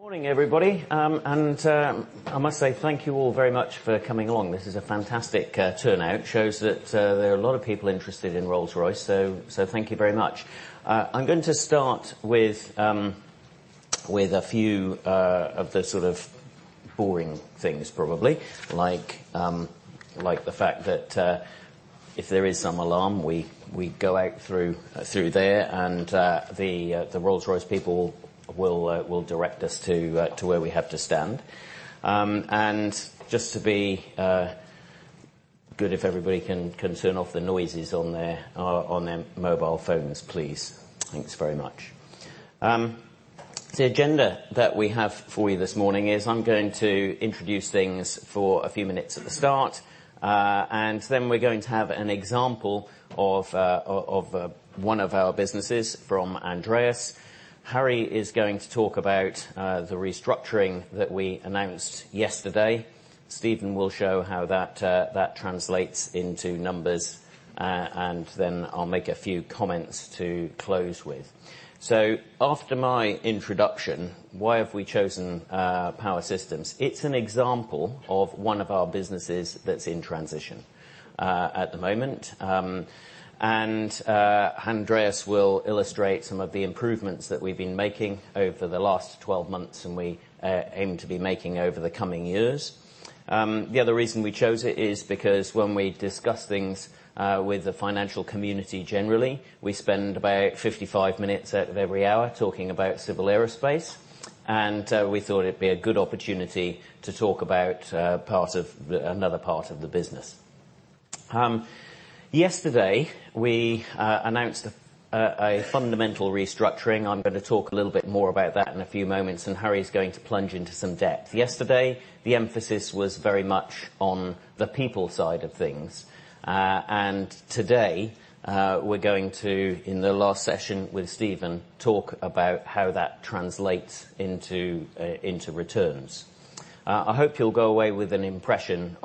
Good morning, everybody. I must say thank you all very much for coming along. This is a fantastic turnout. Shows that there are a lot of people interested in Rolls-Royce. Thank you very much. I'm going to start with a few of the sort of boring things probably, like the fact that if there is some alarm, we go out through there, and the Rolls-Royce people will direct us to where we have to stand. Just to be good, if everybody can turn off the noises on their mobile phones, please. Thanks very much. The agenda that we have for you this morning is I'm going to introduce things for a few minutes at the start. Then we're going to have an example of one of our businesses from Andreas. Harry is going to talk about the restructuring that we announced yesterday. Stephen will show how that translates into numbers. Then I'll make a few comments to close with. After my introduction, why have we chosen Power Systems? It's an example of one of our businesses that's in transition at the moment. Andreas will illustrate some of the improvements that we've been making over the last 12 months and we aim to be making over the coming years. The other reason we chose it is because when we discuss things with the financial community, generally, we spend about 55 minutes out of every hour talking about Civil Aerospace. We thought it'd be a good opportunity to talk about another part of the business. Yesterday, we announced a fundamental restructuring. I'm going to talk a little bit more about that in a few moments. Harry's going to plunge into some depth. Yesterday, the emphasis was very much on the people side of things. Today, we're going to, in the last session with Stephen, talk about how that translates into returns. I hope you'll go away with an impression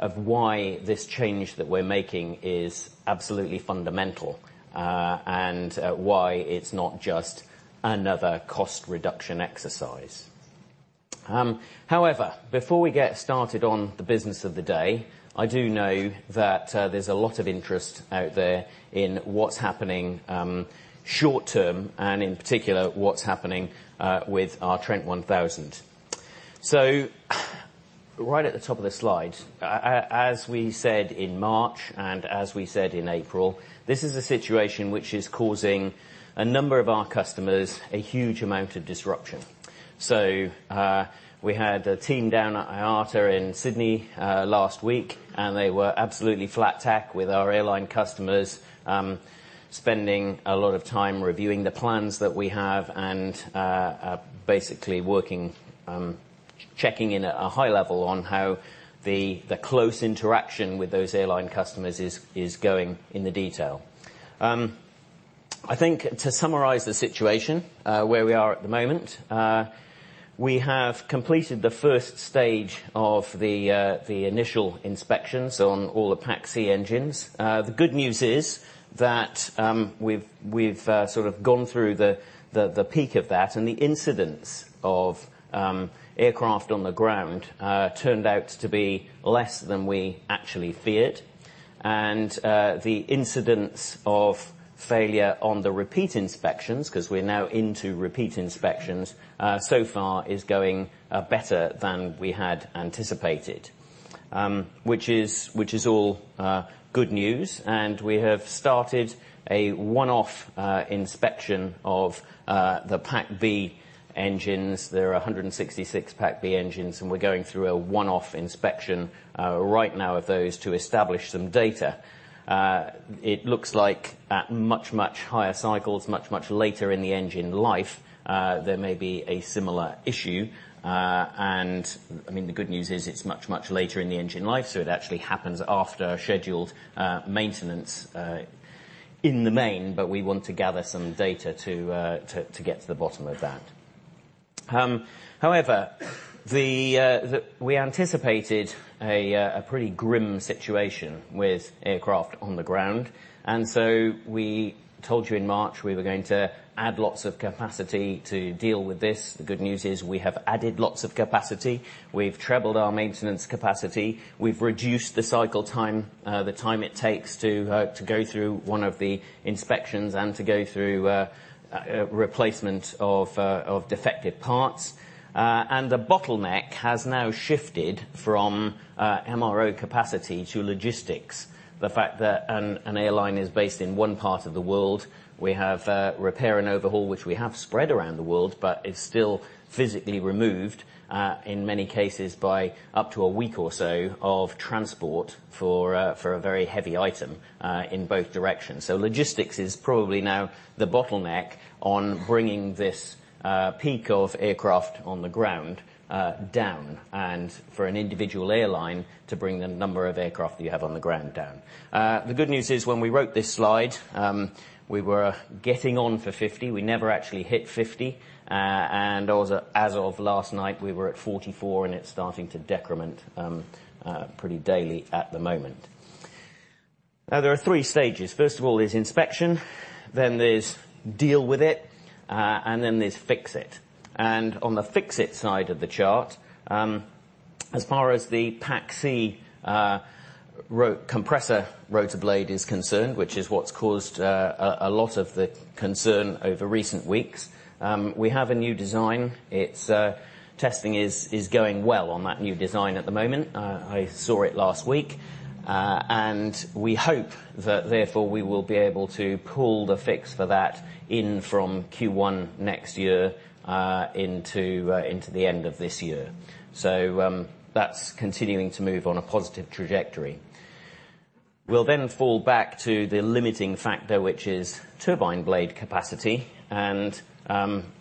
of why this change that we're making is absolutely fundamental, and why it's not just another cost reduction exercise. However, before we get started on the business of the day, I do know that there's a lot of interest out there in what's happening short-term and, in particular, what's happening with our Trent 1000. Right at the top of the slide, as we said in March and as we said in April, this is a situation which is causing a number of our customers a huge amount of disruption. We had a team down at IATA in Sydney last week. They were absolutely flat tack with our airline customers, spending a lot of time reviewing the plans that we have and basically working, checking in a high level on how the close interaction with those airline customers is going in the detail. I think to summarize the situation, where we are at the moment, we have completed the first stage of the initial inspections on all the Package C engines. The good news is that we've sort of gone through the peak of that. The incidents of aircraft on the ground turned out to be less than we actually feared. The incidents of failure on the repeat inspections, because we're now into repeat inspections, so far is going better than we had anticipated, which is all good news. We have started a one-off inspection of the Package B engines. There are 166 Package B engines, and we're going through a one-off inspection right now of those to establish some data. It looks like at much, much higher cycles, much, much later in the engine life, there may be a similar issue. I mean, the good news is it's much, much later in the engine life, so it actually happens after scheduled maintenance in the main, but we want to gather some data to get to the bottom of that. However, we anticipated a pretty grim situation with aircraft on the ground, we told you in March we were going to add lots of capacity to deal with this. The good news is we have added lots of capacity. We've trebled our maintenance capacity. We've reduced the cycle time, the time it takes to go through one of the inspections and to go through replacement of defective parts. The bottleneck has now shifted from MRO capacity to logistics. The fact that an airline is based in one part of the world, we have repair and overhaul, which we have spread around the world, but it's still physically removed, in many cases by up to a week or so of transport for a very heavy item in both directions. Logistics is probably now the bottleneck on bringing this peak of aircraft on the ground down and for an individual airline to bring the number of aircraft you have on the ground down. The good news is when we wrote this slide, we were getting on for 50. We never actually hit 50. As of last night, we were at 44, and it's starting to decrement pretty daily at the moment. Now there are 3 stages. First of all, there's inspection, then there's deal with it, and then there's fix it. On the fix it side of the chart, as far as the Package C compressor rotor blade is concerned, which is what's caused a lot of the concern over recent weeks, we have a new design. Testing is going well on that new design at the moment. I saw it last week. We hope that therefore, we will be able to pull the fix for that in from Q1 next year into the end of this year. That's continuing to move on a positive trajectory. We'll then fall back to the limiting factor, which is turbine blade capacity,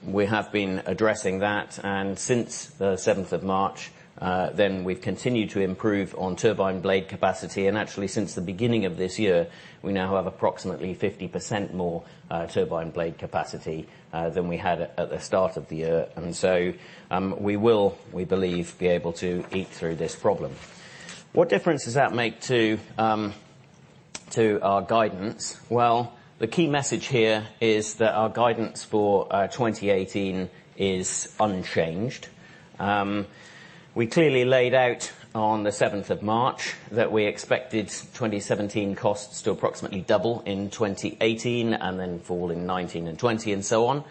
we have been addressing that. Since the 7th of March, then we've continued to improve on turbine blade capacity, and actually, since the beginning of this year, we now have approximately 50% more turbine blade capacity than we had at the start of the year. We will, we believe, be able to eat through this problem. What difference does that make to our guidance? Well, the key message here is that our guidance for 2018 is unchanged. We clearly laid out on the 7th of March that we expected 2017 costs to approximately double in 2018 and then fall in 2019 and 2020 and so on.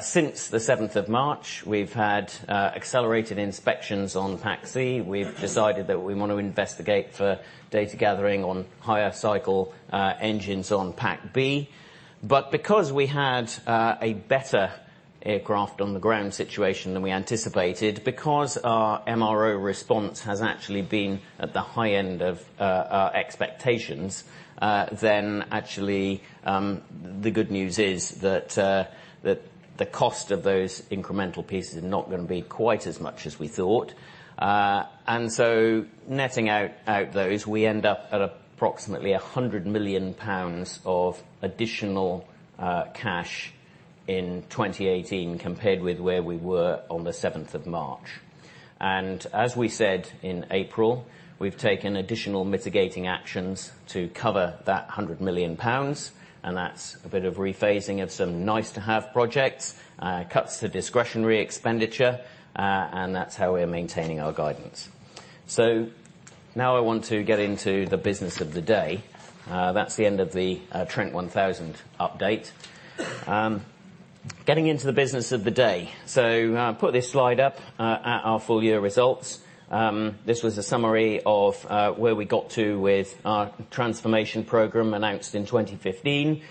Since the 7th of March, we've had accelerated inspections on Package C. We've decided that we want to investigate for data gathering on higher cycle engines on Package B. Because we had a better aircraft on the ground situation than we anticipated, because our MRO response has actually been at the high end of our expectations, then actually, the good news is that the cost of those incremental pieces is not going to be quite as much as we thought. Netting out those, we end up at approximately 100 million pounds of additional cash in 2018 compared with where we were on the 7th of March. As we said in April, we've taken additional mitigating actions to cover that 100 million pounds, and that's a bit of rephasing of some nice-to-have projects, cuts to discretionary expenditure, and that's how we're maintaining our guidance. Now I want to get into the business of the day. That's the end of the Trent 1000 update. Getting into the business of the day. I put this slide up at our full year results. This was a summary of where we got to with our transformation program announced in 2015.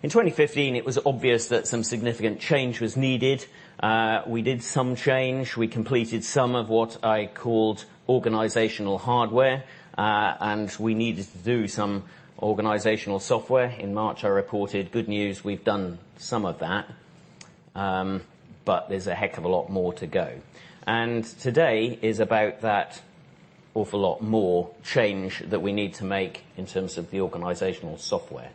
In 2015, it was obvious that some significant change was needed. We did some change. We completed some of what I called organizational hardware, and we needed to do some organizational software. In March, I reported, good news, we've done some of that, but there's a heck of a lot more to go. Today is about that awful lot more change that we need to make in terms of the organizational software.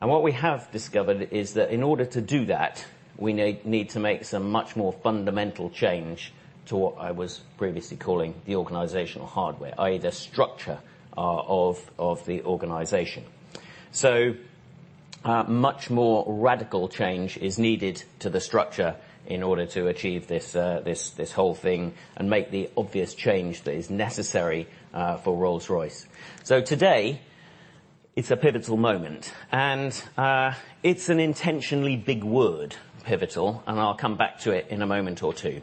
What we have discovered is that in order to do that, we need to make some much more fundamental change to what I was previously calling the organizational hardware, i.e. the structure of the organization. Much more radical change is needed to the structure in order to achieve this whole thing and make the obvious change that is necessary for Rolls-Royce. Today, it's a pivotal moment. It's an intentionally big word, pivotal, and I'll come back to it in a moment or two.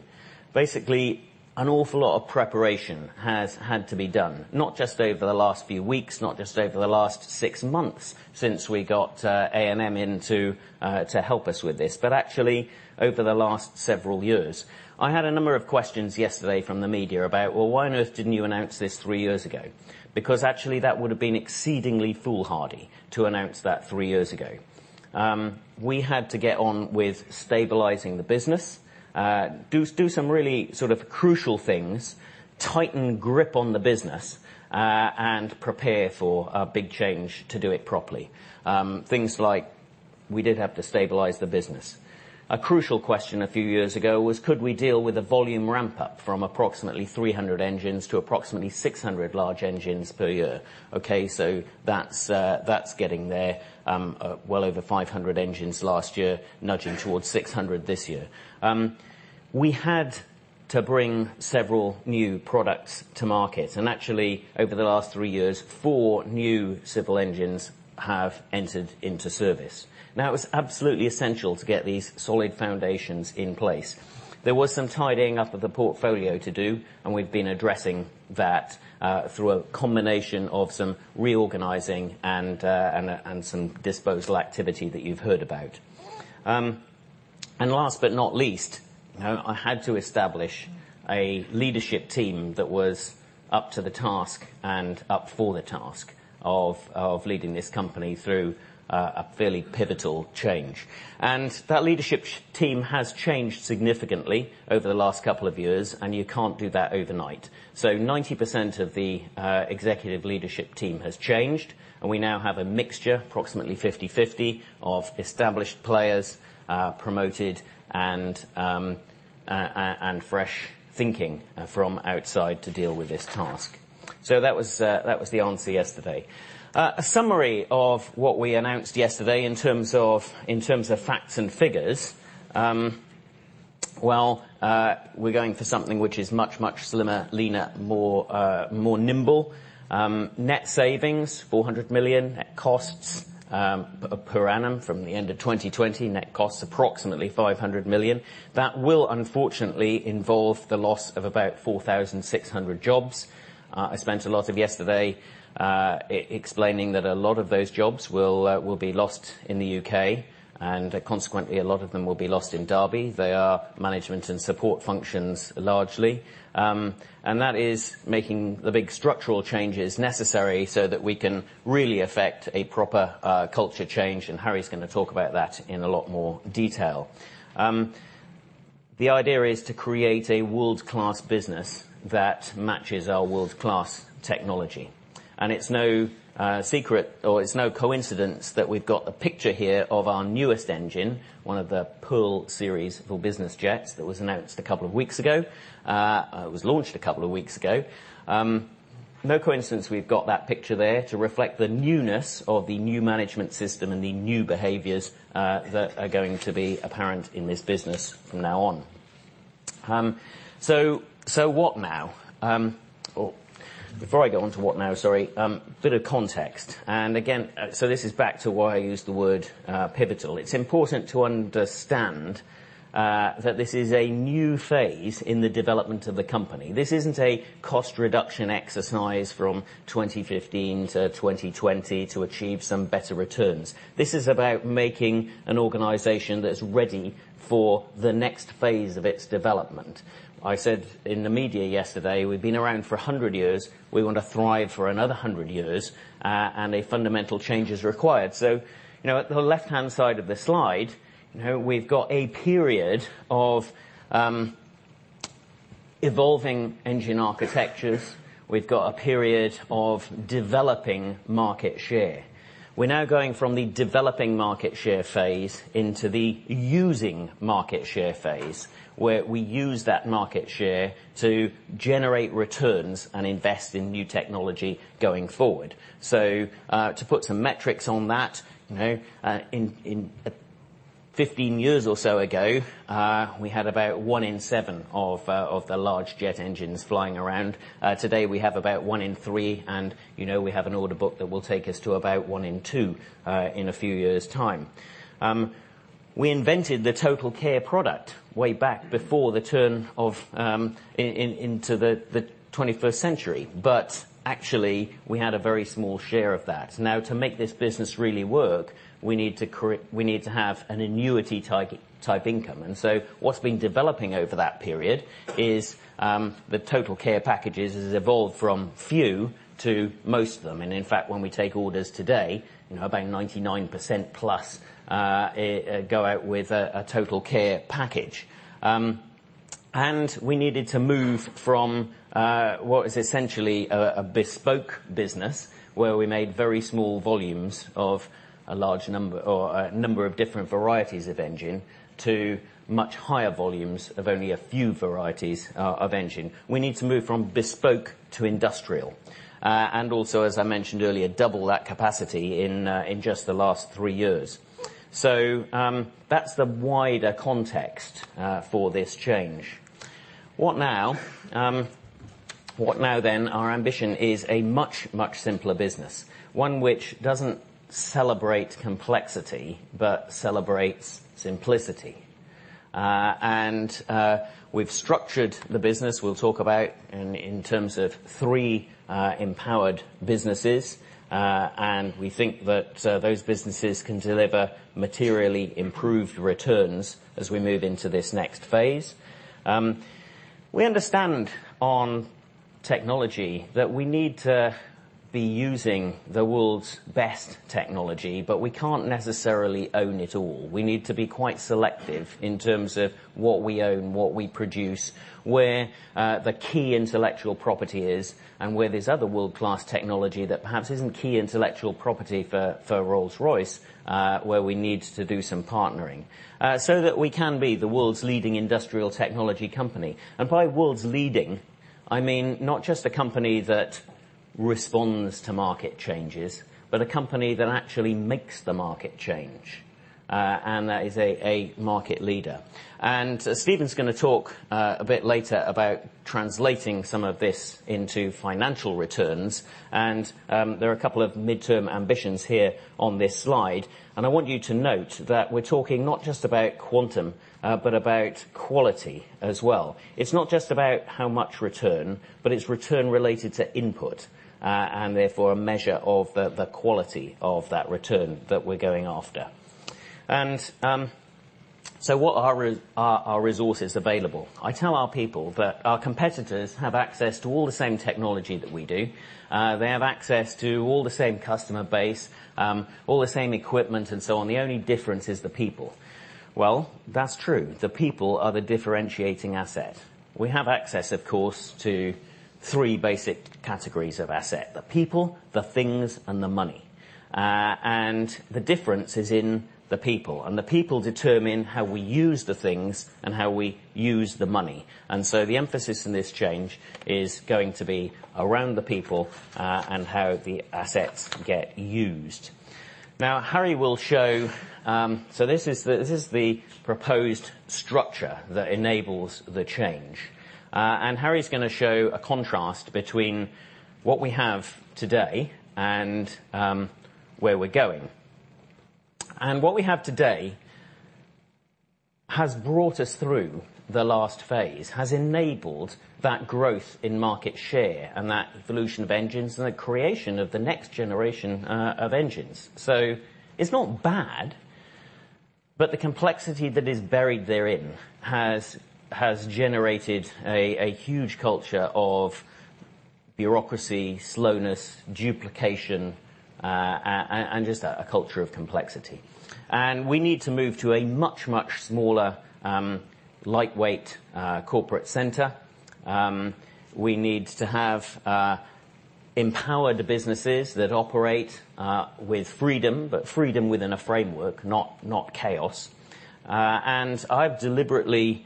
Basically, an awful lot of preparation has had to be done, not just over the last few weeks, not just over the last six months since we got A&M in to help us with this, but actually over the last several years. I had a number of questions yesterday from the media about, "Well, why on earth didn't you announce this three years ago?" Actually, that would've been exceedingly foolhardy to announce that three years ago. We had to get on with stabilizing the business, do some really crucial things, tighten grip on the business, and prepare for a big change to do it properly. Things like we did have to stabilize the business. A crucial question a few years ago was, could we deal with a volume ramp-up from approximately 300 engines to approximately 600 large engines per year? Okay, that's getting there. Well over 500 engines last year, nudging towards 600 this year. We had to bring several new products to market, and actually, over the last three years, four new civil engines have entered into service. It was absolutely essential to get these solid foundations in place. There was some tidying up of the portfolio to do, and we've been addressing that through a combination of some reorganizing and some disposal activity that you've heard about. I had to establish a leadership team that was up to the task and up for the task of leading this company through a fairly pivotal change. That leadership team has changed significantly over the last couple of years, and you can't do that overnight. 90% of the executive leadership team has changed, and we now have a mixture, approximately 50/50, of established players, promoted, and fresh thinking from outside to deal with this task. That was the answer yesterday. A summary of what we announced yesterday in terms of facts and figures. We're going for something which is much, much slimmer, leaner, more nimble. Net savings, 400 million. Net costs per annum from the end of 2020, net costs, approximately 500 million. That will, unfortunately, involve the loss of about 4,600 jobs. I spent a lot of yesterday explaining that a lot of those jobs will be lost in the U.K., and consequently, a lot of them will be lost in Derby. They are management and support functions, largely. That is making the big structural changes necessary so that we can really affect a proper culture change, and Harry's going to talk about that in a lot more detail. The idea is to create a world-class business that matches our world-class technology. It's no secret or it's no coincidence that we've got a picture here of our newest engine, one of the Pearl Series for business jets that was announced a couple of weeks ago. It was launched a couple of weeks ago. No coincidence we've got that picture there to reflect the newness of the new management system and the new behaviors that are going to be apparent in this business from now on. So, what now? Before I go onto what now, a bit of context. Again, this is back to why I used the word pivotal. It's important to understand that this is a new phase in the development of the company. This isn't a cost-reduction exercise from 2015 to 2020 to achieve some better returns. This is about making an organization that's ready for the next phase of its development. I said in the media yesterday, we've been around for 100 years, we want to thrive for another 100 years, and a fundamental change is required. So, at the left-hand side of the slide, we've got a period of evolving engine architectures. We've got a period of developing market share. We're now going from the developing market share phase into the using market share phase, where we use that market share to generate returns and invest in new technology going forward. So, to put some metrics on that, 15 years or so ago, we had about one in seven of the large jet engines flying around. Today, we have about one in three, and we have an order book that will take us to about one in two in a few years' time. We invented the TotalCare product way back before the turn into the 21st century, but actually, we had a very small share of that. Now, to make this business really work, we need to have an annuity-type income. What's been developing over that period is the TotalCare packages has evolved from few to most of them. In fact, when we take orders today, about 99%-plus go out with a TotalCare package. We needed to move from what was essentially a bespoke business, where we made very small volumes of a number of different varieties of engine, to much higher volumes of only a few varieties of engine. We need to move from bespoke to industrial. Also, as I mentioned earlier, double that capacity in just the last three years. That's the wider context for this change. What now? What now? Our ambition is a much, much simpler business. One which doesn't celebrate complexity, but celebrates simplicity. We've structured the business, we'll talk about in terms of three empowered businesses. We think that those businesses can deliver materially improved returns as we move into this next phase. We understand on technology that we need to be using the world's best technology, but we can't necessarily own it all. We need to be quite selective in terms of what we own, what we produce, where the key intellectual property is, and where there's other world-class technology that perhaps isn't key intellectual property for Rolls-Royce, where we need to do some partnering. That we can be the world's leading industrial technology company. By world's leading, I mean not just a company that responds to market changes, but a company that actually makes the market change. That is a market leader. Stephen's going to talk a bit later about translating some of this into financial returns, and there are a couple of midterm ambitions here on this slide. I want you to note that we're talking not just about quantum, but about quality as well. It's not just about how much return, but it's return related to input, and therefore a measure of the quality of that return that we're going after. What are our resources available? I tell our people that our competitors have access to all the same technology that we do. They have access to all the same customer base, all the same equipment and so on. The only difference is the people. Well, that's true. The people are the differentiating asset. We have access, of course, to three basic categories of asset, the people, the things, and the money. The difference is in the people, and the people determine how we use the things and how we use the money. The emphasis in this change is going to be around the people, and how the assets get used. Now, Harry will show this is the proposed structure that enables the change. Harry's going to show a contrast between what we have today and where we're going. What we have today has brought us through the last phase, has enabled that growth in market share and that evolution of engines and the creation of the next generation of engines. It's not bad, but the complexity that is buried therein has generated a huge culture of bureaucracy, slowness, duplication, and just a culture of complexity. We need to move to a much, much smaller, lightweight corporate center. We need to have empowered businesses that operate with freedom, but freedom within a framework, not chaos. I've deliberately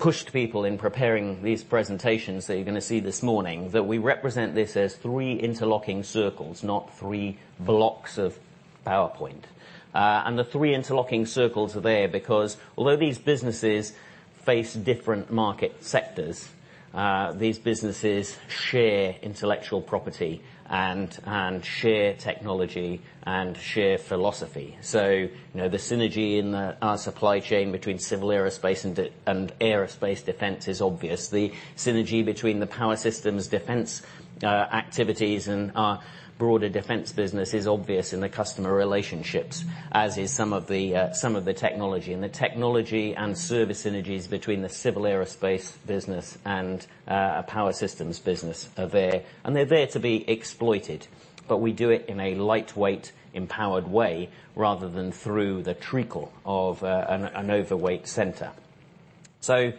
pushed people in preparing these presentations that you're going to see this morning, that we represent this as three interlocking circles, not three blocks of PowerPoint. The three interlocking circles are there because although these businesses face different market sectors, these businesses share intellectual property and share technology and share philosophy. The synergy in our supply chain between Civil Aerospace and Aerospace Defence is obvious. The synergy between the Power Systems Defence activities and our broader Defence business is obvious in the customer relationships, as is some of the technology. The technology and service synergies between the Civil Aerospace business and Power Systems business are there, and they're there to be exploited. We do it in a lightweight, empowered way rather than through the treacle of an overweight center. We're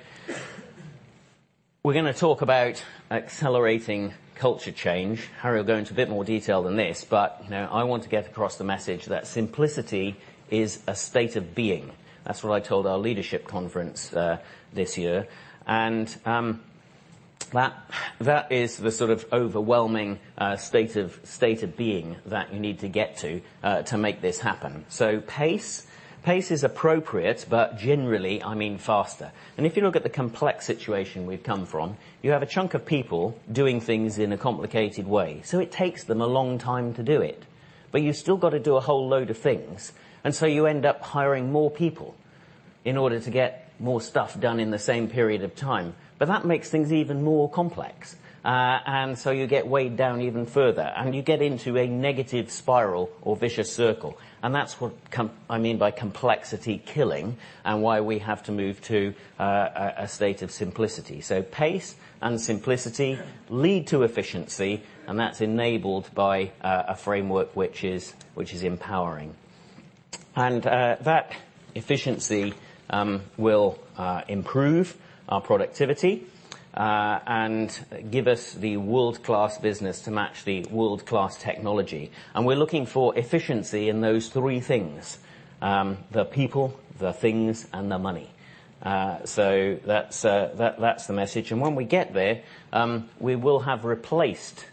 going to talk about accelerating culture change. Harry will go into a bit more detail than this, I want to get across the message that simplicity is a state of being. That's what I told our leadership conference this year. That is the sort of overwhelming state of being that you need to get to to make this happen. Pace. Pace is appropriate, but generally, I mean faster. If you look at the complex situation we've come from, you have a chunk of people doing things in a complicated way, so it takes them a long time to do it. You still got to do a whole load of things, you end up hiring more people in order to get more stuff done in the same period of time. That makes things even more complex. You get weighed down even further, you get into a negative spiral or vicious circle. That's what I mean by complexity killing and why we have to move to a state of simplicity. Pace and simplicity lead to efficiency, that's enabled by a framework which is empowering. That efficiency will improve our productivity and give us the world-class business to match the world-class technology. We're looking for efficiency in those three things: the people, the things, and the money. That's the message. When we get there, we will have replaced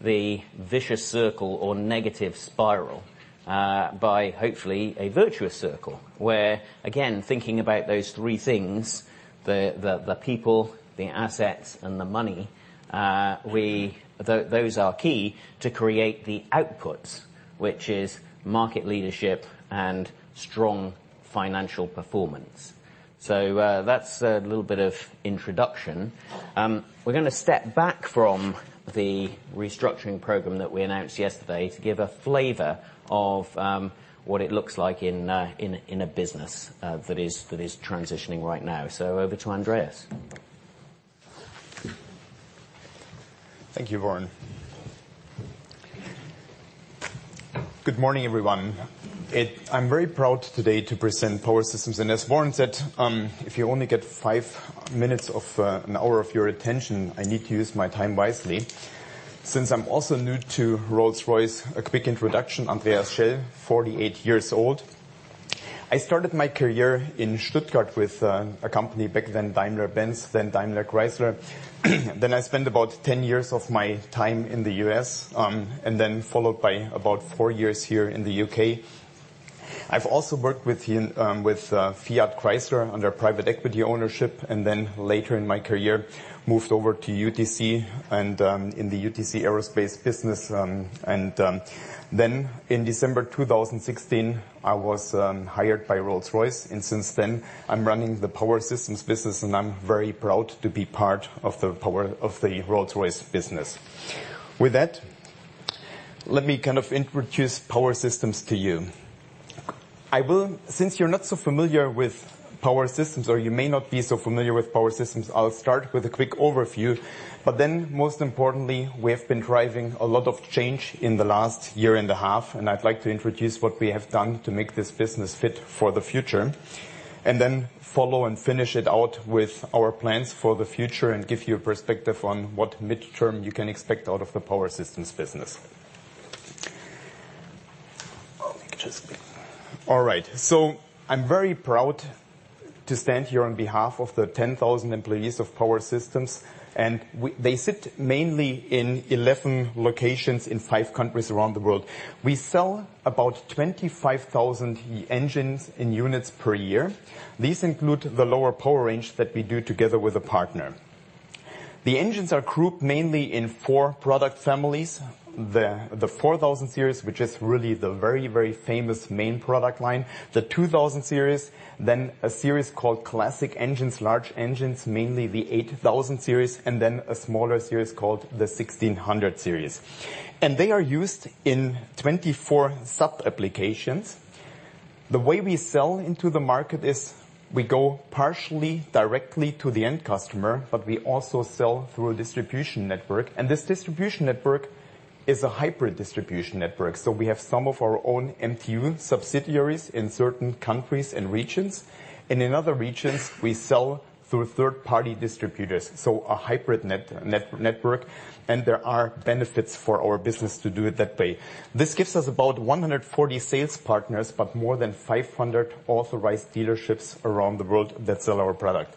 the vicious circle or negative spiral by, hopefully, a virtuous circle, where, again, thinking about those three things, the people, the assets, and the money, those are key to create the outputs, which is market leadership and strong financial performance. That's a little bit of introduction. We're going to step back from the restructuring program that we announced yesterday to give a flavor of what it looks like in a business that is transitioning right now. Over to Andreas. Thank you, Warren. Good morning, everyone. I'm very proud today to present Power Systems. As Warren said, if you only get 5 minutes of 1 hour of your attention, I need to use my time wisely. Since I'm also new to Rolls-Royce, a quick introduction, Andreas Schell, 48 years old. I started my career in Stuttgart with a company, back then, Daimler-Benz, then DaimlerChrysler. I spent about 10 years of my time in the U.S., and then followed by about 4 years here in the U.K. I've also worked with Fiat Chrysler under private equity ownership, and then later in my career, moved over to UTC and in the UTC Aerospace business. In December 2016, I was hired by Rolls-Royce, and since then, I'm running the Power Systems business, and I'm very proud to be part of the Rolls-Royce business. With that, let me kind of introduce Power Systems to you. Since you're not so familiar with Power Systems, or you may not be so familiar with Power Systems, I'll start with a quick overview. Most importantly, we have been driving a lot of change in the last year and a half, and I'd like to introduce what we have done to make this business fit for the future, and then follow and finish it out with our plans for the future and give you a perspective on what midterm you can expect out of the Power Systems business. All right. I'm very proud to stand here on behalf of the 10,000 employees of Power Systems, and they sit mainly in 11 locations in 5 countries around the world. We sell about 25,000 engines in units per year. These include the lower power range that we do together with a partner. The engines are grouped mainly in 4 product families. The Series 4000, which is really the very, very famous main product line, the Series 2000, a series called Classic Engines, large engines, mainly the Series 8000, and then a smaller series called the MTU Series 1600. They are used in 24 sub-applications. The way we sell into the market is we go partially directly to the end customer, we also sell through a distribution network, and this distribution network is a hybrid distribution network. We have some of our own MTU subsidiaries in certain countries and regions, and in other regions, we sell through third-party distributors, so a hybrid network, and there are benefits for our business to do it that way. This gives us about 140 sales partners, more than 500 authorized dealerships around the world that sell our product.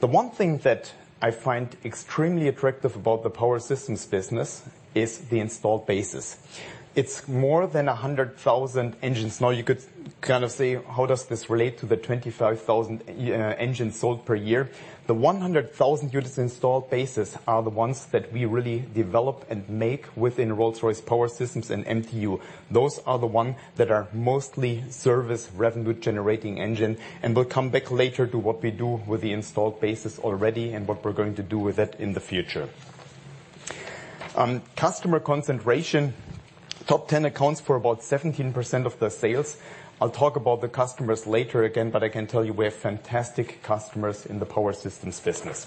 The one thing that I find extremely attractive about the Power Systems business is the installed bases. It's more than 100,000 engines. You could kind of say, how does this relate to the 25,000 engines sold per year? The 100,000 units installed bases are the ones that we really develop and make within Rolls-Royce Power Systems and MTU. Those are the ones that are mostly service revenue generating engine, and we'll come back later to what we do with the installed bases already and what we're going to do with it in the future. Customer concentration, top 10 accounts for about 17% of the sales. I'll talk about the customers later again, I can tell you we have fantastic customers in the Power Systems business.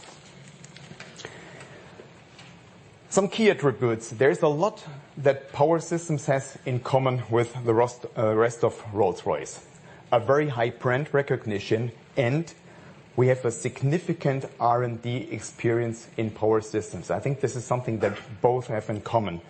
Some key attributes. There is a lot that Power Systems has in common with the rest of Rolls-Royce. A very high brand recognition, and we have a significant R&D experience in Power Systems. I think this is something that both have in common.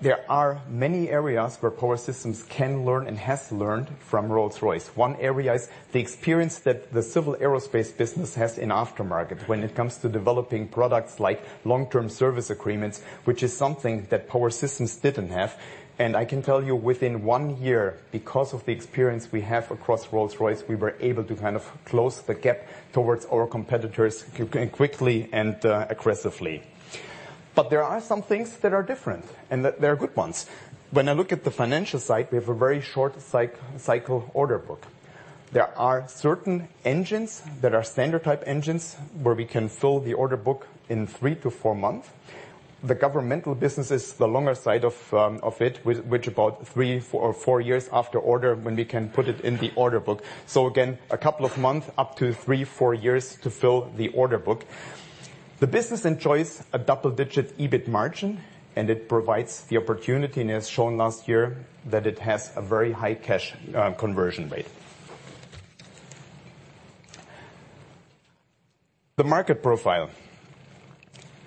There are many areas where Power Systems can learn and has learned from Rolls-Royce. One area is the experience that the Civil Aerospace business has in aftermarket when it comes to developing products like long-term service agreements, which is something that Power Systems didn't have. And I can tell you within one year, because of the experience we have across Rolls-Royce, we were able to kind of close the gap towards our competitors quickly and aggressively. There are some things that are different, and they are good ones. When I look at the financial side, we have a very short cycle order book. There are certain engines that are standard type engines where we can fill the order book in 3 to 4 months. The governmental business is the longer side of it, which about 3 or 4 years after order when we can put it in the order book. Again, a couple of months, up to 3, 4 years to fill the order book. The business enjoys a double-digit EBIT margin, and it provides the opportunity, and as shown last year, that it has a very high cash conversion rate. The market profile.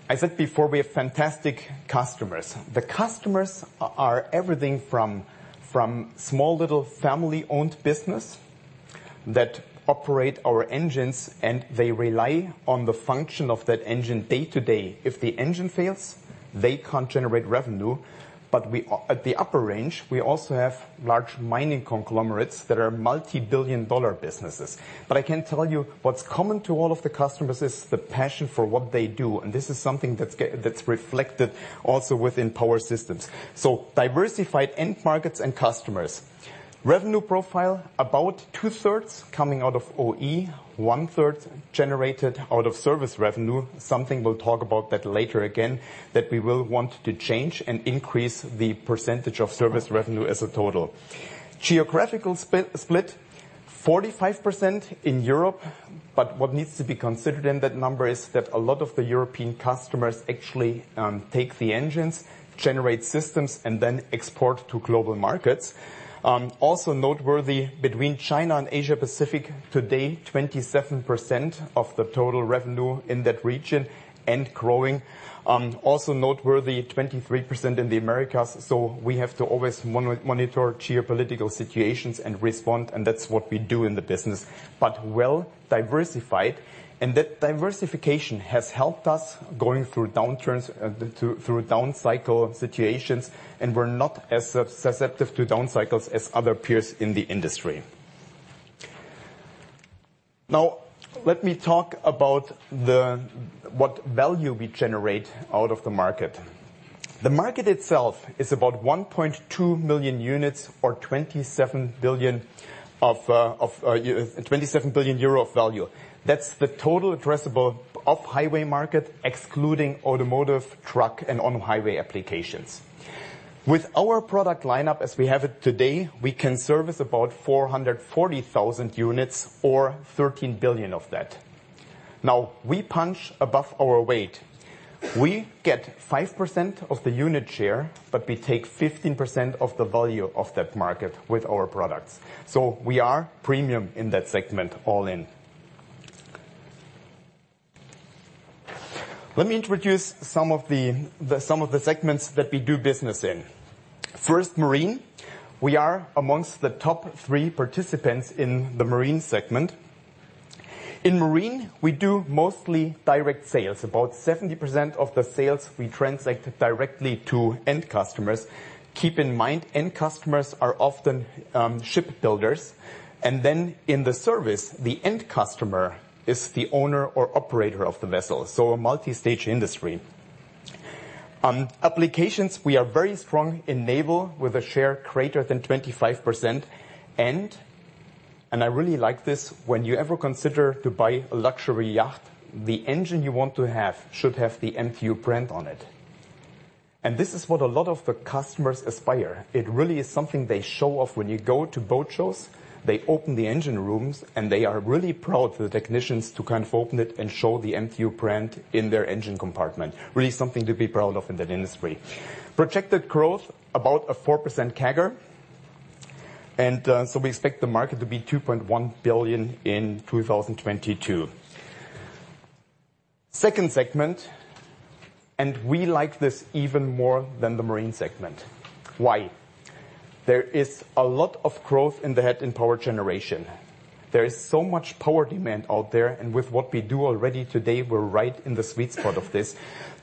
I said before, we have fantastic customers. The customers are everything from small little family-owned business that operate our engines, and they rely on the function of that engine day to day. If the engine fails, they can't generate revenue. But at the upper range, we also have large mining conglomerates that are multi-billion dollar businesses. I can tell you what's common to all of the customers is the passion for what they do, and this is something that's reflected also within Power Systems. Diversified end markets and customers. Revenue profile, about 2/3 coming out of OE, 1/3 generated out of service revenue. Something we'll talk about that later again, that we will want to change and increase the percentage of service revenue as a total. Geographical split, 45% in Europe, but what needs to be considered in that number is that a lot of the European customers actually take the engines, generate systems, and then export to global markets. Noteworthy, between China and Asia Pacific, today, 27% of the total revenue in that region and growing. Noteworthy, 23% in the Americas, so we have to always monitor geopolitical situations and respond, and that's what we do in the business. Well-diversified, and that diversification has helped us going through downturns, through down-cycle situations, and we're not as susceptible to down-cycles as other peers in the industry. Let me talk about what value we generate out of the market. The market itself is about 1.2 million units or €27 billion of value. That's the total addressable off-highway market, excluding automotive, truck, and on-highway applications. With our product line-up as we have it today, we can service about 440,000 units or 13 billion of that. We punch above our weight. We get 5% of the unit share, but we take 15% of the value of that market with our products. We are premium in that segment all in. Let me introduce some of the segments that we do business in. First, Marine. We are amongst the top three participants in the Marine segment. In Marine, we do mostly direct sales. About 70% of the sales we translate directly to end customers. Keep in mind, end customers are often ship builders. In the service, the end customer is the owner or operator of the vessel, so a multi-stage industry. On applications, we are very strong in naval with a share greater than 25%. I really like this, when you ever consider to buy a luxury yacht, the engine you want to have should have the MTU brand on it. This is what a lot of the customers aspire. It really is something they show off when you go to boat shows. They open the engine rooms, they are really proud for the technicians to open it and show the MTU brand in their engine compartment. Really something to be proud of in that industry. Projected growth, about a 4% CAGR. We expect the market to be 2.1 billion in 2022. Second segment, we like this even more than the marine segment. Why? There is a lot of growth in the head in power generation. There is so much power demand out there, with what we do already today, we're right in the sweet spot of this.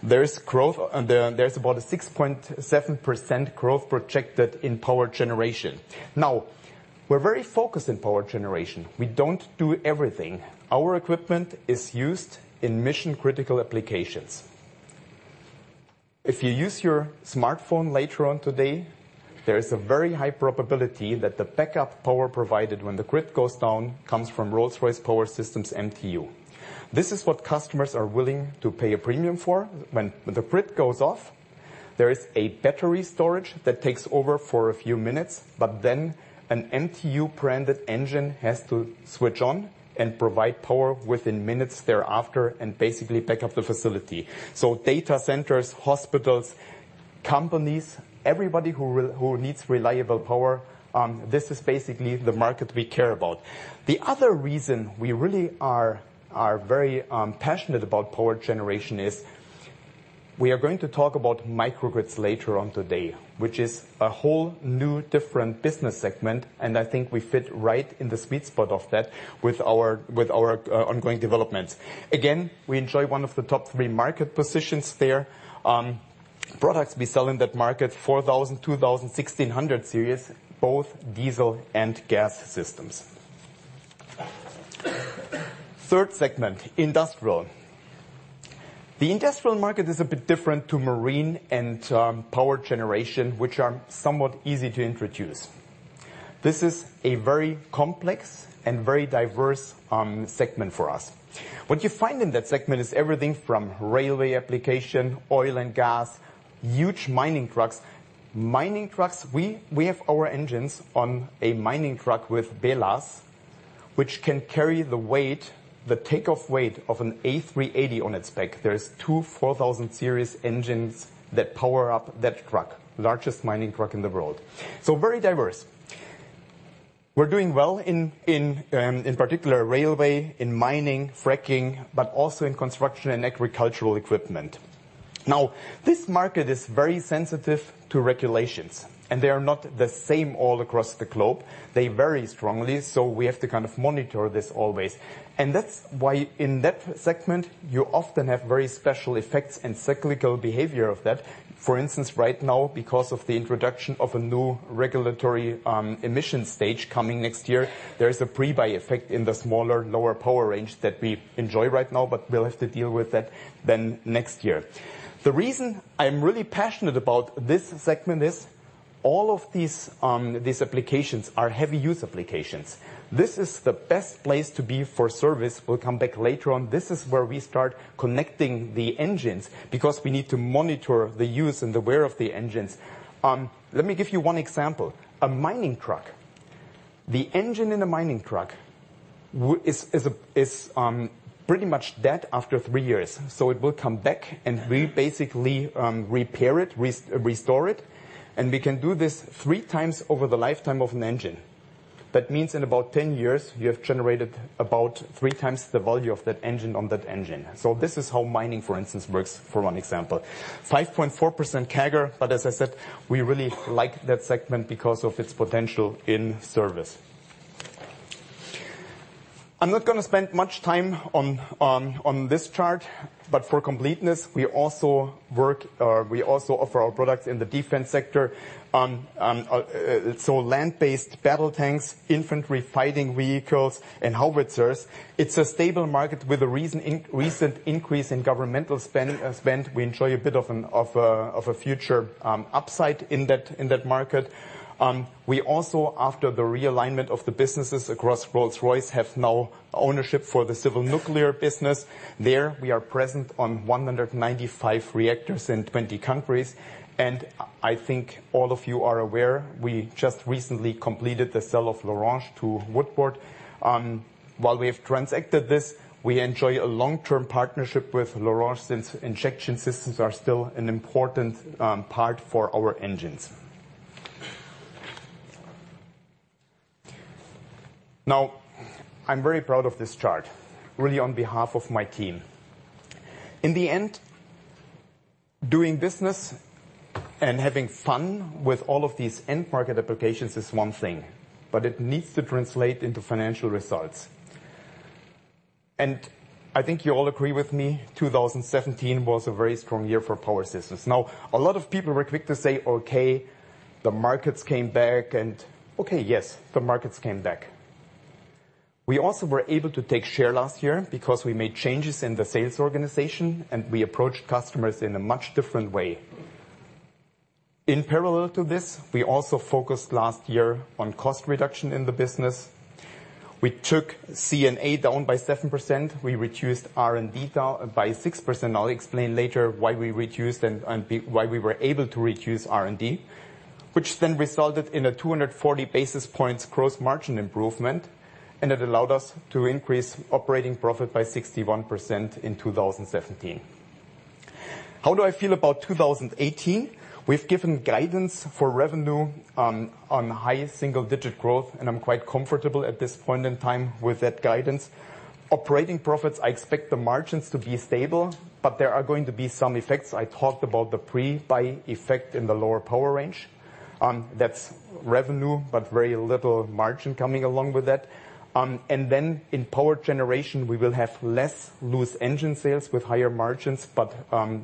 There is growth, there's about a 6.7% growth projected in power generation. We're very focused in power generation. We don't do everything. Our equipment is used in mission-critical applications. If you use your smartphone later on today, there is a very high probability that the backup power provided when the grid goes down comes from Rolls-Royce Power Systems MTU. This is what customers are willing to pay a premium for. When the grid goes off, there is a battery storage that takes over for a few minutes, an MTU branded engine has to switch on and provide power within minutes thereafter and basically back up the facility. Data centers, hospitals, companies, everybody who needs reliable power, this is basically the market we care about. The other reason we really are very passionate about power generation is we are going to talk about microgrids later on today, which is a whole new different business segment, I think we fit right in the sweet spot of that with our ongoing developments. We enjoy one of the top three market positions there. Products we sell in that market, 4000, 2000, 1600 Series, both diesel and gas systems. Third segment, industrial. The industrial market is a bit different to marine and power generation, which are somewhat easy to introduce. This is a very complex and very diverse segment for us. What you find in that segment is everything from railway application, oil and gas, huge mining trucks. Mining trucks, we have our engines on a mining truck with BelAZ, which can carry the weight, the takeoff weight of an Airbus A380 on its back. There is 2 4000 Series engines that power up that truck, largest mining truck in the world. Very diverse. We're doing well in particular railway, in mining, fracking, but also in construction and agricultural equipment. This market is very sensitive to regulations, they are not the same all across the globe. They vary strongly, we have to kind of monitor this always. That's why in that segment, you often have very special effects and cyclical behavior of that. For instance, right now, because of the introduction of a new regulatory emission stage coming next year, there is a pre-buy effect in the smaller, lower power range that we enjoy right now, but we'll have to deal with that then next year. The reason I'm really passionate about this segment is all of these applications are heavy use applications. This is the best place to be for service. We'll come back later on. This is where we start connecting the engines because we need to monitor the use and the wear of the engines. Let me give you one example. A mining truck. The engine in a mining truck is pretty much dead after three years. It will come back, and we basically repair it, restore it, and we can do this three times over the lifetime of an engine. That means in about 10 years, you have generated about three times the value of that engine on that engine. This is how mining, for instance, works for one example. 5.4% CAGR, as I said, we really like that segment because of its potential in service. I'm not going to spend much time on this chart, for completeness, we also work or we also offer our products in the defense sector. Land-based battle tanks, infantry fighting vehicles, and howitzers. It's a stable market with a recent increase in governmental spend. We enjoy a bit of a future upside in that market. We also, after the realignment of the businesses across Rolls-Royce, have now ownership for the civil nuclear business. There, we are present on 195 reactors in 20 countries. I think all of you are aware, we just recently completed the sale of L'Orange to Woodward. While we have transacted this, we enjoy a long-term partnership with L'Orange since injection systems are still an important part for our engines. I'm very proud of this chart, really on behalf of my team. In the end, doing business and having fun with all of these end market applications is one thing, it needs to translate into financial results. I think you all agree with me, 2017 was a very strong year for Power Systems. A lot of people were quick to say, "Okay, the markets came back," the markets came back. We also were able to take share last year because we made changes in the sales organization and we approached customers in a much different way. In parallel to this, we also focused last year on cost reduction in the business. We took C&A down by 7%. We reduced R&D by 6%. I'll explain later why we reduced and why we were able to reduce R&D, which then resulted in a 240 basis points gross margin improvement and it allowed us to increase operating profit by 61% in 2017. How do I feel about 2018? We've given guidance for revenue on highest single-digit growth I'm quite comfortable at this point in time with that guidance. Operating profits, I expect the margins to be stable, there are going to be some effects. I talked about the pre-buy effect in the lower power range. That's revenue, very little margin coming along with that. In power generation, we will have less loose engine sales with higher margins, but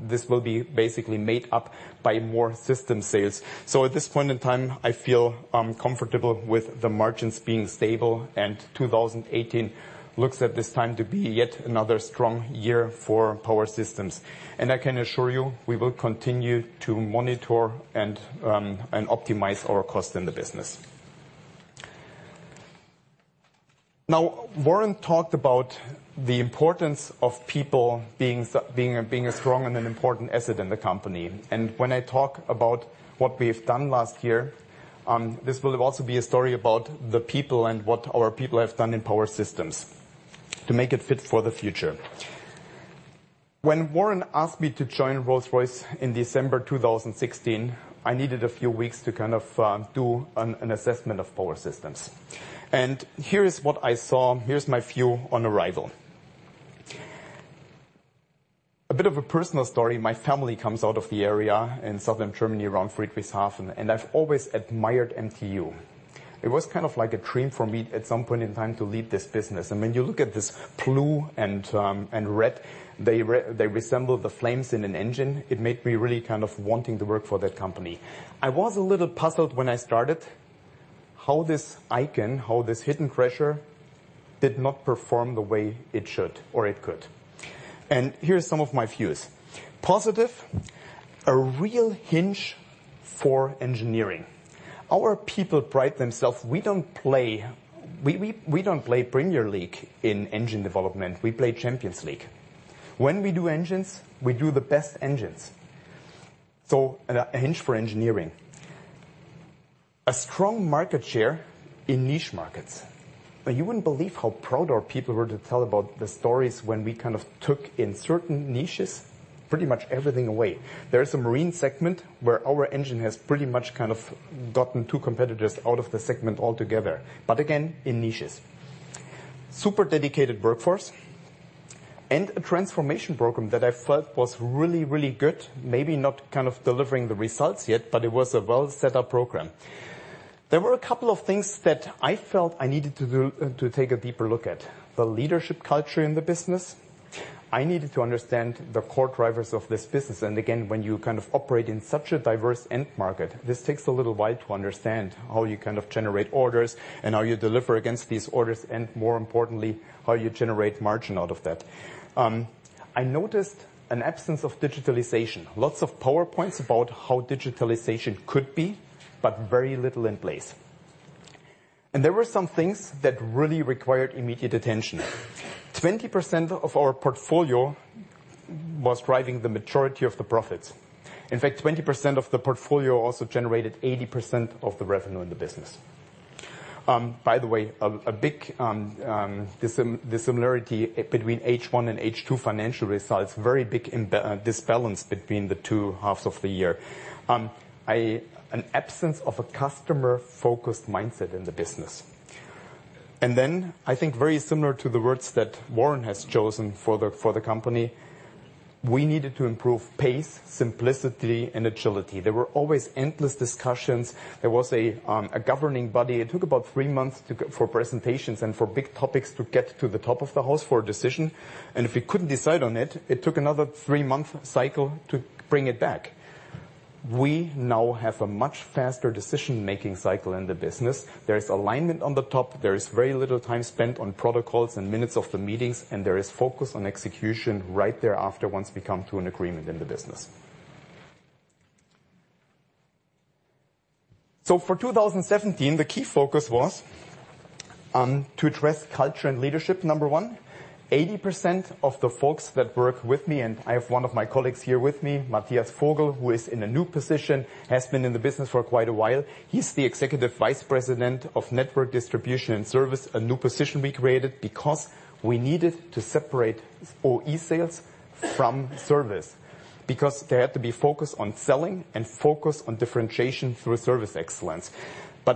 this will be basically made up by more system sales. At this point in time, I feel comfortable with the margins being stable, and 2018 looks at this time to be yet another strong year for Power Systems. I can assure you, we will continue to monitor and optimize our cost in the business. Warren talked about the importance of people being a strong and an important asset in the company. When I talk about what we've done last year, this will also be a story about the people and what our people have done in Power Systems to make it fit for the future. When Warren asked me to join Rolls-Royce in December 2016, I needed a few weeks to kind of do an assessment of Power Systems. Here is what I saw. Here's my view on arrival. A bit of a personal story. My family comes out of the area in Southern Germany around Friedrichshafen, I've always admired MTU. It was kind of like a dream for me at some point in time to lead this business. When you look at this blue and red, they resemble the flames in an engine. It made me really kind of wanting to work for that company. I was a little puzzled when I started how this icon, how this hidden treasure did not perform the way it should or it could. Here are some of my views. Positive, a real hinge for engineering. Our people pride themselves. We don't play Premier League in engine development. We play Champions League. When we do engines, we do the best engines. A hinge for engineering. A strong market share in niche markets. You wouldn't believe how proud our people were to tell about the stories when we kind of took in certain niches, pretty much everything away. There is a marine segment where our engine has pretty much kind of gotten two competitors out of the segment altogether. Again, in niches. Super dedicated workforce and a transformation program that I felt was really, really good, maybe not kind of delivering the results yet, but it was a well set up program. There were a couple of things that I felt I needed to take a deeper look at. The leadership culture in the business. I needed to understand the core drivers of this business. Again, when you kind of operate in such a diverse end market, this takes a little while to understand how you kind of generate orders and how you deliver against these orders, and more importantly, how you generate margin out of that. I noticed an absence of digitalization. Lots of PowerPoints about how digitalization could be, but very little in place. There were some things that really required immediate attention. 20% of our portfolio was driving the majority of the profits. In fact, 20% of the portfolio also generated 80% of the revenue in the business. By the way, a big dissimilarity between H1 and H2 financial results, very big disbalance between the two halves of the year. An absence of a customer-focused mindset in the business. I think very similar to the words that Warren has chosen for the company, we needed to improve pace, simplicity, and agility. There were always endless discussions. There was a governing body. It took about 3 months for presentations and for big topics to get to the top of the house for a decision. If we couldn't decide on it took another 3-month cycle to bring it back. We now have a much faster decision-making cycle in the business. There is alignment on the top. There is very little time spent on protocols and minutes of the meetings, and there is focus on execution right thereafter once we come to an agreement in the business. For 2017, the key focus was to address culture and leadership, number 1. 80% of the folks that work with me, and I have one of my colleagues here with me, Matthias Vogel, who is in a new position, has been in the business for quite a while. He's the Executive Vice President of Network Distribution and Service, a new position we created because we needed to separate OE sales from service because they had to be focused on selling and focused on differentiation through service excellence.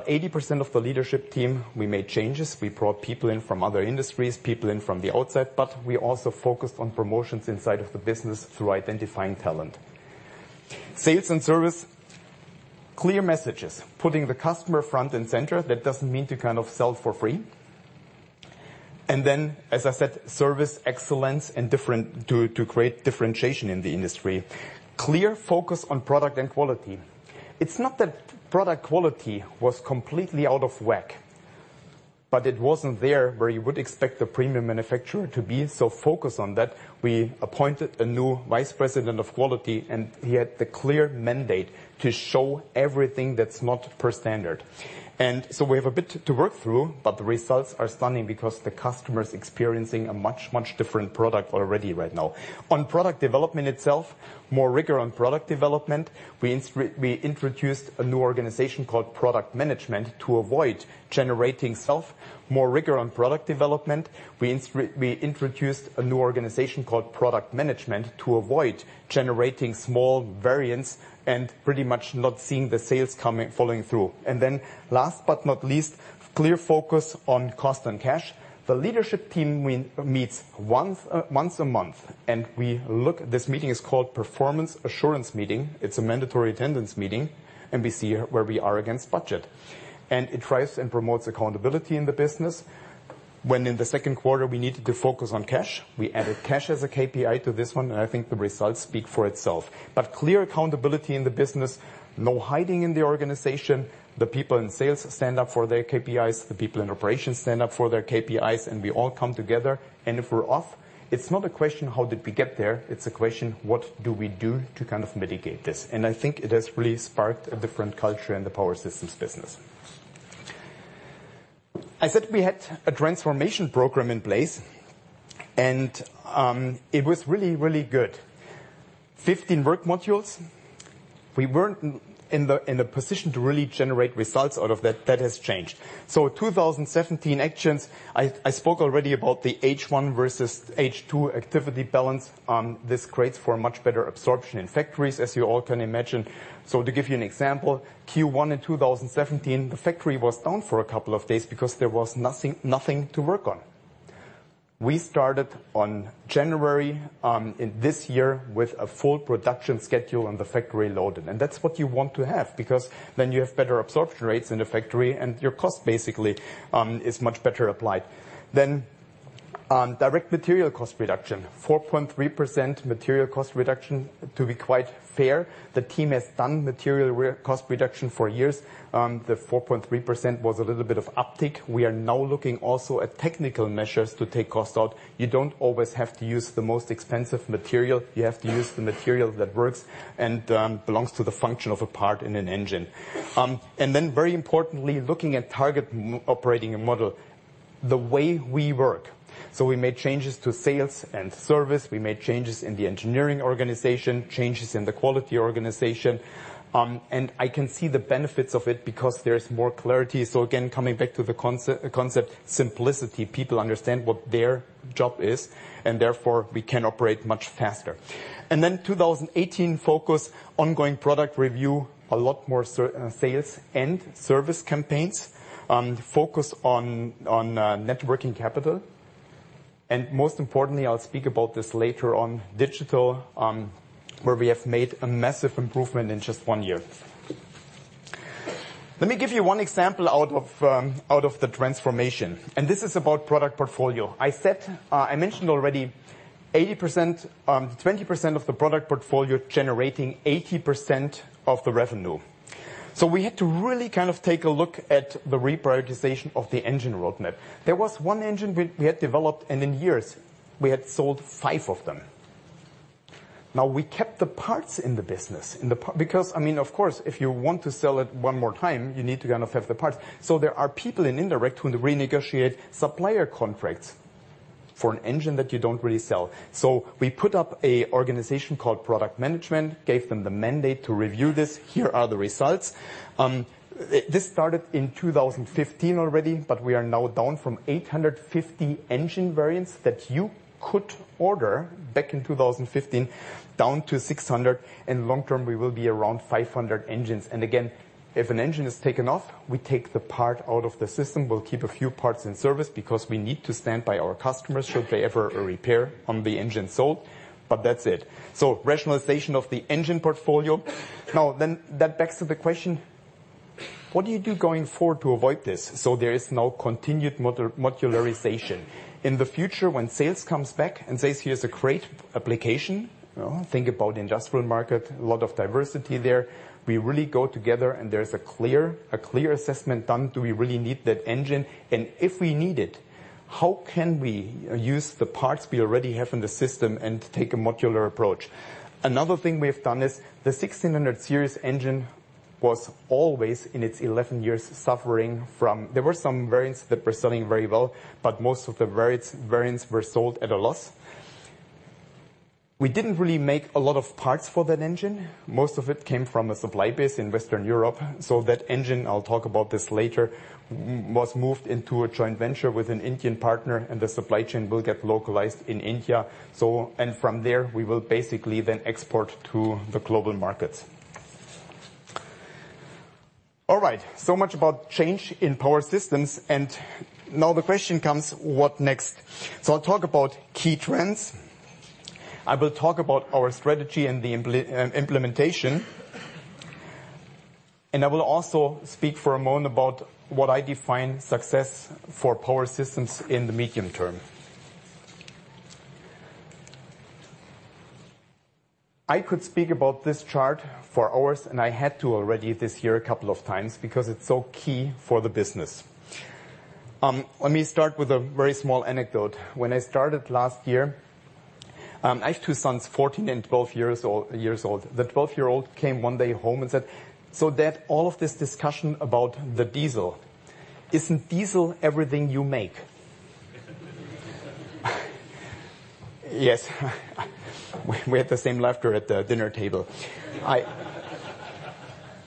80% of the leadership team, we made changes. We brought people in from other industries, people in from the outside, but we also focused on promotions inside of the business through identifying talent. Sales and service, clear messages, putting the customer front and center. That doesn't mean to kind of sell for free. As I said, service excellence and to create differentiation in the industry. Clear focus on product and quality. It's not that product quality was completely out of whack, but it wasn't there where you would expect a premium manufacturer to be. Focused on that, we appointed a new Vice President of Quality, and he had the clear mandate to show everything that's not per standard. We have a bit to work through, but the results are stunning because the customer is experiencing a much, much different product already right now. On product development itself, more rigor on product development. We introduced a new organization called product management to avoid generating small variants and pretty much not seeing the sales following through. Last but not least, clear focus on cost and cash. The leadership team meets once a month, and we look. This meeting is called Performance Assurance Meeting. It's a mandatory attendance meeting, and we see where we are against budget. It drives and promotes accountability in the business. When in the second quarter we needed to focus on cash, we added cash as a KPI to this one, and I think the results speak for itself. Clear accountability in the business, no hiding in the organization. The people in sales stand up for their KPIs, the people in operations stand up for their KPIs, and we all come together. If we're off, it's not a question, how did we get there? It's a question, what do we do to kind of mitigate this? I think it has really sparked a different culture in the Power Systems business. I said we had a transformation program in place, and it was really, really good. 15 work modules. We weren't in the position to really generate results out of that. That has changed. 2017 actions. I spoke already about the H1 versus H2 activity balance. This creates for much better absorption in factories, as you all can imagine. To give you an example, Q1 in 2017, the factory was down for a couple of days because there was nothing to work on. We started on January in this year with a full production schedule and the factory loaded. That's what you want to have, because then you have better absorption rates in the factory and your cost basically is much better applied. Direct material cost reduction, 4.3% material cost reduction. To be quite fair, the team has done material cost reduction for years. The 4.3% was a little bit of uptick. We are now looking also at technical measures to take cost out. You don't always have to use the most expensive material. You have to use the material that works and belongs to the function of a part in an engine. Then very importantly, looking at target operating model, the way we work. We made changes to sales and service. We made changes in the engineering organization, changes in the quality organization. I can see the benefits of it because there is more clarity. Again, coming back to the concept simplicity. People understand what their job is, therefore we can operate much faster. 2018 focus, ongoing product review, a lot more sales and service campaigns, focus on net working capital, most importantly, I'll speak about this later on, digital, where we have made a massive improvement in just one year. Let me give you one example out of the transformation. This is about product portfolio. I mentioned already 20% of the product portfolio generating 80% of the revenue. We had to really kind of take a look at the reprioritization of the engine roadmap. There was one engine we had developed, and in years we had sold 5 of them. Now, we kept the parts in the business. Because, I mean, of course, if you want to sell it 1 more time, you need to kind of have the parts. There are people in indirect who renegotiate supplier contracts for an engine that you don't really sell. We put up a organization called product management, gave them the mandate to review this. Here are the results. This started in 2015 already, but we are now down from 850 engine variants that you could order back in 2015 down to 600. In the long term, we will be around 500 engines. Again, if an engine is taken off, we take the part out of the system. We'll keep a few parts in service because we need to stand by our customers should they ever repair on the engine sold, but that's it. Rationalization of the engine portfolio. That begs to the question, what do you do going forward to avoid this? There is now continued modularization. In the future, when sales comes back and says, "Here's a great application." Think about the industrial market, a lot of diversity there. We really go together, there's a clear assessment done. Do we really need that engine? If we need it, how can we use the parts we already have in the system and take a modular approach? Another thing we have done is the 1600 Series engine was always in its 11 years suffering from. There were some variants that were selling very well, but most of the variants were sold at a loss. We didn't really make a lot of parts for that engine. Most of it came from a supply base in Western Europe. That engine, I'll talk about this later, was moved into a joint venture with an Indian partner, and the supply chain will get localized in India. From there, we will basically then export to the global markets. All right. Much about change in Power Systems. Now the question comes, what next? I'll talk about key trends. I will talk about our strategy and the implementation. I will also speak for a moment about what I define success for Power Systems in the medium term. I could speak about this chart for hours, and I had to already this year a couple of times because it's so key for the business. Let me start with a very small anecdote. When I started last year, I have 2 sons, 14 and 12 years old. The 12-year-old came one day home and said, "Dad, all of this discussion about the diesel, isn't diesel everything you make?" Yes. We had the same laughter at the dinner table.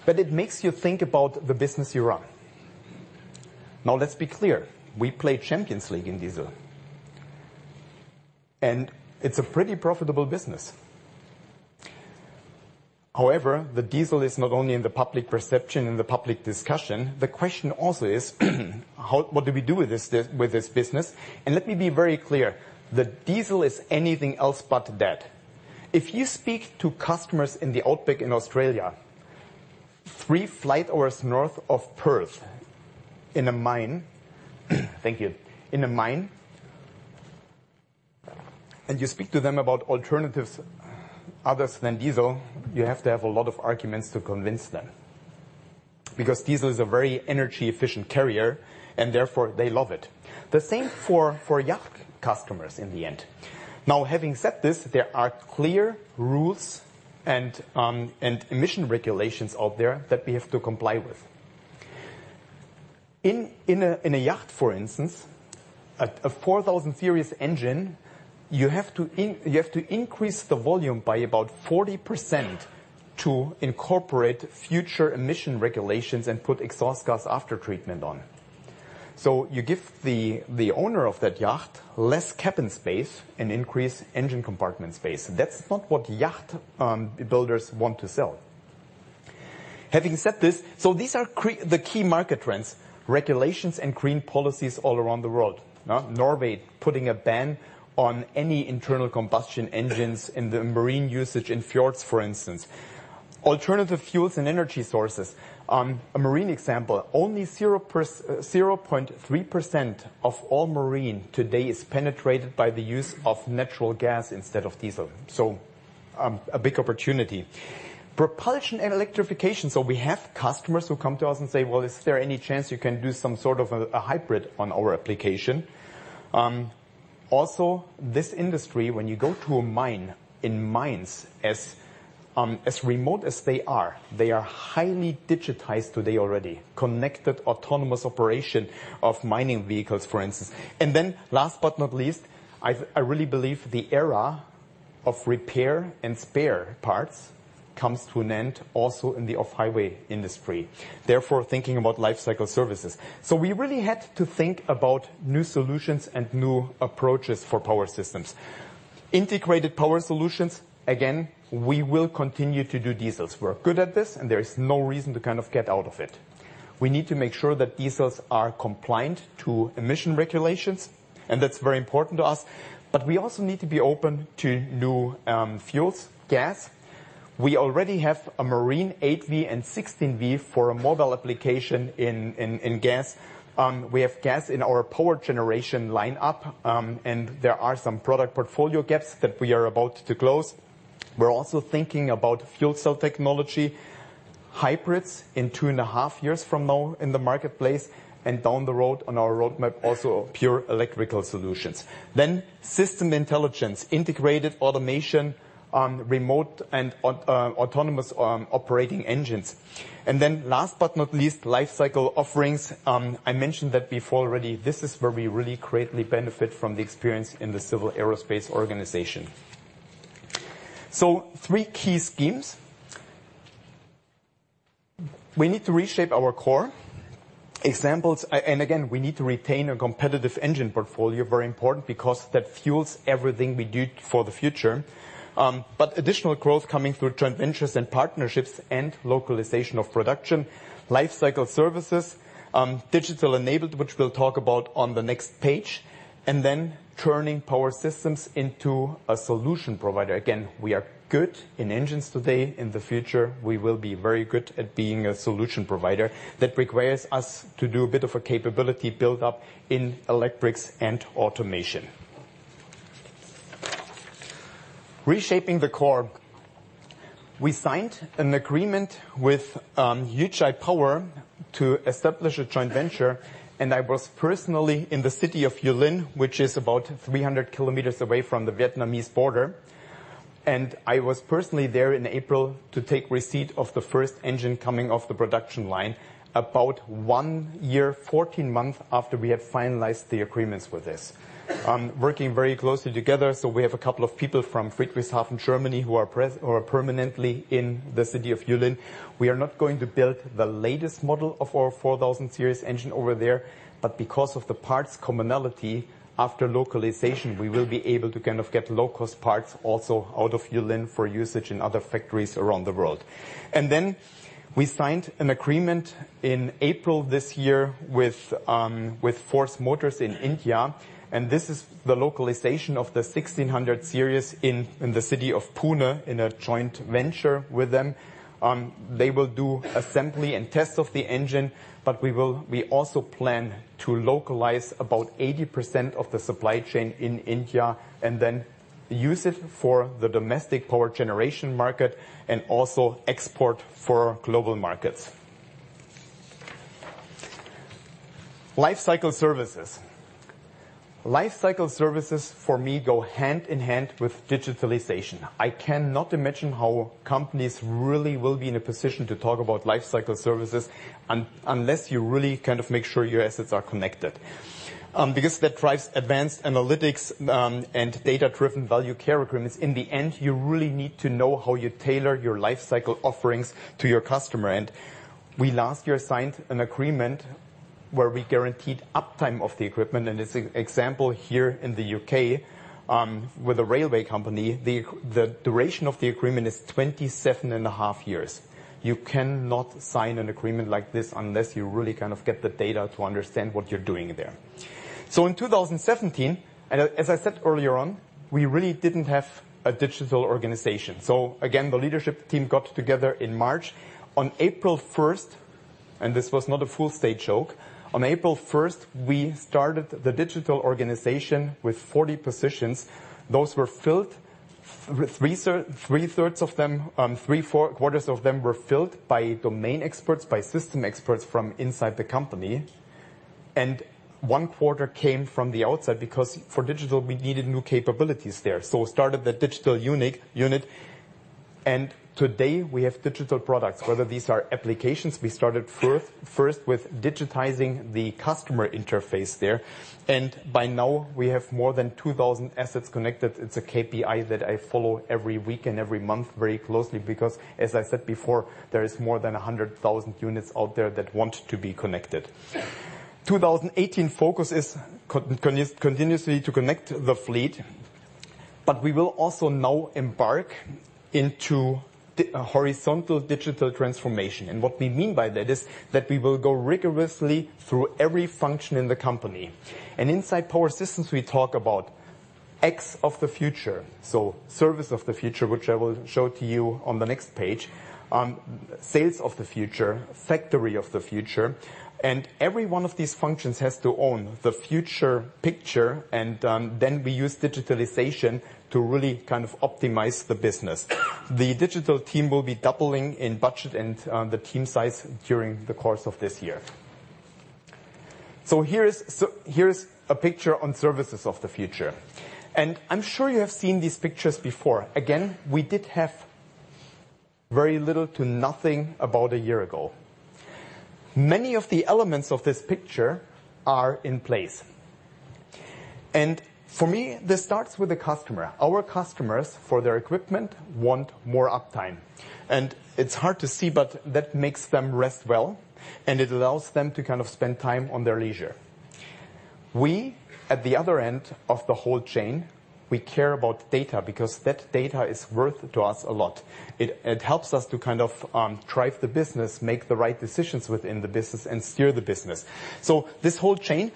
It makes you think about the business you run. Now, let's be clear. We play Champions League in diesel, and it's a pretty profitable business. However, the diesel is not only in the public perception and the public discussion, the question also is what do we do with this business? Let me be very clear, the diesel is anything else but that. If you speak to customers in the outback in Australia, three flight hours north of Perth in a mine, thank you, in a mine, and you speak to them about alternatives other than diesel, you have to have a lot of arguments to convince them, because diesel is a very energy-efficient carrier and therefore they love it. The same for yacht customers in the end. Now, having said this, there are clear rules and emission regulations out there that we have to comply with. In a yacht, for instance, a 4000 Series engine, you have to increase the volume by about 40% to incorporate future emission regulations and put exhaust gas aftertreatment on. You give the owner of that yacht less cabin space and increase engine compartment space. That's not what yacht builders want to sell. Having said this, these are the key market trends, regulations, and green policies all around the world. Now, Norway putting a ban on any internal combustion engines in the marine usage in fjords, for instance. Alternative fuels and energy sources. A marine example, only 0.3% of all marine today is penetrated by the use of natural gas instead of diesel. A big opportunity. Propulsion and electrification. We have customers who come to us and say, "Well, is there any chance you can do some sort of a hybrid on our application?" Also, this industry, when you go to a mine, in mines, as remote as they are, they are highly digitized today already, connected autonomous operation of mining vehicles, for instance. Last but not least, I really believe the era of repair and spare parts comes to an end also in the off-highway industry, therefore thinking about lifecycle services. We really had to think about new solutions and new approaches for Power Systems. Integrated power solutions. Again, we will continue to do diesels. We're good at this, and there is no reason to kind of get out of it. We need to make sure that diesels are compliant to emission regulations, and that's very important to us, but we also need to be open to new fuels, gas. We already have a marine 8V and 16V for a mobile application in gas. We have gas in our power generation lineup, and there are some product portfolio gaps that we are about to close. We're also thinking about fuel cell technology, hybrids in two and a half years from now in the marketplace, and down the road on our roadmap also, pure electrical solutions. System intelligence, integrated automation, remote and autonomous operating engines. Last but not least, lifecycle offerings. I mentioned that before already. This is where we really greatly benefit from the experience in the Civil Aerospace organization. Three key schemes. We need to reshape our core. Again, we need to retain a competitive engine portfolio, very important, because that fuels everything we do for the future. Additional growth coming through joint ventures and partnerships and localization of production, lifecycle services, digital enabled, which we'll talk about on the next page, and then turning Power Systems into a solution provider. Again, we are good in engines today. In the future, we will be very good at being a solution provider. That requires us to do a bit of a capability build-up in electrics and automation. Reshaping the core. We signed an agreement with Yuchai to establish a joint venture, and I was personally in the city of Yulin, which is about 300 km away from the Vietnamese border. I was personally there in April to take receipt of the first engine coming off the production line about one year, 14 months after we had finalized the agreements for this. Working very closely together, we have a couple of people from Friedrichshafen, Germany, who are permanently in the city of Yulin. We are not going to build the latest model of our Series 4000 engine over there, because of the parts commonality, after localization, we will be able to kind of get low-cost parts also out of Yulin for usage in other factories around the world. We signed an agreement in April this year with Force Motors in India, and this is the localization of the MTU Series 1600 in the city of Pune in a joint venture with them. They will do assembly and tests of the engine, we also plan to localize about 80% of the supply chain in India and then use it for the domestic power generation market and also export for global markets. Lifecycle services. Lifecycle services for me go hand in hand with digitalization. I cannot imagine how companies really will be in a position to talk about life cycle services unless you really make sure your assets are connected. That drives advanced analytics and data-driven value care agreements. In the end, you really need to know how you tailor your life cycle offerings to your customer. We last year signed an agreement where we guaranteed uptime of the equipment, as an example, here in the U.K., with a railway company, the duration of the agreement is 27 and a half years. You cannot sign an agreement like this unless you really get the data to understand what you're doing there. In 2017, as I said earlier on, we really didn't have a digital organization. Again, the leadership team got together in March. On April 1st, this was not a Fool's Day joke, on April 1st, we started the digital organization with 40 positions. Those were filled, three-quarters of them were filled by domain experts, by system experts from inside the company, and one quarter came from the outside, because for digital, we needed new capabilities there. Started the digital unit. Today, we have digital products, whether these are applications. We started first with digitizing the customer interface there. By now, we have more than 2,000 assets connected. It's a KPI that I follow every week and every month very closely because, as I said before, there is more than 100,000 units out there that want to be connected. 2018 focus is continuously to connect the fleet, but we will also now embark into horizontal digital transformation. What we mean by that is that we will go rigorously through every function in the company. Inside Power Systems, we talk about X of the future. Service of the future, which I will show to you on the next page, sales of the future, factory of the future. Every one of these functions has to own the future picture, then we use digitalization to really optimize the business. The digital team will be doubling in budget and the team size during the course of this year. Here's a picture on services of the future, I'm sure you have seen these pictures before. Again, we did have very little to nothing about a year ago. Many of the elements of this picture are in place. For me, this starts with the customer. Our customers, for their equipment, want more uptime. It's hard to see, but that makes them rest well, it allows them to spend time on their leisure. We, at the other end of the whole chain, we care about data because that data is worth to us a lot. It helps us to drive the business, make the right decisions within the business, and steer the business. This whole chain,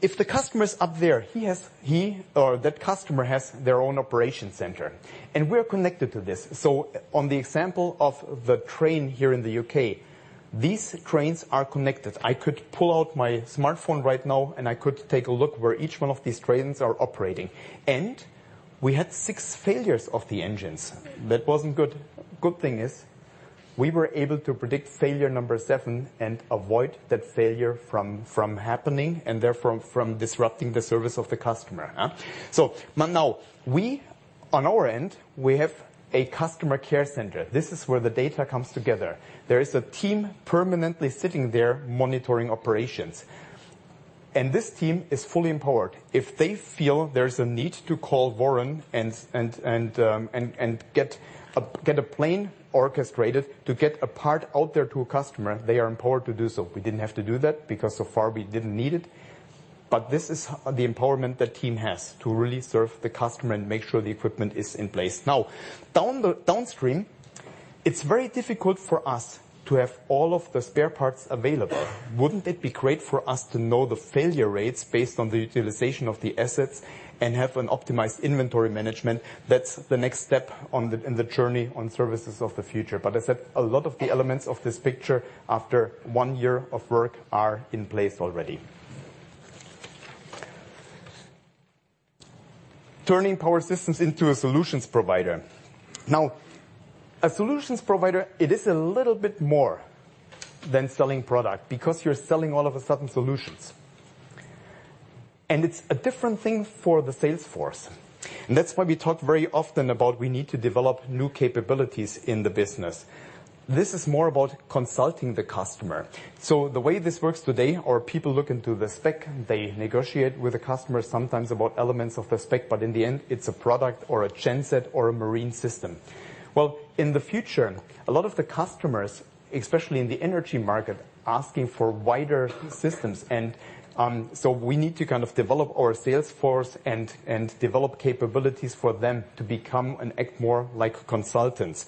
if the customer's up there, that customer has their own operation center, we're connected to this. On the example of the train here in the U.K., these trains are connected. I could pull out my smartphone right now, I could take a look where each one of these trains are operating. We had six failures of the engines. That wasn't good. Good thing is, we were able to predict failure number 7 and avoid that failure from happening, and therefore, from disrupting the service of the customer. Now, on our end, we have a customer care center. This is where the data comes together. There is a team permanently sitting there monitoring operations. This team is fully empowered. If they feel there's a need to call Warren and get a plane orchestrated to get a part out there to a customer, they are empowered to do so. We didn't have to do that because so far we didn't need it. This is the empowerment the team has to really serve the customer and make sure the equipment is in place. Downstream, it's very difficult for us to have all of the spare parts available. Wouldn't it be great for us to know the failure rates based on the utilization of the assets and have an optimized inventory management? That's the next step in the journey on services of the future. As I said, a lot of the elements of this picture, after one year of work, are in place already. Turning Power Systems into a solutions provider. A solutions provider, it is a little bit more than selling product because you're selling all of a sudden solutions. It's a different thing for the sales force, and that's why we talk very often about we need to develop new capabilities in the business. This is more about consulting the customer. The way this works today are people look into the spec, they negotiate with the customer sometimes about elements of the spec, but in the end, it's a product or a genset or a marine system. Well, in the future, a lot of the customers, especially in the energy market, asking for wider systems. We need to develop our sales force and develop capabilities for them to become and act more like consultants.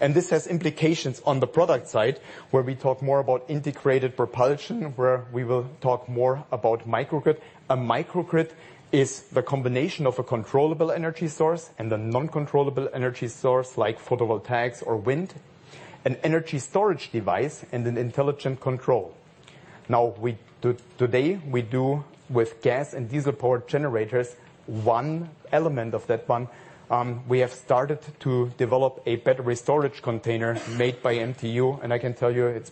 This has implications on the product side, where we talk more about integrated propulsion, where we will talk more about microgrid. A microgrid is the combination of a controllable energy source and a non-controllable energy source like photovoltaics or wind, an energy storage device, and an intelligent control. Now, today, we do with gas and diesel-powered generators, one element of that one. We have started to develop a battery storage container made by MTU, I can tell you it's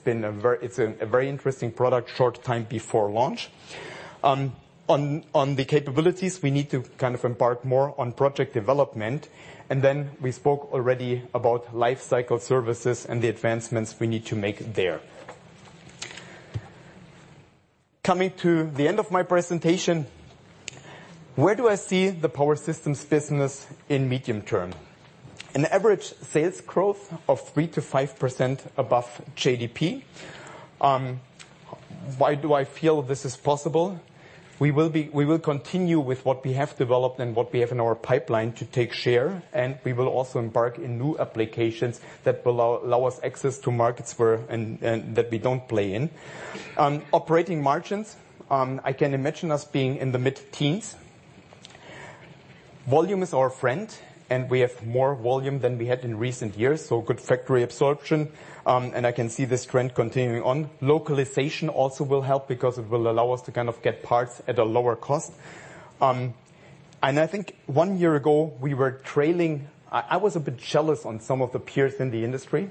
a very interesting product, short time before launch. On the capabilities, we need to embark more on project development. We spoke already about life cycle services and the advancements we need to make there. Coming to the end of my presentation, where do I see the Power Systems business in medium-term? An average sales growth of 3%-5% above GDP. Why do I feel this is possible? We will continue with what we have developed and what we have in our pipeline to take share, and we will also embark in new applications that will allow us access to markets that we don't play in. Operating margins, I can imagine us being in the mid-teens. Volume is our friend, and we have more volume than we had in recent years, so good factory absorption, and I can see this trend continuing on. Localization also will help because it will allow us to get parts at a lower cost. I think one year ago I was a bit jealous on some of the peers in the industry.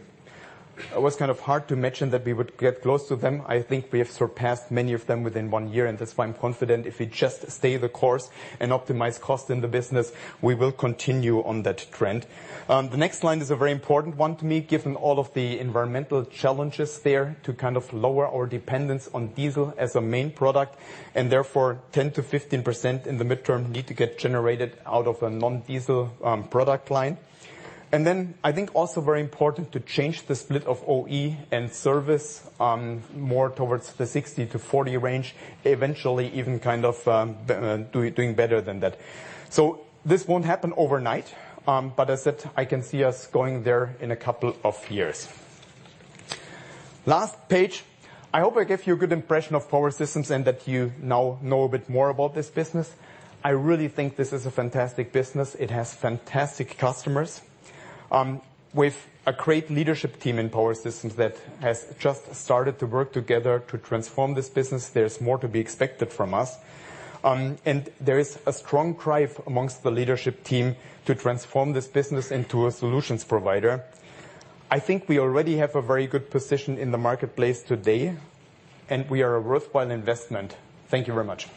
It was kind of hard to mention that we would get close to them. I think we have surpassed many of them within one year, and that's why I am confident if we just stay the course and optimize cost in the business, we will continue on that trend. The next line is a very important one to me, given all of the environmental challenges there to kind of lower our dependence on diesel as a main product, and therefore 10%-15% in the midterm need to get generated out of a non-diesel product line. I think also very important to change the split of OE and service, more towards the 60-40 range. Eventually, even doing better than that. This won't happen overnight, but as said, I can see us going there in a couple of years. Last page. I hope I gave you a good impression of Power Systems and that you now know a bit more about this business. I really think this is a fantastic business. It has fantastic customers. With a great leadership team in Power Systems that has just started to work together to transform this business, there's more to be expected from us. There is a strong drive amongst the leadership team to transform this business into a solutions provider. I think we already have a very good position in the marketplace today, and we are a worthwhile investment. Thank you very much.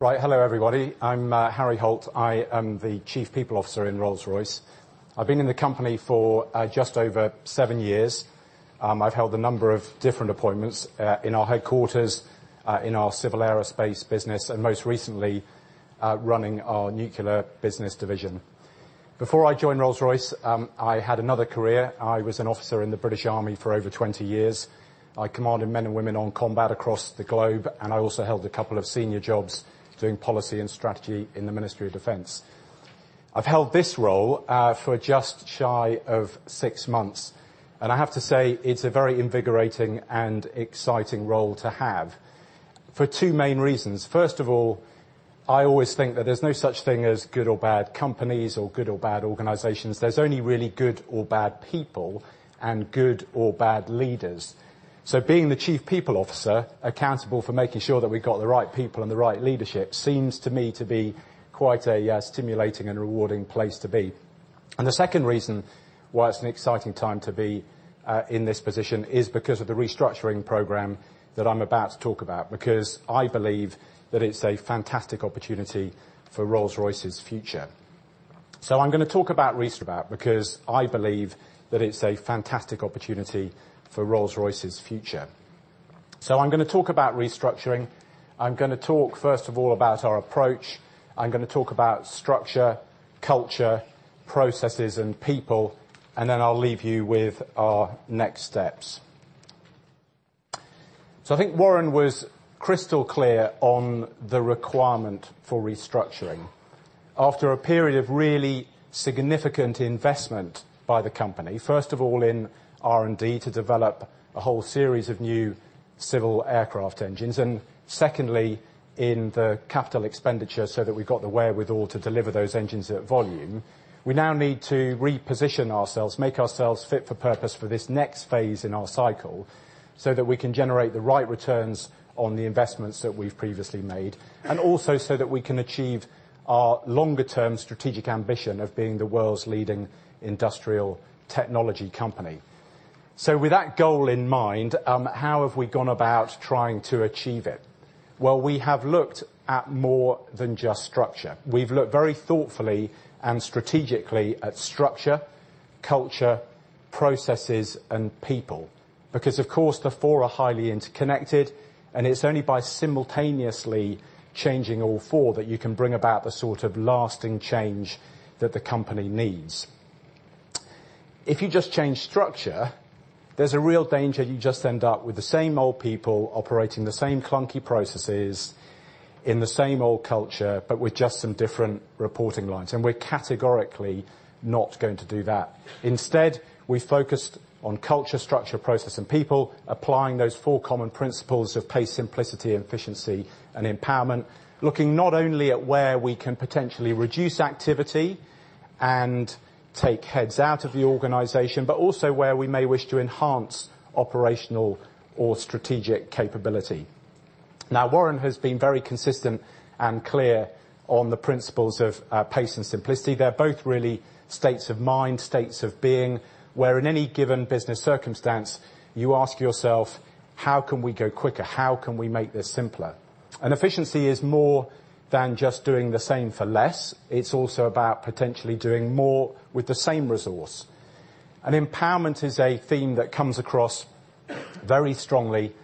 Right. Hello, everybody. I'm Harry Holt. I am the Chief People Officer in Rolls-Royce. I've been in the company for just over seven years. I've held a number of different appointments in our headquarters, in our Civil Aerospace business, and most recently, running our nuclear business division. Before I joined Rolls-Royce, I had another career. I was an officer in the British Army for over 20 years. I commanded men and women on combat across the globe, and I also held a couple of senior jobs doing policy and strategy in the Ministry of Defence. I've held this role for just shy of six months, and I have to say, it's a very invigorating and exciting role to have for two main reasons. First of all, I always think that there's no such thing as good or bad companies or good or bad organizations. There's only really good or bad people and good or bad leaders. Being the Chief People Officer, accountable for making sure that we've got the right people and the right leadership seems to me to be quite a stimulating and rewarding place to be. The second reason why it's an exciting time to be in this position is because of the restructuring program that I'm about to talk about, because I believe that it's a fantastic opportunity for Rolls-Royce's future. I'm going to talk about restructuring. I'm going to talk first of all about our approach. I'm going to talk about structure, culture, processes, and people. Then I'll leave you with our next steps. I think Warren was crystal clear on the requirement for restructuring. After a period of really significant investment by the company, first of all in R&D to develop a whole series of new civil aircraft engines, and secondly, in the capital expenditure so that we've got the wherewithal to deliver those engines at volume. We now need to reposition ourselves, make ourselves fit for purpose for this next phase in our cycle, so that we can generate the right returns on the investments that we've previously made, and also so that we can achieve our longer-term strategic ambition of being the world's leading industrial technology company. With that goal in mind, how have we gone about trying to achieve it? Well, we have looked at more than just structure. We've looked very thoughtfully and strategically at structure, culture, processes, and people, because of course, the four are highly interconnected, and it's only by simultaneously changing all four that you can bring about the sort of lasting change that the company needs. If you just change structure, there's a real danger you just end up with the same old people operating the same clunky processes in the same old culture, but with just some different reporting lines. We're categorically not going to do that. Instead, we focused on culture, structure, process, and people, applying those four common principles of pace, simplicity, efficiency, and empowerment, looking not only at where we can potentially reduce activity and take heads out of the organization, but also where we may wish to enhance operational or strategic capability. Now, Warren has been very consistent and clear on the principles of pace and simplicity. They're both really states of mind, states of being, where in any given business circumstance, you ask yourself, "How can we go quicker? How can we make this simpler?" Efficiency is more than just doing the same for less. It's also about potentially doing more with the same resource. Empowerment is a theme that comes across very strongly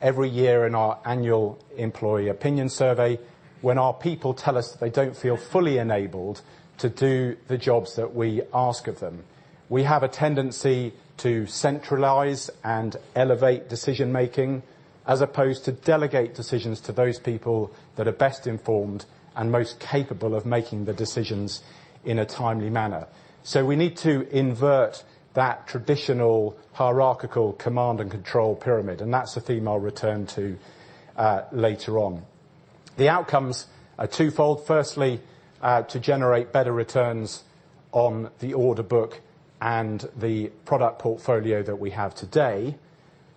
every year in our annual employee opinion survey, when our people tell us that they don't feel fully enabled to do the jobs that we ask of them. We have a tendency to centralize and elevate decision-making as opposed to delegate decisions to those people that are best informed and most capable of making the decisions in a timely manner. We need to invert that traditional hierarchical command and control pyramid, and that's the theme I'll return to later on. The outcomes are twofold. Firstly, to generate better returns on the order book and the product portfolio that we have today.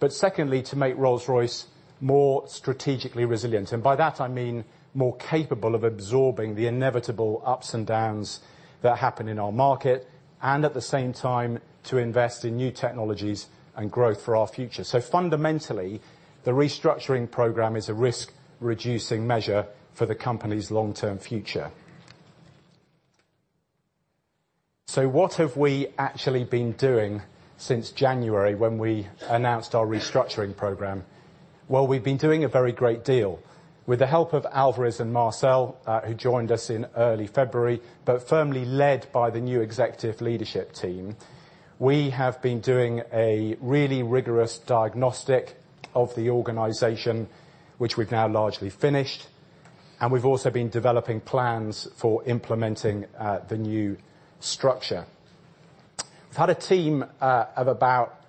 Secondly, to make Rolls-Royce more strategically resilient. By that I mean more capable of absorbing the inevitable ups and downs that happen in our market, and at the same time, to invest in new technologies and growth for our future. Fundamentally, the restructuring program is a risk-reducing measure for the company's long-term future. What have we actually been doing since January when we announced our restructuring program? We've been doing a very great deal. With the help of Alvarez & Marsal, who joined us in early February, but firmly led by the new executive leadership team, we have been doing a really rigorous diagnostic of the organization, which we've now largely finished, and we've also been developing plans for implementing the new structure. We've had a team of about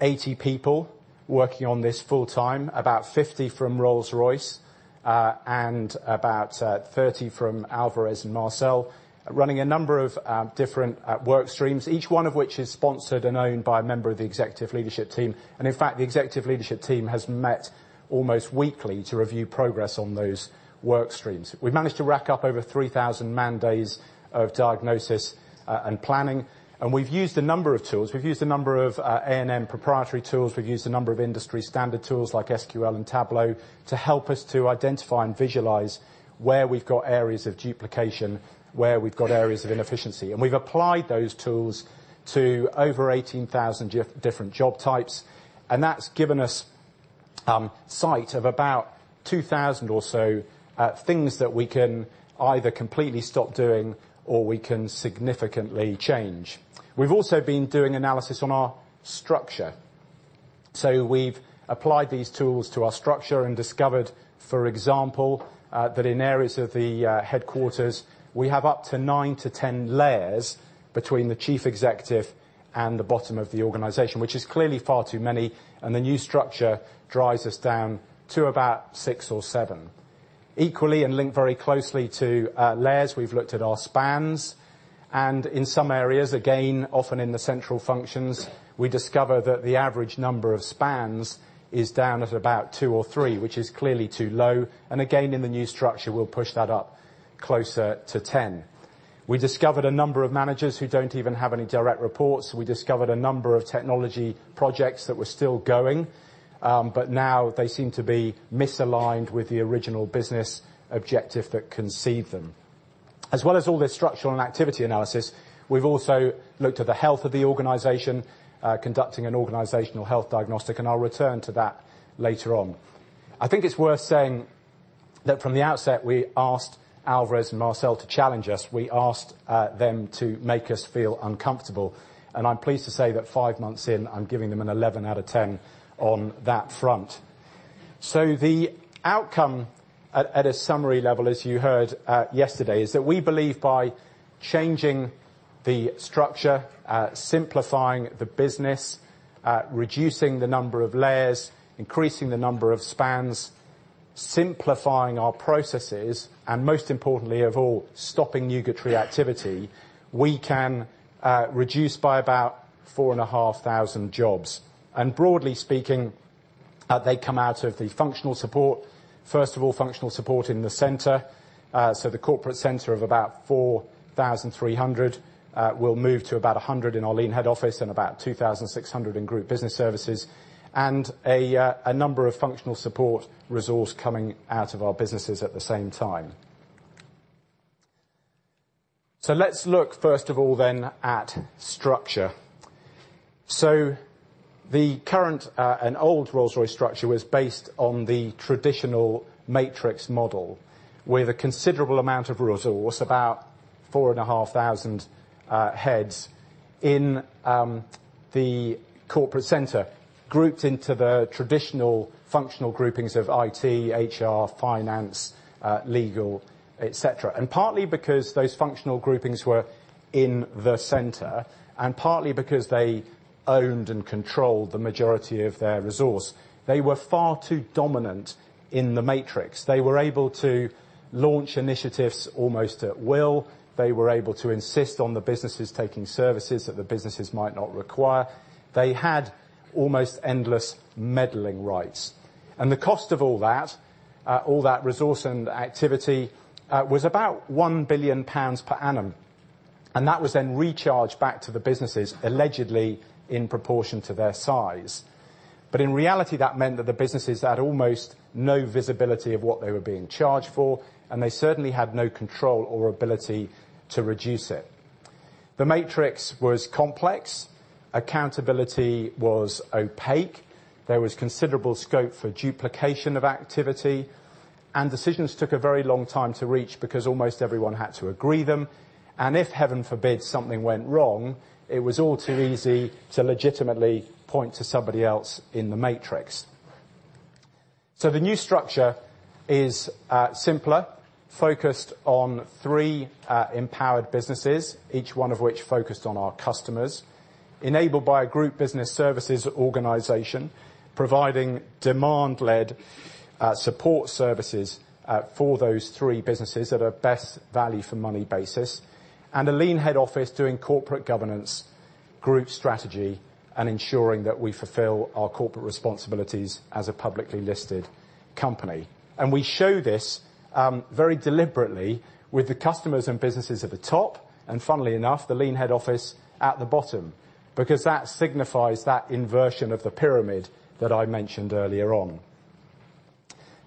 80 people working on this full time, about 50 from Rolls-Royce, and about 30 from Alvarez & Marsal, running a number of different work streams, each one of which is sponsored and owned by a member of the executive leadership team. In fact, the executive leadership team has met almost weekly to review progress on those work streams. We've managed to rack up over 3,000 man days of diagnosis and planning, and we've used a number of tools. We've used a number of A&M proprietary tools. We've used a number of industry standard tools like SQL and Tableau to help us to identify and visualize where we've got areas of duplication, where we've got areas of inefficiency. We've applied those tools to over 18,000 different job types, and that's given us sight of about 2,000 or so things that we can either completely stop doing or we can significantly change. We've also been doing analysis on our structure. We've applied these tools to our structure and discovered, for example, that in areas of the headquarters, we have up to 9 to 10 layers between the chief executive and the bottom of the organization, which is clearly far too many, and the new structure drives us down to about six or seven. Equally and linked very closely to layers, we've looked at our spans, and in some areas, again, often in the central functions, we discover that the average number of spans is down at about two or three, which is clearly too low. Again, in the new structure, we'll push that up closer to 10. We discovered a number of managers who don't even have any direct reports. We discovered a number of technology projects that were still going, but now they seem to be misaligned with the original business objective that conceived them. As well as all this structural and activity analysis, we've also looked at the health of the organization, conducting an organizational health diagnostic, and I'll return to that later on. I think it's worth saying that from the outset, we asked Alvarez & Marsal to challenge us. We asked them to make us feel uncomfortable. I'm pleased to say that five months in, I'm giving them an 11 out of 10 on that front. The outcome at a summary level, as you heard yesterday, is that we believe by changing the structure, simplifying the business, reducing the number of layers, increasing the number of spans, simplifying our processes, and most importantly of all, stopping nugatory activity, we can reduce by about 4,500 jobs. Broadly speaking, they come out of the functional support. First of all, functional support in the center. The corporate center of about 4,300 will move to about 100 in our lean head office and about 2,600 in Group Business Services, and a number of functional support resource coming out of our businesses at the same time. Let's look first of all then at structure. The current and old Rolls-Royce structure was based on the traditional matrix model, with a considerable amount of resource, about 4,500 heads in the corporate center, grouped into the traditional functional groupings of IT, HR, finance, legal, et cetera. Partly because those functional groupings were in the center, and partly because they owned and controlled the majority of their resource, they were far too dominant in the matrix. They were able to launch initiatives almost at will. They were able to insist on the businesses taking services that the businesses might not require. They had almost endless meddling rights. The cost of all that, all that resource and activity, was about 1 billion pounds per annum. That was then recharged back to the businesses, allegedly in proportion to their size. In reality, that meant that the businesses had almost no visibility of what they were being charged for, and they certainly had no control or ability to reduce it. The matrix was complex. Accountability was opaque. There was considerable scope for duplication of activity, and decisions took a very long time to reach because almost everyone had to agree them. If, heaven forbid, something went wrong, it was all too easy to legitimately point to somebody else in the matrix. The new structure is simpler, focused on three empowered businesses, each one of which focused on our customers, enabled by a Group Business Services organization, providing demand-led support services for those three businesses at a best value for money basis, and a lean head office doing corporate governance, group strategy, and ensuring that we fulfill our corporate responsibilities as a publicly listed company. We show this very deliberately with the customers and businesses at the top, and funnily enough, the lean head office at the bottom, because that signifies that inversion of the pyramid that I mentioned earlier on.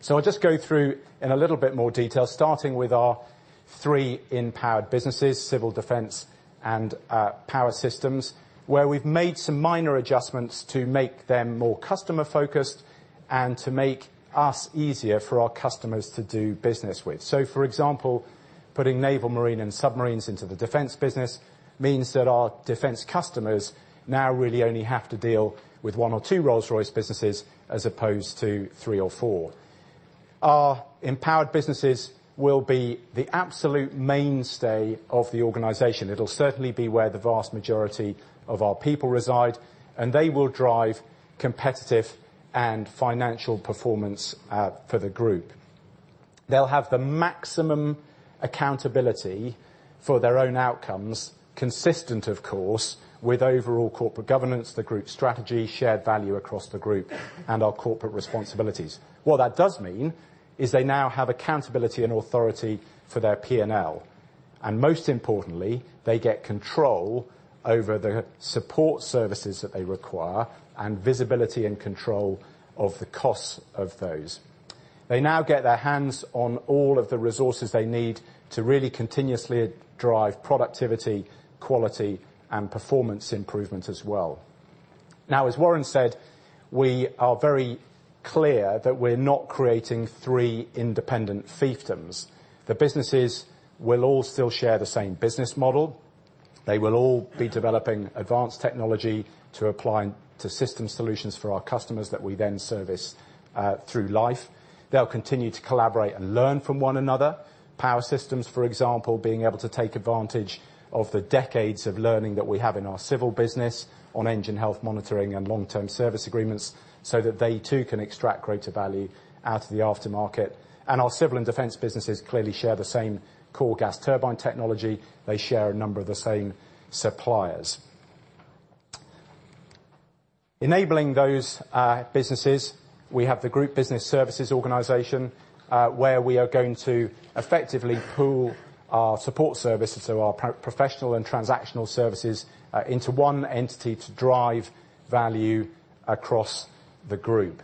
I'll just go through in a little bit more detail, starting with our three empowered businesses, Civil, Defense, and Power Systems, where we've made some minor adjustments to make them more customer-focused and to make us easier for our customers to do business with. For example, putting naval, marine, and submarines into the Defense business means that our Defense customers now really only have to deal with one or two Rolls-Royce businesses as opposed to three or four. Our empowered businesses will be the absolute mainstay of the organization. It'll certainly be where the vast majority of our people reside, and they will drive competitive and financial performance for the group. They'll have the maximum accountability for their own outcomes, consistent, of course, with overall corporate governance, the group strategy, shared value across the group, and our corporate responsibilities. What that does mean is they now have accountability and authority for their P&L, and most importantly, they get control over the support services that they require and visibility and control of the costs of those. They now get their hands on all of the resources they need to really continuously drive productivity, quality, and performance improvement as well. As Warren said, we are very clear that we're not creating three independent fiefdoms. The businesses will all still share the same business model. They will all be developing advanced technology to apply to system solutions for our customers that we then service through life. They'll continue to collaborate and learn from one another. Power Systems, for example, being able to take advantage of the decades of learning that we have in our Civil business on engine health monitoring and long-term service agreements so that they too can extract greater value out of the aftermarket. Our Civil and Defense businesses clearly share the same core gas turbine technology. They share a number of the same suppliers. Enabling those businesses, we have the group business services organization, where we are going to effectively pool our support services or our professional and transactional services into one entity to drive value across the group.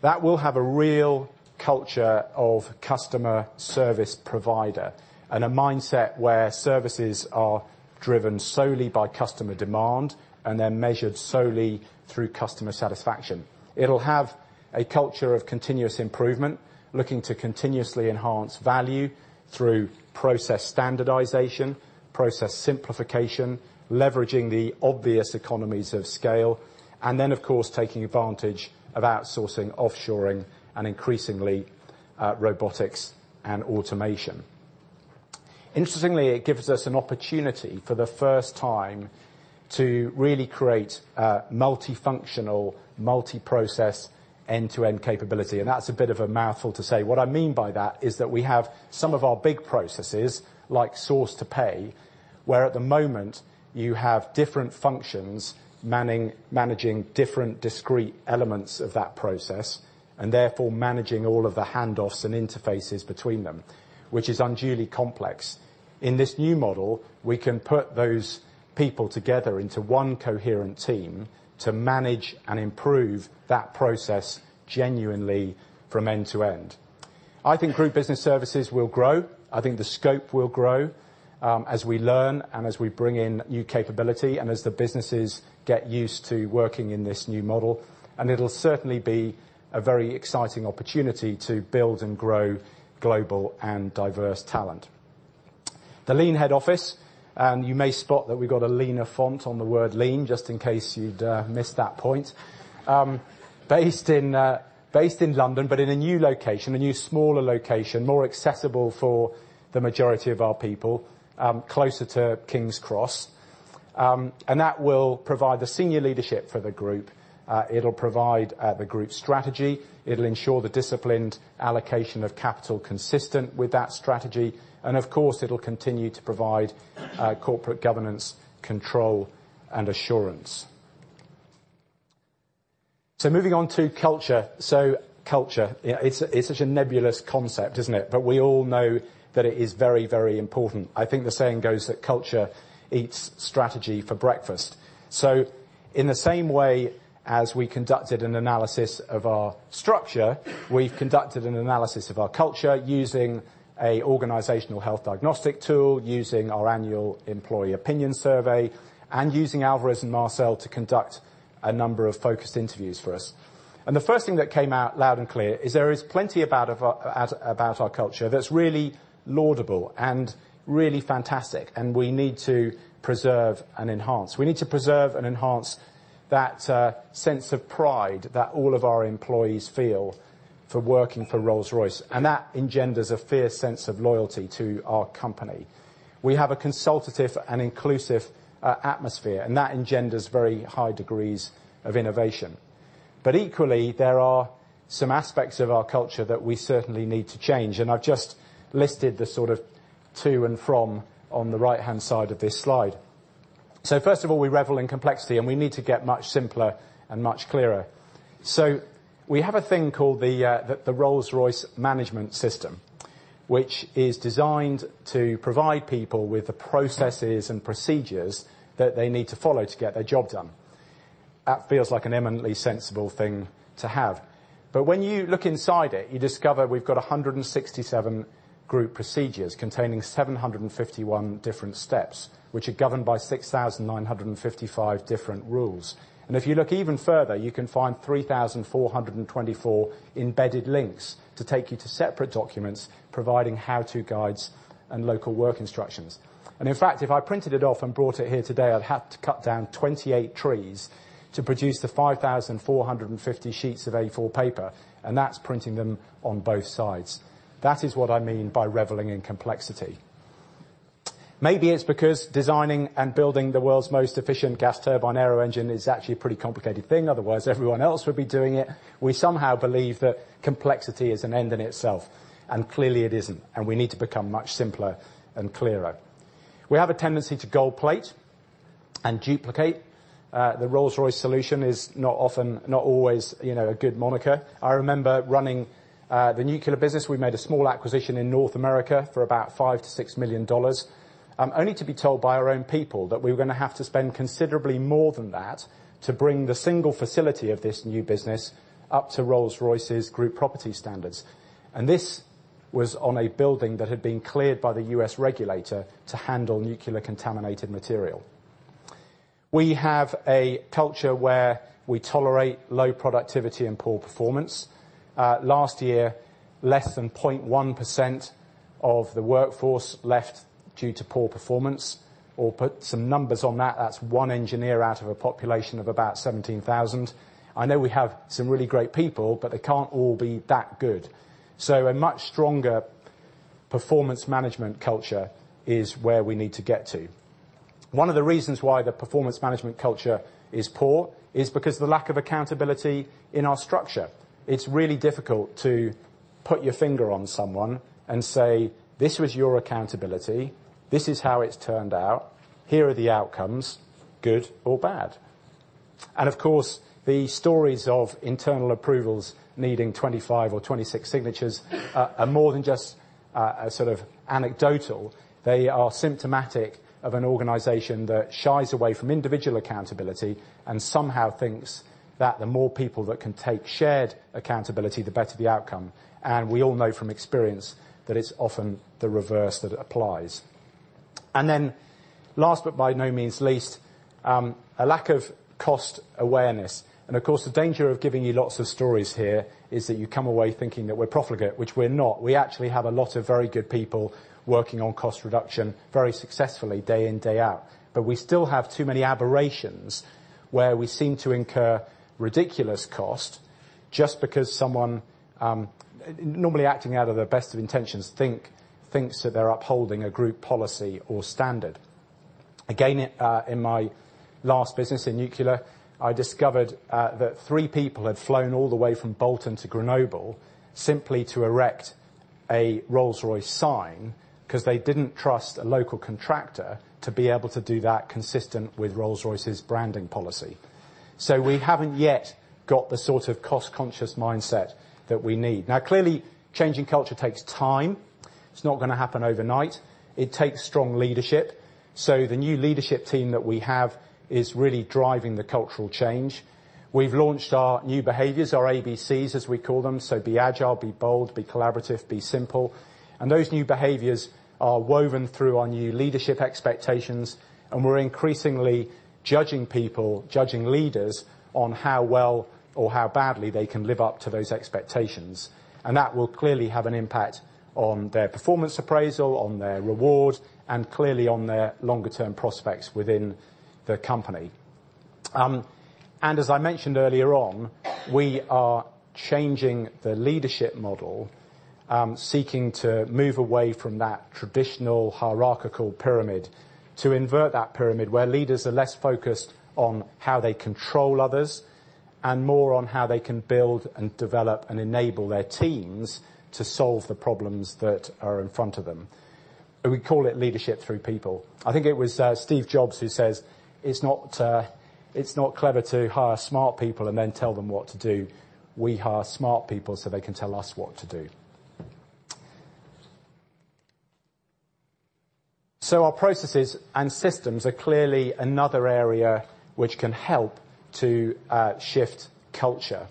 That will have a real culture of customer service provider and a mindset where services are driven solely by customer demand and they're measured solely through customer satisfaction. It'll have a culture of continuous improvement, looking to continuously enhance value through process standardization, process simplification, leveraging the obvious economies of scale, and then, of course, taking advantage of outsourcing, offshoring, and increasingly, robotics and automation. Interestingly, it gives us an opportunity for the first time to really create a multifunctional, multiprocess, end-to-end capability, and that's a bit of a mouthful to say. What I mean by that is that we have some of our big processes, like source-to-pay, where at the moment you have different functions managing different discrete elements of that process, and therefore managing all of the handoffs and interfaces between them, which is unduly complex. In this new model, we can put those people together into one coherent team to manage and improve that process genuinely from end to end. I think group business services will grow. I think the scope will grow as we learn and as we bring in new capability and as the businesses get used to working in this new model. It'll certainly be a very exciting opportunity to build and grow global and diverse talent. The lean head office, and you may spot that we've got a leaner font on the word lean, just in case you'd missed that point. Based in London, but in a new location, a new smaller location, more accessible for the majority of our people, closer to King's Cross. That will provide the senior leadership for the group. It'll provide the group strategy. It'll ensure the disciplined allocation of capital consistent with that strategy, and of course, it'll continue to provide corporate governance, control, and assurance. Moving on to culture. Culture, it's such a nebulous concept, isn't it? We all know that it is very, very important. I think the saying goes that culture eats strategy for breakfast. In the same way as we conducted an analysis of our structure, we've conducted an analysis of our culture using an organizational health diagnostic tool, using our annual employee opinion survey, and using Alvarez & Marsal to conduct a number of focused interviews for us. The first thing that came out loud and clear is there is plenty about our culture that's really laudable and really fantastic, and we need to preserve and enhance. We need to preserve and enhance that sense of pride that all of our employees feel for working for Rolls-Royce. That engenders a fair sense of loyalty to our company. We have a consultative and inclusive atmosphere, and that engenders very high degrees of innovation. Equally, there are some aspects of our culture that we certainly need to change, and I've just listed the sort of to and from on the right-hand side of this slide. First of all, we revel in complexity, and we need to get much simpler and much clearer. We have a thing called the Rolls-Royce Management System, which is designed to provide people with the processes and procedures that they need to follow to get their job done. That feels like an eminently sensible thing to have. When you look inside it, you discover we've got 167 group procedures containing 751 different steps, which are governed by 6,955 different rules. If you look even further, you can find 3,424 embedded links to take you to separate documents providing how-to guides and local work instructions. In fact, if I printed it off and brought it here today, I'd have to cut down 28 trees to produce the 5,450 sheets of A4 paper, and that's printing them on both sides. That is what I mean by reveling in complexity. Maybe it's because designing and building the world's most efficient gas turbine aero-engine is actually a pretty complicated thing, otherwise everyone else would be doing it. We somehow believe that complexity is an end in itself, and clearly it isn't, and we need to become much simpler and clearer. We have a tendency to gold plate and duplicate. The Rolls-Royce solution is not always a good moniker. I remember running the nuclear business. We made a small acquisition in North America for about $5 million-$6 million, only to be told by our own people that we were going to have to spend considerably more than that to bring the single facility of this new business up to Rolls-Royce's group property standards. This was on a building that had been cleared by the U.S. regulator to handle nuclear contaminated material. We have a culture where we tolerate low productivity and poor performance. Last year, less than 0.1% of the workforce left due to poor performance, or put some numbers on that's one engineer out of a population of about 17,000. I know we have some really great people, but they can't all be that good. A much stronger performance management culture is where we need to get to. One of the reasons why the performance management culture is poor is because the lack of accountability in our structure. It's really difficult to put your finger on someone and say, "This was your accountability. This is how it's turned out. Here are the outcomes, good or bad." Of course, the stories of internal approvals needing 25 or 26 signatures are more than just anecdotal. They are symptomatic of an organization that shies away from individual accountability and somehow thinks that the more people that can take shared accountability, the better the outcome. We all know from experience that it's often the reverse that applies. Last but by no means least, a lack of cost awareness. Of course, the danger of giving you lots of stories here is that you come away thinking that we're profligate, which we're not. We actually have a lot of very good people working on cost reduction very successfully day in, day out. We still have too many aberrations where we seem to incur ridiculous cost just because someone, normally acting out of their best of intentions, thinks that they're upholding a group policy or standard. Again, in my last business in nuclear, I discovered that three people had flown all the way from Bolton to Grenoble simply to erect a Rolls-Royce sign because they didn't trust a local contractor to be able to do that consistent with Rolls-Royce's branding policy. We haven't yet got the sort of cost-conscious mindset that we need. Clearly, changing culture takes time. It's not going to happen overnight. It takes strong leadership. The new leadership team that we have is really driving the cultural change. We've launched our new behaviors, our ABCs, as we call them. Be agile, be bold, be collaborative, be simple. Those new behaviors are woven through our new leadership expectations, and we're increasingly judging people, judging leaders on how well or how badly they can live up to those expectations. That will clearly have an impact on their performance appraisal, on their reward, and clearly on their longer-term prospects within the company. As I mentioned earlier on, we are changing the leadership model, seeking to move away from that traditional hierarchical pyramid to invert that pyramid where leaders are less focused on how they control others and more on how they can build and develop and enable their teams to solve the problems that are in front of them. We call it leadership through people. I think it was Steve Jobs who says, "It's not clever to hire smart people and then tell them what to do. We hire smart people so they can tell us what to do." Our processes and systems are clearly another area which can help to shift culture.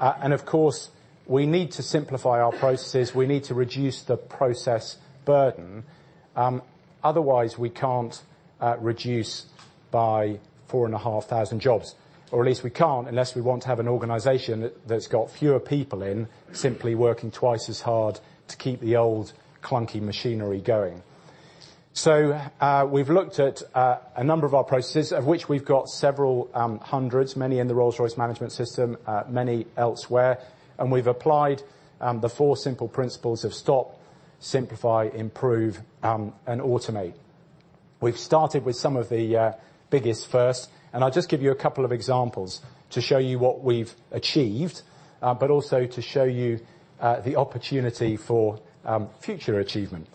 Of course, we need to simplify our processes, we need to reduce the process burden. Otherwise, we can't reduce by 4,500 jobs. Or at least we can't, unless we want to have an organization that's got fewer people in, simply working twice as hard to keep the old clunky machinery going. We've looked at a number of our processes, of which we've got several hundreds, many in the Rolls-Royce Management System, many elsewhere. We've applied the four simple principles of stop, simplify, improve, and automate. We've started with some of the biggest first. I'll just give you a couple of examples to show you what we've achieved, but also to show you the opportunity for future achievement.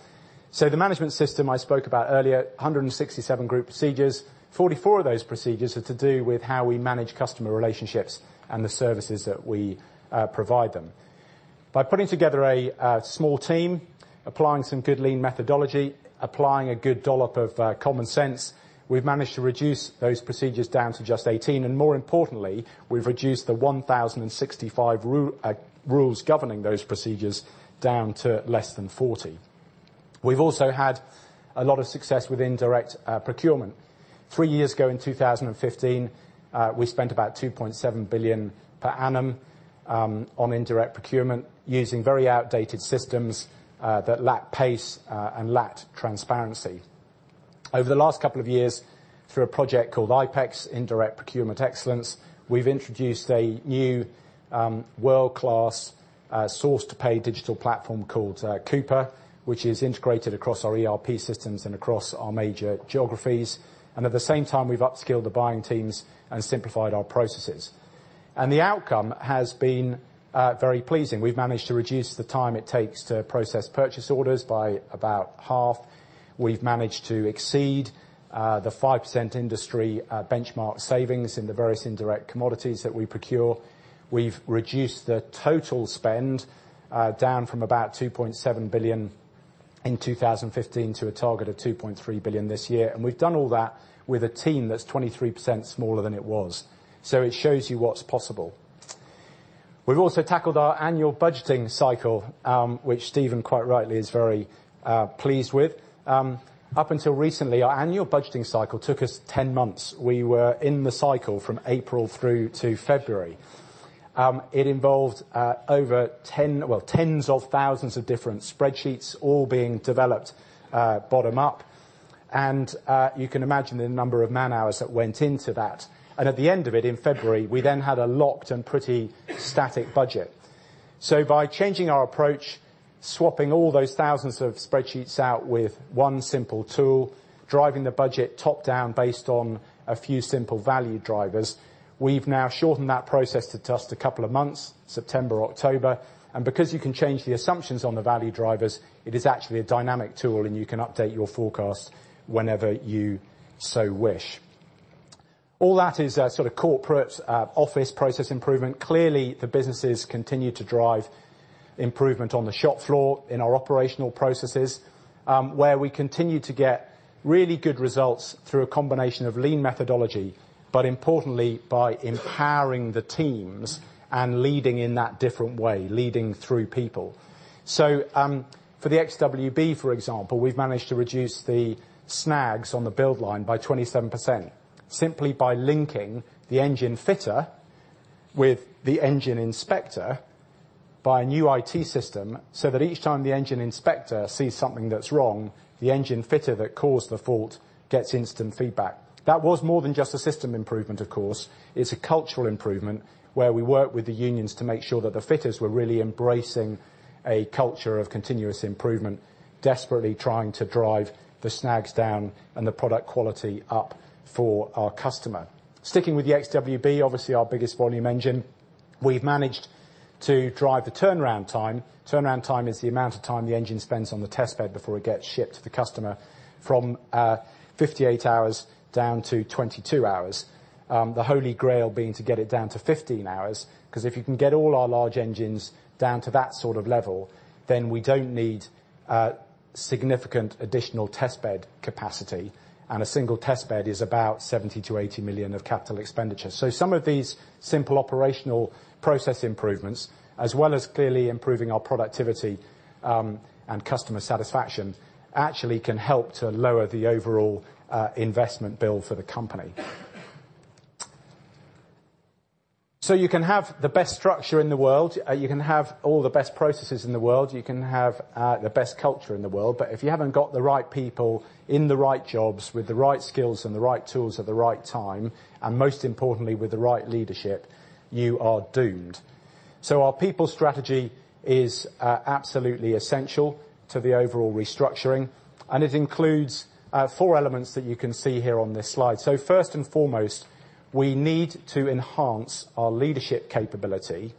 The Rolls-Royce Management System I spoke about earlier, 167 group procedures. 44 of those procedures are to do with how we manage customer relationships and the services that we provide them. By putting together a small team, applying some good lean methodology, applying a good dollop of common sense, we've managed to reduce those procedures down to just 18. More importantly, we've reduced the 1,065 rules governing those procedures down to less than 40. We've also had a lot of success with indirect procurement. Three years ago, in 2015, we spent about 2.7 billion per annum on indirect procurement using very outdated systems that lacked pace and lacked transparency. Over the last couple of years, through a project called IPEx, Indirect Procurement Excellence, we've introduced a new, world-class, source-to-pay digital platform called Coupa, which is integrated across our ERP systems and across our major geographies. At the same time, we've upskilled the buying teams and simplified our processes. The outcome has been very pleasing. We've managed to reduce the time it takes to process purchase orders by about half. We've managed to exceed the 5% industry benchmark savings in the various indirect commodities that we procure. We've reduced the total spend, down from about 2.7 billion in 2015 to a target of 2.3 billion this year. We've done all that with a team that's 23% smaller than it was. It shows you what's possible. We've also tackled our annual budgeting cycle, which Stephen quite rightly is very pleased with. Up until recently, our annual budgeting cycle took us 10 months. We were in the cycle from April through to February. It involved over tens of thousands of different spreadsheets all being developed bottom up. You can imagine the number of man-hours that went into that. At the end of it in February, we then had a locked and pretty static budget. By changing our approach, swapping all those thousands of spreadsheets out with one simple tool, driving the budget top-down based on a few simple value drivers, we've now shortened that process to just a couple of months, September, October. Because you can change the assumptions on the value drivers, it is actually a dynamic tool and you can update your forecast whenever you so wish. All that is sort of corporate office process improvement. Clearly, the businesses continue to drive improvement on the shop floor in our operational processes, where we continue to get really good results through a combination of lean methodology, but importantly by empowering the teams and leading in that different way, leading through people. For the XWB, for example, we've managed to reduce the snags on the build line by 27%, simply by linking the engine fitter with the engine inspector by a new IT system, so that each time the engine inspector sees something that's wrong, the engine fitter that caused the fault gets instant feedback. That was more than just a system improvement, of course. It's a cultural improvement, where we work with the unions to make sure that the fitters were really embracing a culture of continuous improvement, desperately trying to drive the snags down and the product quality up for our customer. Sticking with the XWB, obviously our biggest volume engine, we've managed to drive the turnaround time. Turnaround time is the amount of time the engine spends on the test bed before it gets shipped to the customer, from 58 hours down to 22 hours. The holy grail being to get it down to 15 hours, because if you can get all our large engines down to that sort of level, then we don't need significant additional test bed capacity. A single test bed is about 70 million-80 million of CapEx. Some of these simple operational process improvements, as well as clearly improving our productivity, and customer satisfaction, actually can help to lower the overall investment bill for the company. You can have the best structure in the world, you can have all the best processes in the world, you can have the best culture in the world, if you haven't got the right people in the right jobs with the right skills and the right tools at the right time, and most importantly, with the right leadership, you are doomed. Our people strategy is absolutely essential to the overall restructuring, it includes four elements that you can see here on this slide. First and foremost, we need to enhance our leadership capability.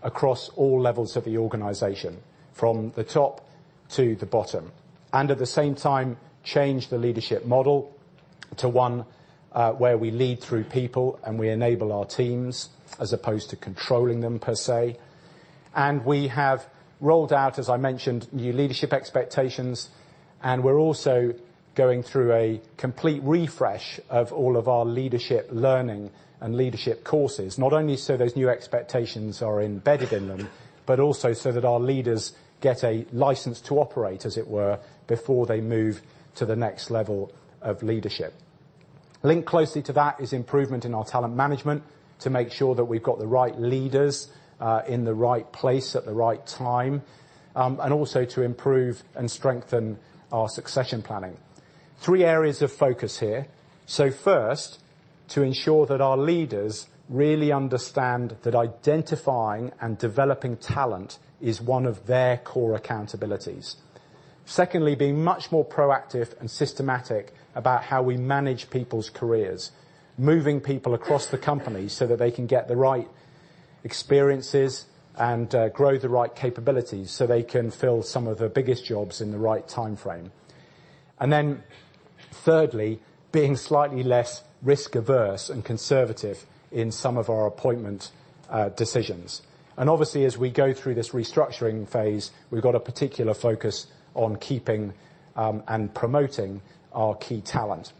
Across all levels of the organization, from the top to the bottom. At the same time, change the leadership model to one where we lead through people and we enable our teams as opposed to controlling them, per se. We have rolled out, as I mentioned, new leadership expectations, we're also going through a complete refresh of all of our leadership learning and leadership courses, not only so those new expectations are embedded in them, also so that our leaders get a license to operate, as it were, before they move to the next level of leadership. Linked closely to that is improvement in our talent management to make sure that we've got the right leaders in the right place at the right time, also to improve and strengthen our succession planning. Three areas of focus here. First, to ensure that our leaders really understand that identifying and developing talent is one of their core accountabilities. Secondly, being much more proactive and systematic about how we manage people's careers, moving people across the company so that they can get the right experiences and grow the right capabilities so they can fill some of the biggest jobs in the right timeframe. Thirdly, being slightly less risk-averse and conservative in some of our appointment decisions. Obviously, as we go through this restructuring phase, we've got a particular focus on keeping and promoting our key talent.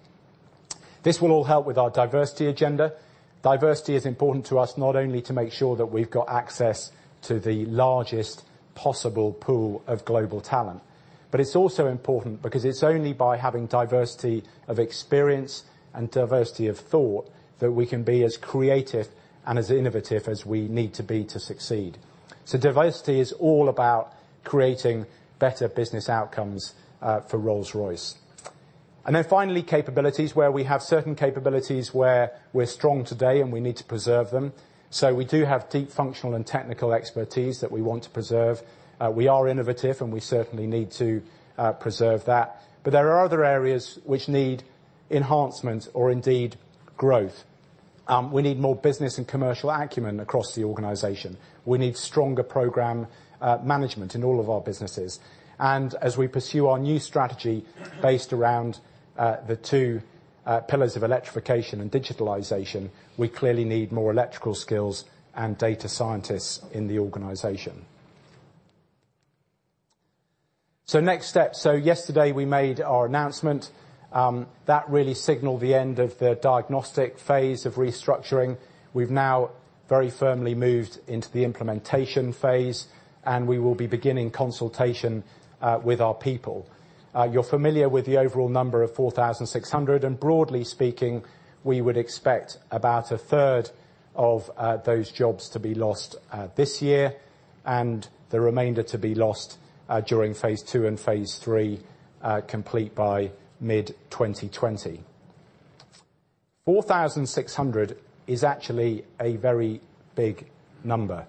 This will all help with our diversity agenda. Diversity is important to us, not only to make sure that we've got access to the largest possible pool of global talent, it's also important because it's only by having diversity of experience and diversity of thought that we can be as creative and as innovative as we need to be to succeed. Diversity is all about creating better business outcomes for Rolls-Royce. Finally, capabilities, where we have certain capabilities where we're strong today and we need to preserve them. We do have deep functional and technical expertise that we want to preserve. We are innovative, and we certainly need to preserve that. There are other areas which need enhancement or indeed growth. We need more business and commercial acumen across the organization. We need stronger program management in all of our businesses. As we pursue our new strategy based around the two pillars of electrification and digitalization, we clearly need more electrical skills and data scientists in the organization. Next steps. Yesterday we made our announcement. That really signaled the end of the diagnostic phase of restructuring. We've now very firmly moved into the implementation phase, we will be beginning consultation with our people. You're familiar with the overall number of 4,600, broadly speaking, we would expect about a third of those jobs to be lost this year and the remainder to be lost during phase 2 and phase 3, complete by mid-2020. 4,600 is actually a very big number.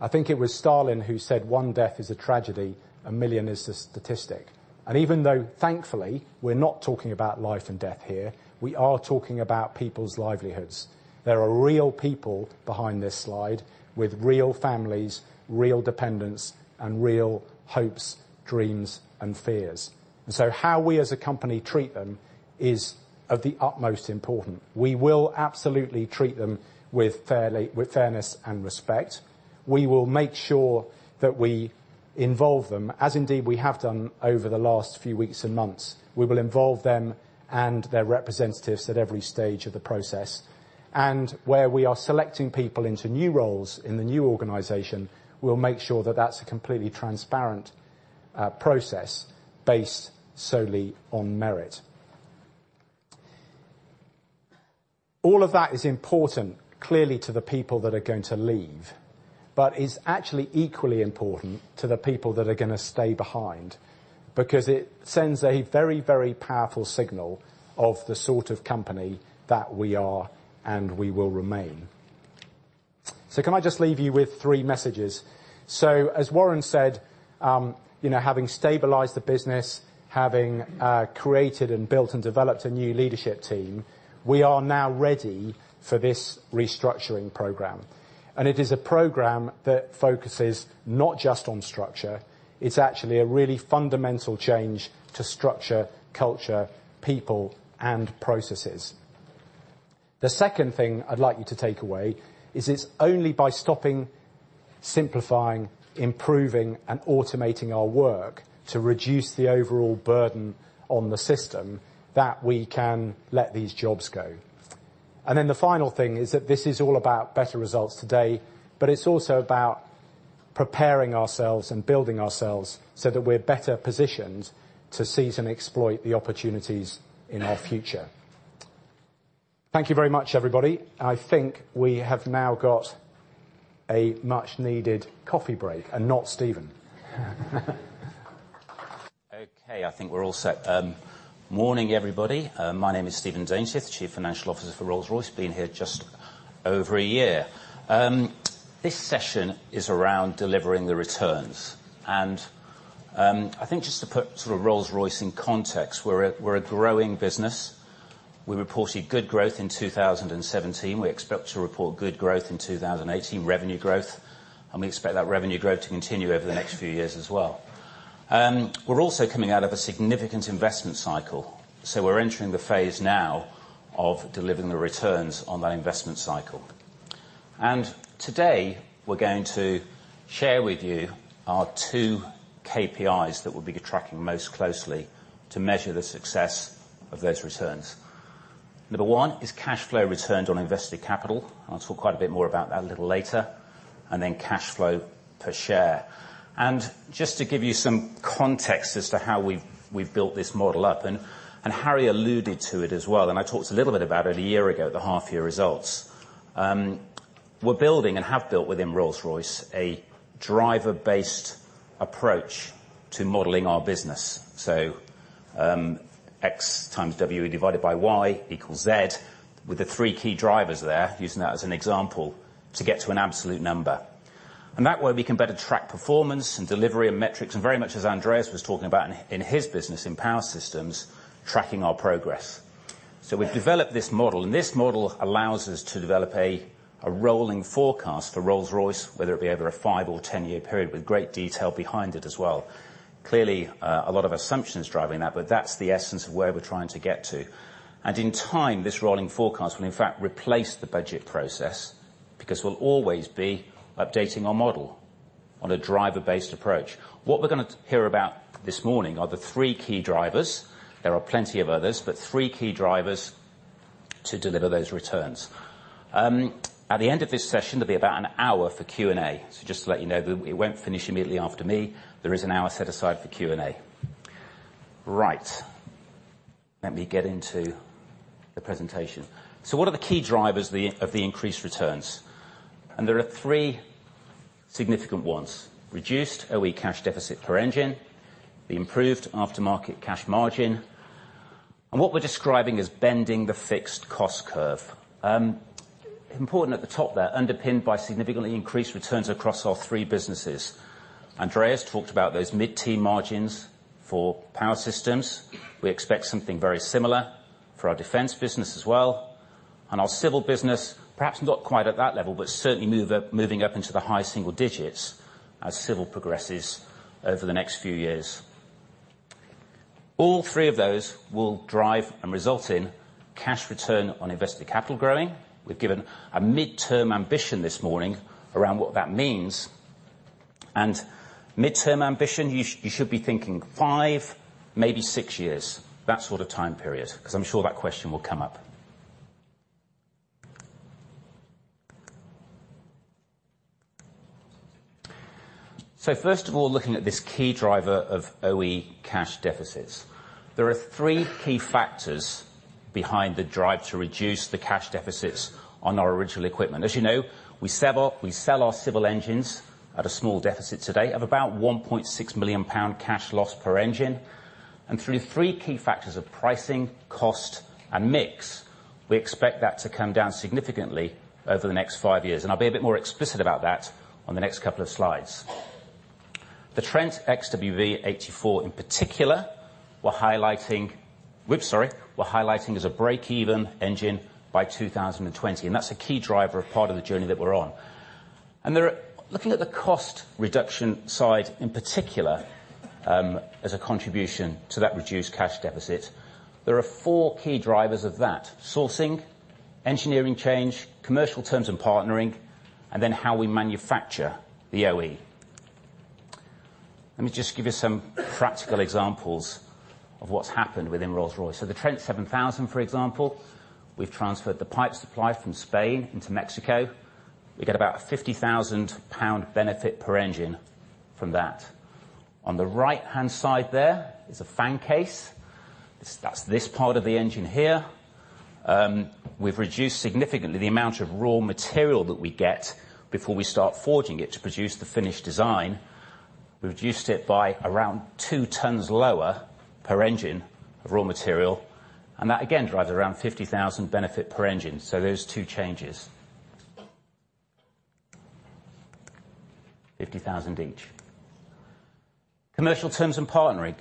I think it was Stalin who said, "One death is a tragedy, 1 million is a statistic." Even though, thankfully, we're not talking about life and death here, we are talking about people's livelihoods. There are real people behind this slide with real families, real dependents, real hopes, dreams, and fears. How we as a company treat them is of the utmost importance. We will absolutely treat them with fairness and respect. We will make sure that we involve them, as indeed we have done over the last few weeks and months. We will involve them and their representatives at every stage of the process. Where we are selecting people into new roles in the new organization, we'll make sure that that's a completely transparent process based solely on merit. All of that is important, clearly, to the people that are going to leave, it's actually equally important to the people that are going to stay behind because it sends a very, very powerful signal of the sort of company that we are and we will remain. Can I just leave you with three messages? As Warren said, having stabilized the business, having created and built and developed a new leadership team, we are now ready for this restructuring program. It is a program that focuses not just on structure, it's actually a really fundamental change to structure, culture, people, and processes. The second thing I'd like you to take away is it's only by stopping, simplifying, improving, and automating our work to reduce the overall burden on the system that we can let these jobs go. The final thing is that this is all about better results today, but it's also about preparing ourselves and building ourselves so that we're better positioned to seize and exploit the opportunities in our future. Thank you very much, everybody. I think we have now got a much-needed coffee break and not Stephen. Okay, I think we're all set. Morning, everybody. My name is Stephen Daintith, the Chief Financial Officer for Rolls-Royce, been here just over a year. This session is around delivering the returns. I think just to put sort of Rolls-Royce in context, we're a growing business. We reported good growth in 2017. We expect to report good growth in 2018, revenue growth, and we expect that revenue growth to continue over the next few years as well. We're also coming out of a significant investment cycle. We're entering the phase now of delivering the returns on that investment cycle. Today, we're going to share with you our two KPIs that we'll be tracking most closely to measure the success of those returns. Number 1 is cash flow returns on invested capital. I'll talk quite a bit more about that a little later. Then cash flow per share. Just to give you some context as to how we've built this model up, Harry alluded to it as well, and I talked a little bit about it a year ago at the half-year results. We're building, and have built within Rolls-Royce, a driver-based approach to modeling our business. X times W divided by Y equals Z with the 3 key drivers there, using that as an example to get to an absolute number. That way, we can better track performance and delivery and metrics, and very much as Andreas was talking about in his business in Power Systems, tracking our progress. We've developed this model, and this model allows us to develop a rolling forecast for Rolls-Royce, whether it be over a five or 10-year period, with great detail behind it as well. Clearly, a lot of assumptions driving that, but that's the essence of where we're trying to get to. In time, this rolling forecast will in fact replace the budget process because we'll always be updating our model on a driver-based approach. What we're going to hear about this morning are the 3 key drivers. There are plenty of others, but 3 key drivers to deliver those returns. At the end of this session, there'll be about an hour for Q&A. Just to let you know that it won't finish immediately after me. There is an hour set aside for Q&A. Right. Let me get into the presentation. What are the key drivers of the increased returns? There are 3 significant ones. Reduced OE cash deficit per engine, the improved aftermarket cash margin, and what we're describing as bending the fixed cost curve. Important at the top there, underpinned by significantly increased returns across our 3 businesses. Andreas talked about those mid-teen margins for Power Systems. We expect something very similar for our Defence business as well, and our Civil business, perhaps not quite at that level, but certainly moving up into the high single digits as Civil progresses over the next few years. All 3 of those will drive and result in cash return on invested capital growing. We've given a midterm ambition this morning around what that means. Midterm ambition, you should be thinking five, maybe six years. That sort of time period, because I'm sure that question will come up. First of all, looking at this key driver of OE cash deficits. There are 3 key factors behind the drive to reduce the cash deficits on our original equipment. As you know, we sell our Civil engines at a small deficit today of about 1.6 million pound cash loss per engine. Through three key factors of pricing, cost, and mix, we expect that to come down significantly over the next five years. I'll be a bit more explicit about that on the next couple of slides. The Trent XWB-84 in particular, we're highlighting as a break-even engine by 2020, and that's a key driver of part of the journey that we're on. Looking at the cost reduction side in particular, as a contribution to that reduced cash deficit, there are four key drivers of that. Sourcing, engineering change, commercial terms and partnering, then how we manufacture the OE. Let me just give you some practical examples of what's happened within Rolls-Royce. The Trent 7000, for example, we've transferred the pipe supply from Spain into Mexico. We get about a 50,000 pound benefit per engine from that. On the right-hand side there is a fan case. That's this part of the engine here. We've reduced significantly the amount of raw material that we get before we start forging it to produce the finished design. Reduced it by around 2 tons lower per engine of raw material, and that again, drives around 50,000 benefit per engine. Those two changes. 50,000 each. Commercial terms and partnering.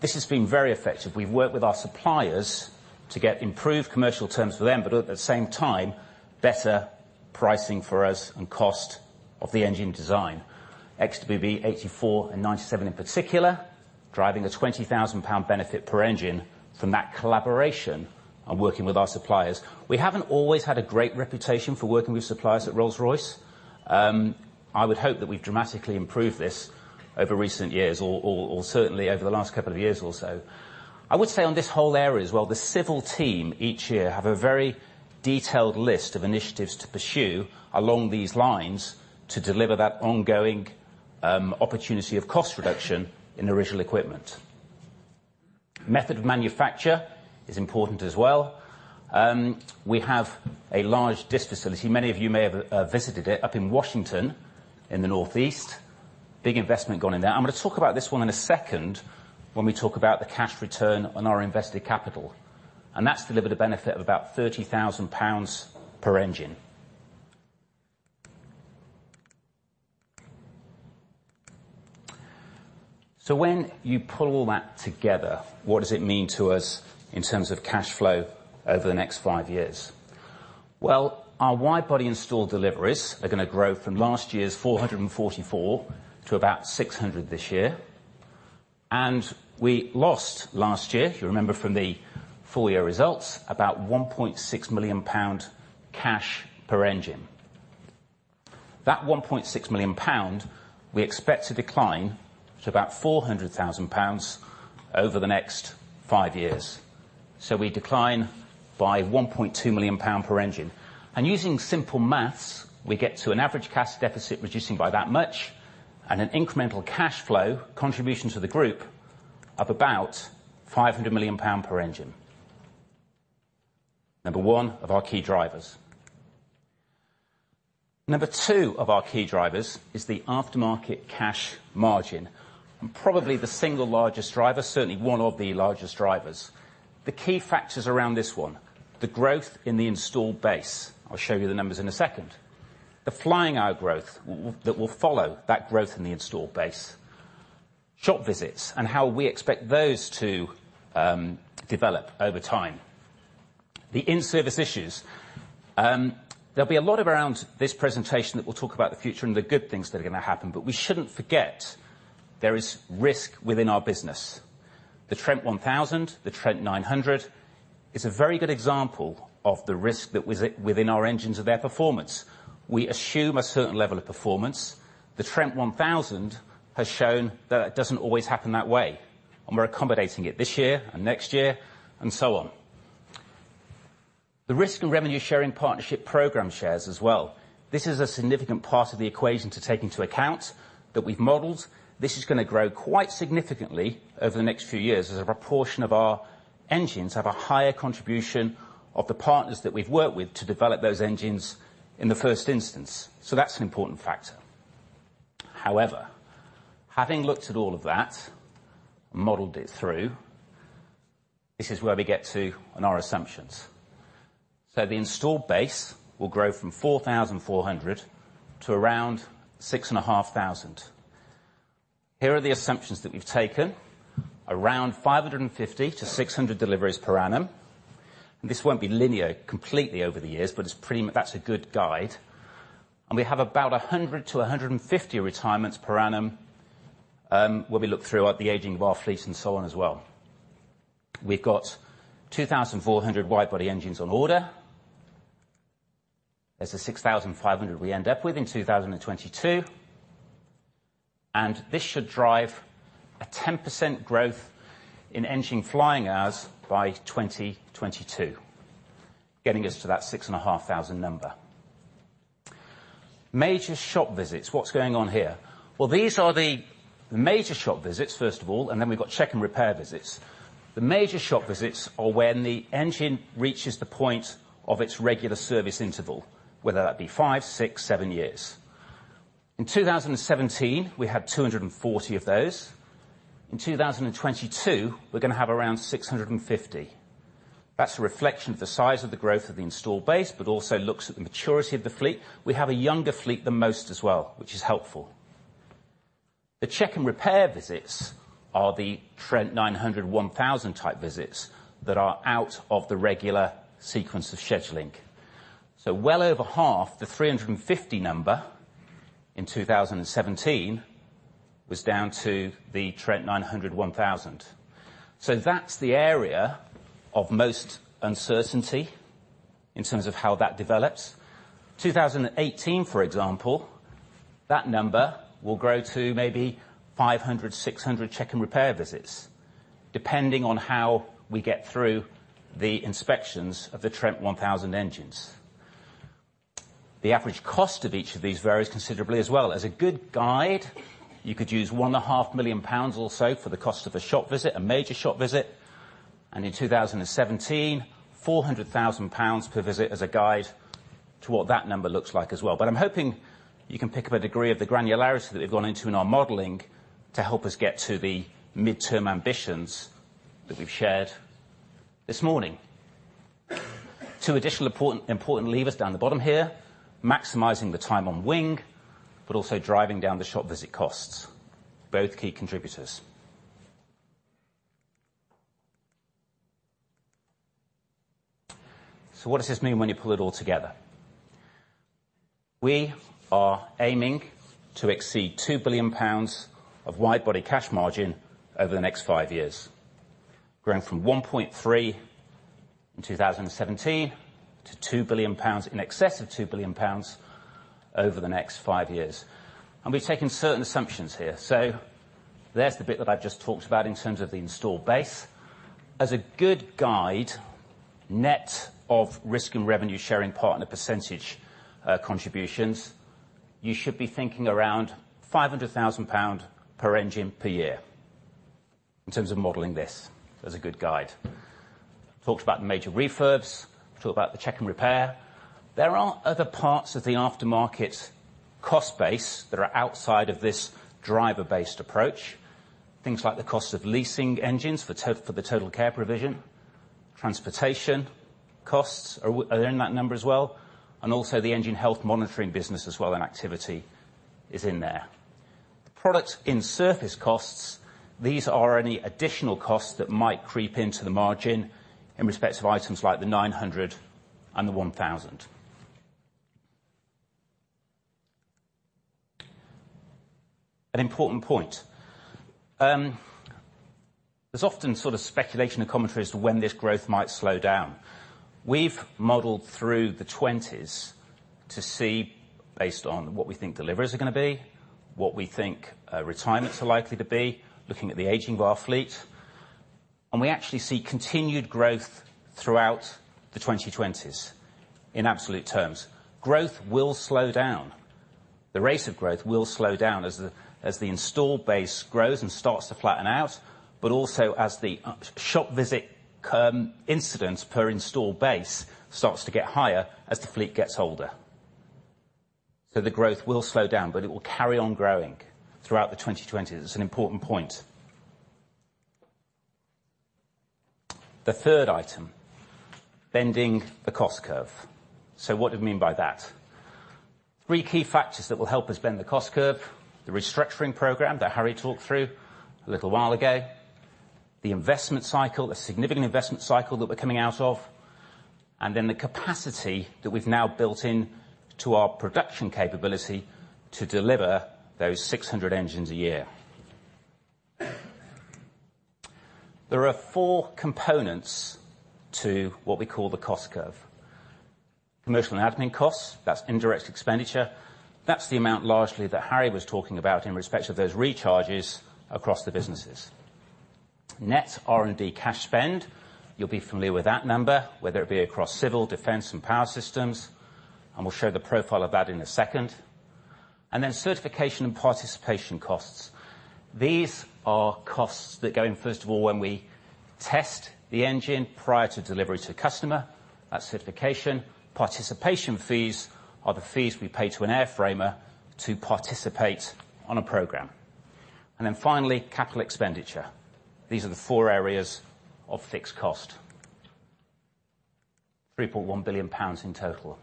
This has been very effective. We've worked with our suppliers to get improved commercial terms for them, but at the same time, better pricing for us and cost of the engine design. XWB-84 and 97 in particular, driving a 20,000 pound benefit per engine from that collaboration and working with our suppliers. We haven't always had a great reputation for working with suppliers at Rolls-Royce. I would hope that we've dramatically improved this over recent years or certainly over the last couple of years or so. I would say on this whole area as well, the Civil team each year have a very detailed list of initiatives to pursue along these lines to deliver that ongoing opportunity of cost reduction in original equipment. Method of manufacture is important as well. We have a large disc facility. Many of you may have visited it up in Washington in the northeast. Big investment gone in there. I'm going to talk about this one in a second when we talk about the cash return on our invested capital. That's delivered a benefit of about 30,000 pounds per engine. When you pull all that together, what does it mean to us in terms of cash flow over the next five years? Our wide body installed deliveries are going to grow from last year's 444 to about 600 this year. We lost last year, if you remember from the full year results, about 1.6 million pound cash per engine. That 1.6 million pound we expect to decline to about 400,000 pounds over the next five years. So we decline by 1.2 million pound per engine. Using simple maths, we get to an average cash deficit reducing by that much, and an incremental cash flow contribution to the group of about 500 million pounds per engine. Number 1 of our key drivers. Number 2 of our key drivers is the aftermarket cash margin, probably the single largest driver, certainly one of the largest drivers. The key factors around this one, the growth in the installed base. I'll show you the numbers in a second. The flying hour growth that will follow that growth in the installed base. Shop visits and how we expect those to develop over time. The in-service issues. There'll be a lot around this presentation that will talk about the future and the good things that are going to happen, but we shouldn't forget there is risk within our business. The Trent 1000, the Trent 900 is a very good example of the risk that was within our engines of their performance. We assume a certain level of performance. The Trent 1000 has shown that it doesn't always happen that way, and we're accommodating it this year and next year, and so on. The risk and revenue sharing partnership program shares as well. This is a significant part of the equation to take into account that we've modeled. This is going to grow quite significantly over the next few years as a proportion of our engines have a higher contribution of the partners that we've worked with to develop those engines in the first instance. That's an important factor. However, having looked at all of that, modeled it through, this is where we get to on our assumptions. The installed base will grow from 4,400 to around 6,500. Here are the assumptions that we've taken. Around 550 to 600 deliveries per annum. This won't be linear completely over the years, but that's a good guide. We have about 100 to 150 retirements per annum, when we look throughout the aging of our fleet and so on as well. We've got 2,400 wide body engines on order. There's the 6,500 we end up with in 2022. This should drive a 10% growth in engine flying hours by 2022, getting us to that 6,500 number. Major shop visits. What's going on here? These are the major shop visits, first of all, and then we've got check and repair visits. The major shop visits are when the engine reaches the point of its regular service interval, whether that be five, six, seven years. In 2017, we had 240 of those. In 2022, we're going to have around 650. That's a reflection of the size of the growth of the installed base, but also looks at the maturity of the fleet. We have a younger fleet than most as well, which is helpful. The check and repair visits are the Trent 900/1000 type visits that are out of the regular sequence of scheduling. Well over half the 350 number in 2017 was down to the Trent 900/1000. That's the area of most uncertainty in terms of how that develops. 2018, for example, that number will grow to maybe 500, 600 check and repair visits, depending on how we get through the inspections of the Trent 1000 engines. The average cost of each of these varies considerably as well. As a good guide, you could use 1.5 million pounds or so for the cost of a shop visit, a major shop visit. In 2017, 400,000 pounds per visit as a guide to what that number looks like as well. I'm hoping you can pick up a degree of the granularity that we've gone into in our modeling to help us get to the midterm ambitions that we've shared this morning. Two additional important levers down the bottom here, maximizing the time on wing, but also driving down the shop visit costs. Both key contributors. What does this mean when you pull it all together? We are aiming to exceed 2 billion pounds of wide body cash margin over the next five years, growing from 1.3 billion in 2017 to 2 billion pounds, in excess of 2 billion pounds over the next five years. We've taken certain assumptions here. There's the bit that I've just talked about in terms of the installed base. As a good guide, net of risk and revenue sharing partner percentage contributions, you should be thinking around 500,000 pound per engine per year in terms of modeling this as a good guide. Talked about the major refurbs. Talked about the check and repair. There are other parts of the aftermarket cost base that are outside of this driver-based approach. Things like the cost of leasing engines for the TotalCare provision. Transportation costs are in that number as well, and the engine health monitoring business as well, and activity is in there. The product in-service costs, these are any additional costs that might creep into the margin in respect of items like the Trent 900 and the Trent 1000. An important point. There's often sort of speculation and commentary as to when this growth might slow down. We've modeled through the 2020s to see, based on what we think deliveries are going to be, what we think retirements are likely to be, looking at the aging of our fleet. We actually see continued growth throughout the 2020s in absolute terms. Growth will slow down. The rate of growth will slow down as the installed base grows and starts to flatten out, but also as the shop visit incidence per installed base starts to get higher as the fleet gets older. The growth will slow down, but it will carry on growing throughout the 2020s. It's an important point. The third item, bending the cost curve. What do we mean by that? Three key factors that will help us bend the cost curve. The restructuring program that Harry talked through a little while ago, the investment cycle, the significant investment cycle that we're coming out of, and the capacity that we've now built into our production capability to deliver those 600 engines a year. There are four components to what we call the cost curve. Commercial and Admin costs. That's indirect expenditure. That's the amount largely that Harry was talking about in respect of those recharges across the businesses. Net R&D cash spend. You'll be familiar with that number, whether it be across Civil Aerospace, Rolls-Royce Defence, and Power Systems. We'll show the profile of that in a second. Certification and participation costs. These are costs that go in, first of all, when we test the engine prior to delivery to the customer. That's certification. Participation fees are the fees we pay to an airframer to participate on a program. Finally, capital expenditure. These are the four areas of fixed cost. 3.1 billion pounds in total.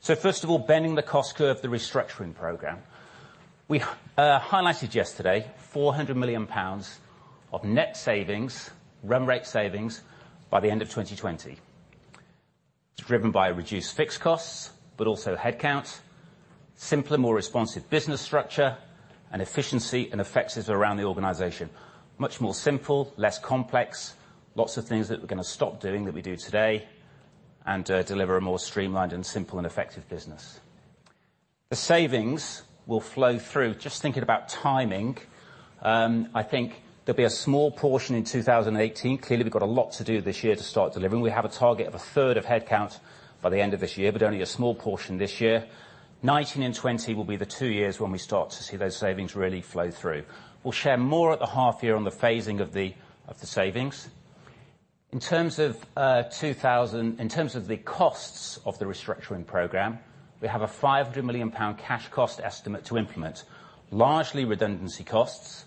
First of all, bending the cost curve, the restructuring program. We highlighted yesterday 400 million pounds of net savings, run rate savings, by the end of 2020. It's driven by reduced fixed costs, also headcount, simpler, more responsive business structure, and efficiency and effectiveness around the organization. Much more simple, less complex, lots of things that we're going to stop doing that we do today and deliver a more streamlined and simple and effective business. The savings will flow through. Thinking about timing, I think there'll be a small portion in 2018. Clearly, we've got a lot to do this year to start delivering. We have a target of a third of headcount by the end of this year, only a small portion this year. 2019 and 2020 will be the two years when we start to see those savings really flow through. We'll share more at the half year on the phasing of the savings. In terms of the costs of the restructuring program, we have a 500 million pound cash cost estimate to implement. Largely redundancy costs,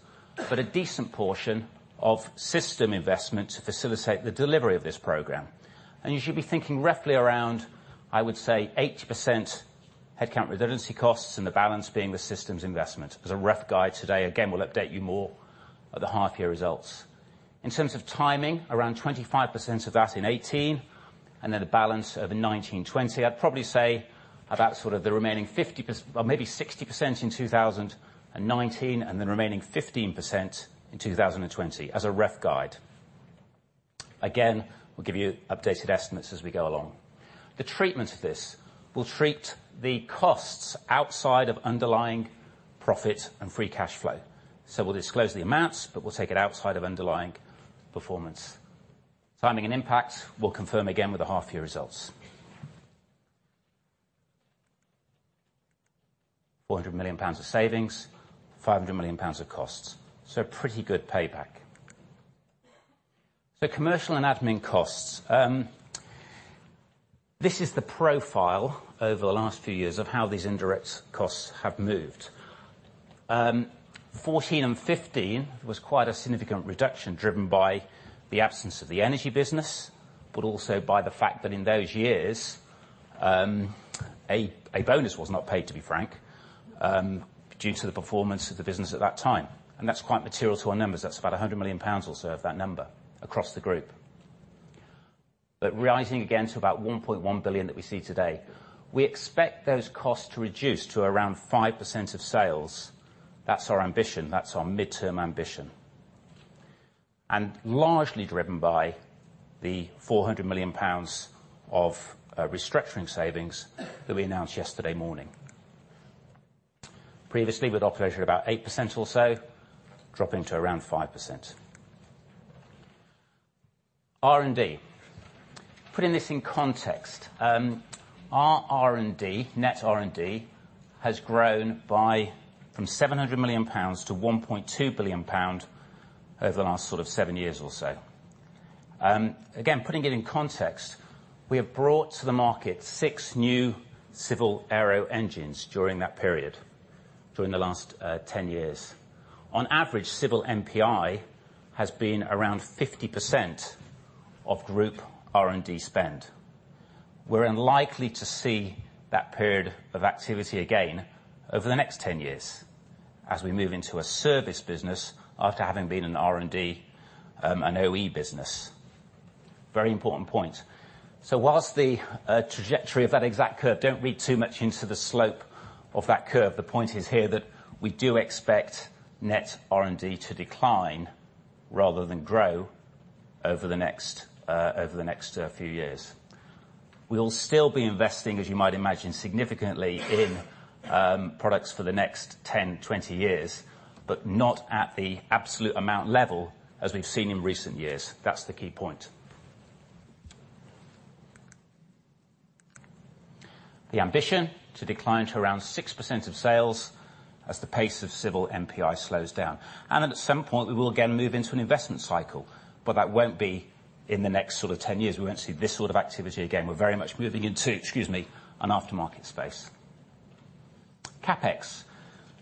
a decent portion of system investment to facilitate the delivery of this program. You should be thinking roughly around, I would say, 80% headcount redundancy costs and the balance being the systems investment as a rough guide today. Again, we'll update you more at the half-year results. In terms of timing, around 25% of that in 2018, the balance over 2019 and 2020. I'd probably say about sort of the remaining 50%, well, maybe 60% in 2019, and the remaining 15% in 2020 as a rough guide. Again, we'll give you updated estimates as we go along. The treatment of this. We'll treat the costs outside of underlying profit and free cash flow. We'll disclose the amounts, we'll take it outside of underlying performance. Timing and impact, we'll confirm again with the half-year results. 400 million pounds of savings, 500 million pounds of costs. Pretty good payback. Commercial and admin costs. This is the profile over the last few years of how these indirect costs have moved. 2014 and 2015 was quite a significant reduction driven by the absence of the energy business, also by the fact that in those years, a bonus was not paid, to be frank, due to the performance of the business at that time. That's quite material to our numbers. That's about 100 million pounds or so of that number across the group. Rising again to about 1.1 billion that we see today. We expect those costs to reduce to around 5% of sales. That's our ambition. That's our midterm ambition. Largely driven by the 400 million pounds of restructuring savings that we announced yesterday morning. Previously we'd operated about 8% or so, dropping to around 5%. R&D. Putting this in context, our R&D, net R&D, has grown from 700 million pounds to 1.2 billion pound over the last sort of seven years or so. Again, putting it in context, we have brought to the market six new civil aero engines during that period During the last 10 years. On average, civil NPI has been around 50% of group R&D spend. We're unlikely to see that period of activity again over the next 10 years as we move into a service business after having been an R&D, an OE business. Very important point. Whilst the trajectory of that exact curve, don't read too much into the slope of that curve. The point is here that we do expect net R&D to decline rather than grow over the next few years. We'll still be investing, as you might imagine, significantly in products for the next 10, 20 years, but not at the absolute amount level as we've seen in recent years. That's the key point. The ambition, to decline to around 6% of sales as the pace of civil NPI slows down. At some point, we will again move into an investment cycle, but that won't be in the next sort of 10 years. We won't see this sort of activity again. We're very much moving into, excuse me, an aftermarket space. CapEx.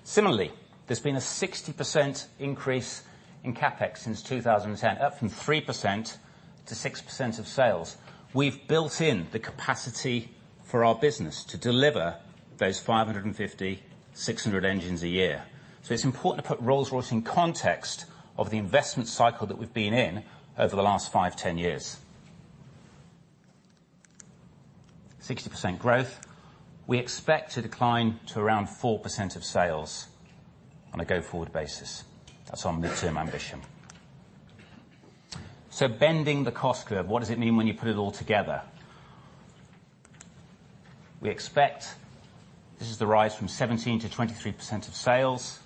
Similarly, there's been a 60% increase in CapEx since 2010, up from 3% to 6% of sales. We've built in the capacity for our business to deliver those 550, 600 engines a year. It's important to put Rolls-Royce in context of the investment cycle that we've been in over the last five, 10 years. 60% growth. We expect to decline to around 4% of sales on a go-forward basis. That's our midterm ambition. Bending the cost curve, what does it mean when you put it all together? We expect this is the rise from 17% to 23% of sales.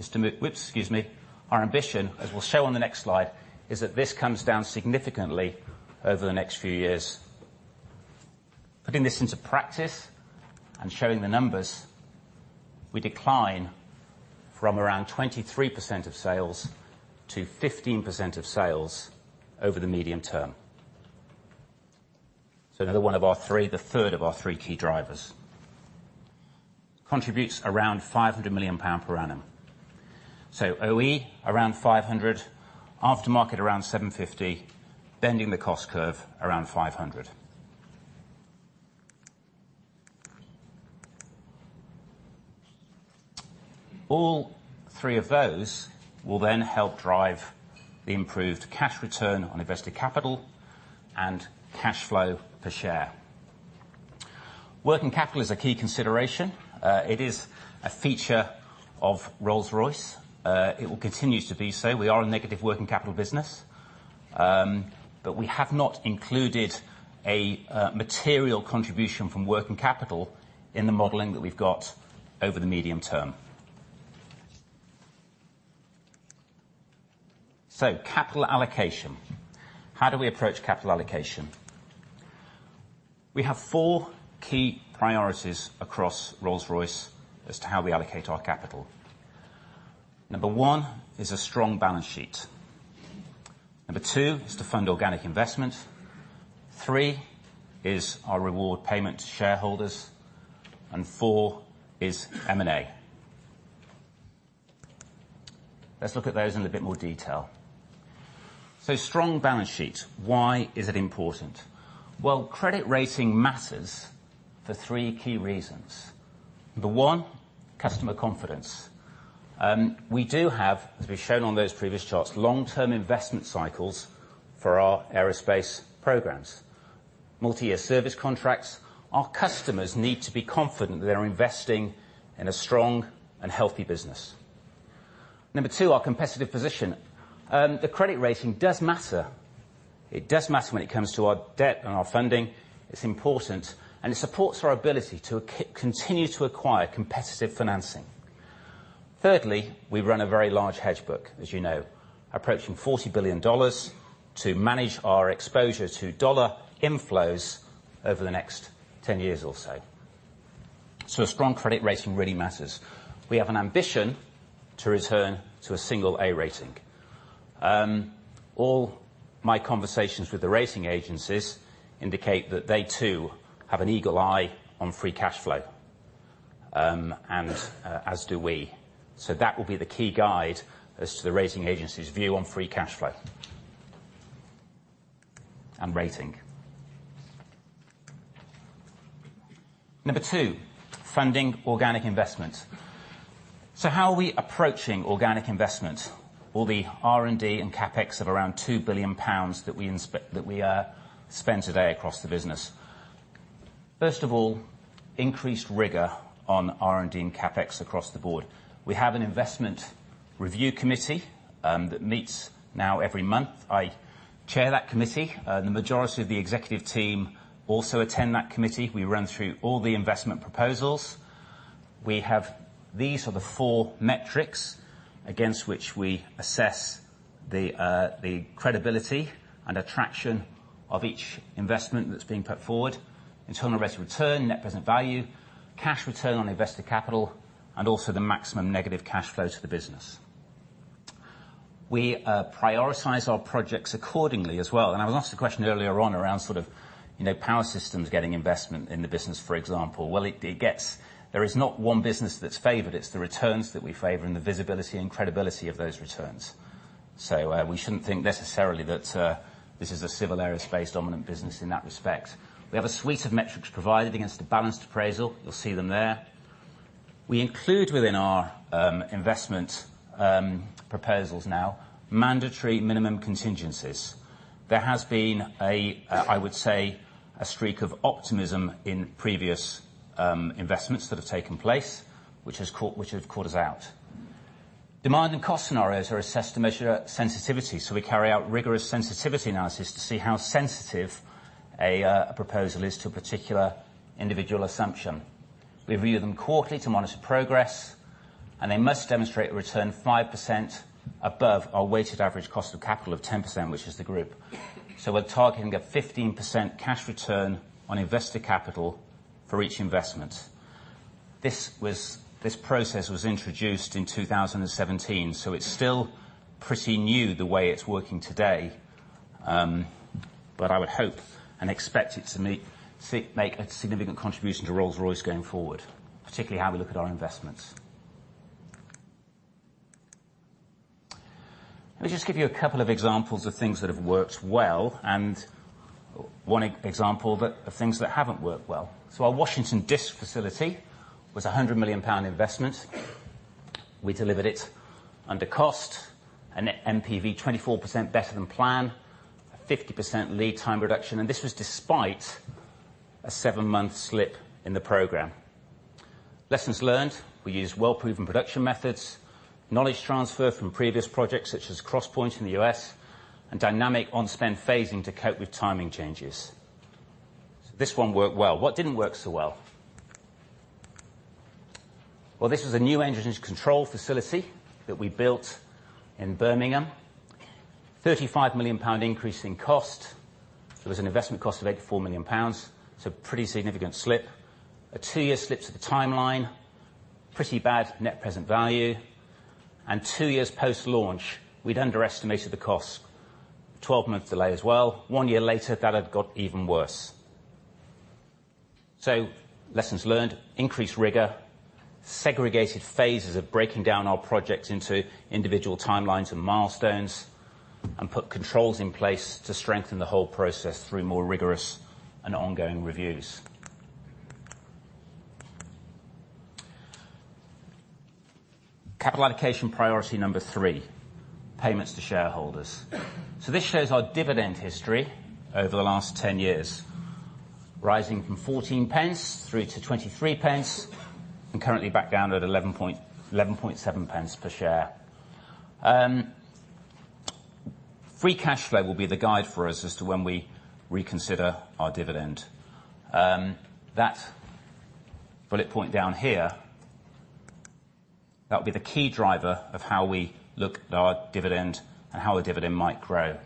Excuse me. Our ambition, as we'll show on the next slide, is that this comes down significantly over the next few years. Putting this into practice and showing the numbers, we decline from around 23% of sales to 15% of sales over the medium term. Another one of our three, the third of our three key drivers. Contributes around 500 million pound per annum. OE, around 500 million. Aftermarket, around 750 million. Bending the cost curve, around 500 million. All three of those will help drive the improved cash return on invested capital and cash flow per share. Working capital is a key consideration. It is a feature of Rolls-Royce. It will continue to be so. We are a negative working capital business, but we have not included a material contribution from working capital in the modeling that we've got over the medium term. Capital allocation, how do we approach capital allocation? We have four key priorities across Rolls-Royce as to how we allocate our capital. Number one is a strong balance sheet. Number two is to fund organic investment. Three is our reward payment to shareholders, and four is M&A. Let's look at those in a bit more detail. Strong balance sheet, why is it important? Credit rating matters for three key reasons. Number one, customer confidence. We do have, as we've shown on those previous charts, long-term investment cycles for our aerospace programs. Multi-year service contracts. Our customers need to be confident that they're investing in a strong and healthy business. Number two, our competitive position. The credit rating does matter. It does matter when it comes to our debt and our funding. It's important, and it supports our ability to continue to acquire competitive financing. Thirdly, we run a very large hedge book, as you know. Approaching $40 billion to manage our exposure to dollar inflows over the next 10 years or so. A strong credit rating really matters. We have an ambition to return to a single A rating. All my conversations with the rating agencies indicate that they, too, have an eagle eye on free cash flow, and as do we. That will be the key guide as to the rating agency's view on free cash flow and rating. Number 2, funding organic investment. How are we approaching organic investment? All the R&D and CapEx of around 2 billion pounds that we spend today across the business. First of all, increased rigor on R&D and CapEx across the board. We have an investment review committee that meets now every month. I chair that committee. The majority of the executive team also attend that committee. We run through all the investment proposals. These are the 4 metrics against which we assess the credibility and attraction of each investment that's being put forward. Internal rate of return, net present value, cash return on invested capital, and also the maximum negative cash flow to the business. We prioritize our projects accordingly as well. I was asked a question earlier on around sort of Power Systems getting investment in the business, for example. There is not 1 business that's favored. It's the returns that we favor and the visibility and credibility of those returns. We shouldn't think necessarily that this is a Civil Aerospace dominant business in that respect. We have a suite of metrics provided against the balanced appraisal. You'll see them there. We include within our investment proposals now mandatory minimum contingencies. There has been, I would say, a streak of optimism in previous investments that have taken place, which have caught us out. Demand and cost scenarios are assessed to measure sensitivity, so we carry out rigorous sensitivity analysis to see how sensitive a proposal is to a particular individual assumption. We review them quarterly to monitor progress, and they must demonstrate a return 5% above our weighted average cost of capital of 10%, which is the group. We're targeting a 15% cash return on invested capital for each investment. This process was introduced in 2017, it's still pretty new the way it's working today. I would hope and expect it to make a significant contribution to Rolls-Royce going forward, particularly how we look at our investments. Let me just give you a couple of examples of things that have worked well and 1 example of things that haven't worked well. Our Washington disc facility was 100 million pound investment. We delivered it under cost, a net NPV 24% better than plan, a 50% lead time reduction, and this was despite a 7-month slip in the program. Lessons learned, we used well-proven production methods, knowledge transfer from previous projects such as Crosspointe in the U.S., and dynamic on-spend phasing to cope with timing changes. This 1 worked well. What didn't work so well? This was a new engine control facility that we built in Birmingham. 35 million pound increase in cost. There was an investment cost of 84 million pounds, pretty significant slip. A 2-year slip to the timeline. Pretty bad net present value. 2 years post-launch, we'd underestimated the cost. 12 months delay as well. 1 year later, that had got even worse. Lessons learned, increased rigor, segregated phases of breaking down our projects into individual timelines and milestones, and put controls in place to strengthen the whole process through more rigorous and ongoing reviews. Capital allocation priority number 3, payments to shareholders. This shows our dividend history over the last 10 years, rising from 0.14 through to 0.23 and currently back down at 0.117 per share. Free cash flow will be the guide for us as to when we reconsider our dividend. That bullet point down here, that will be the key driver of how we look at our dividend and how our dividend might grow.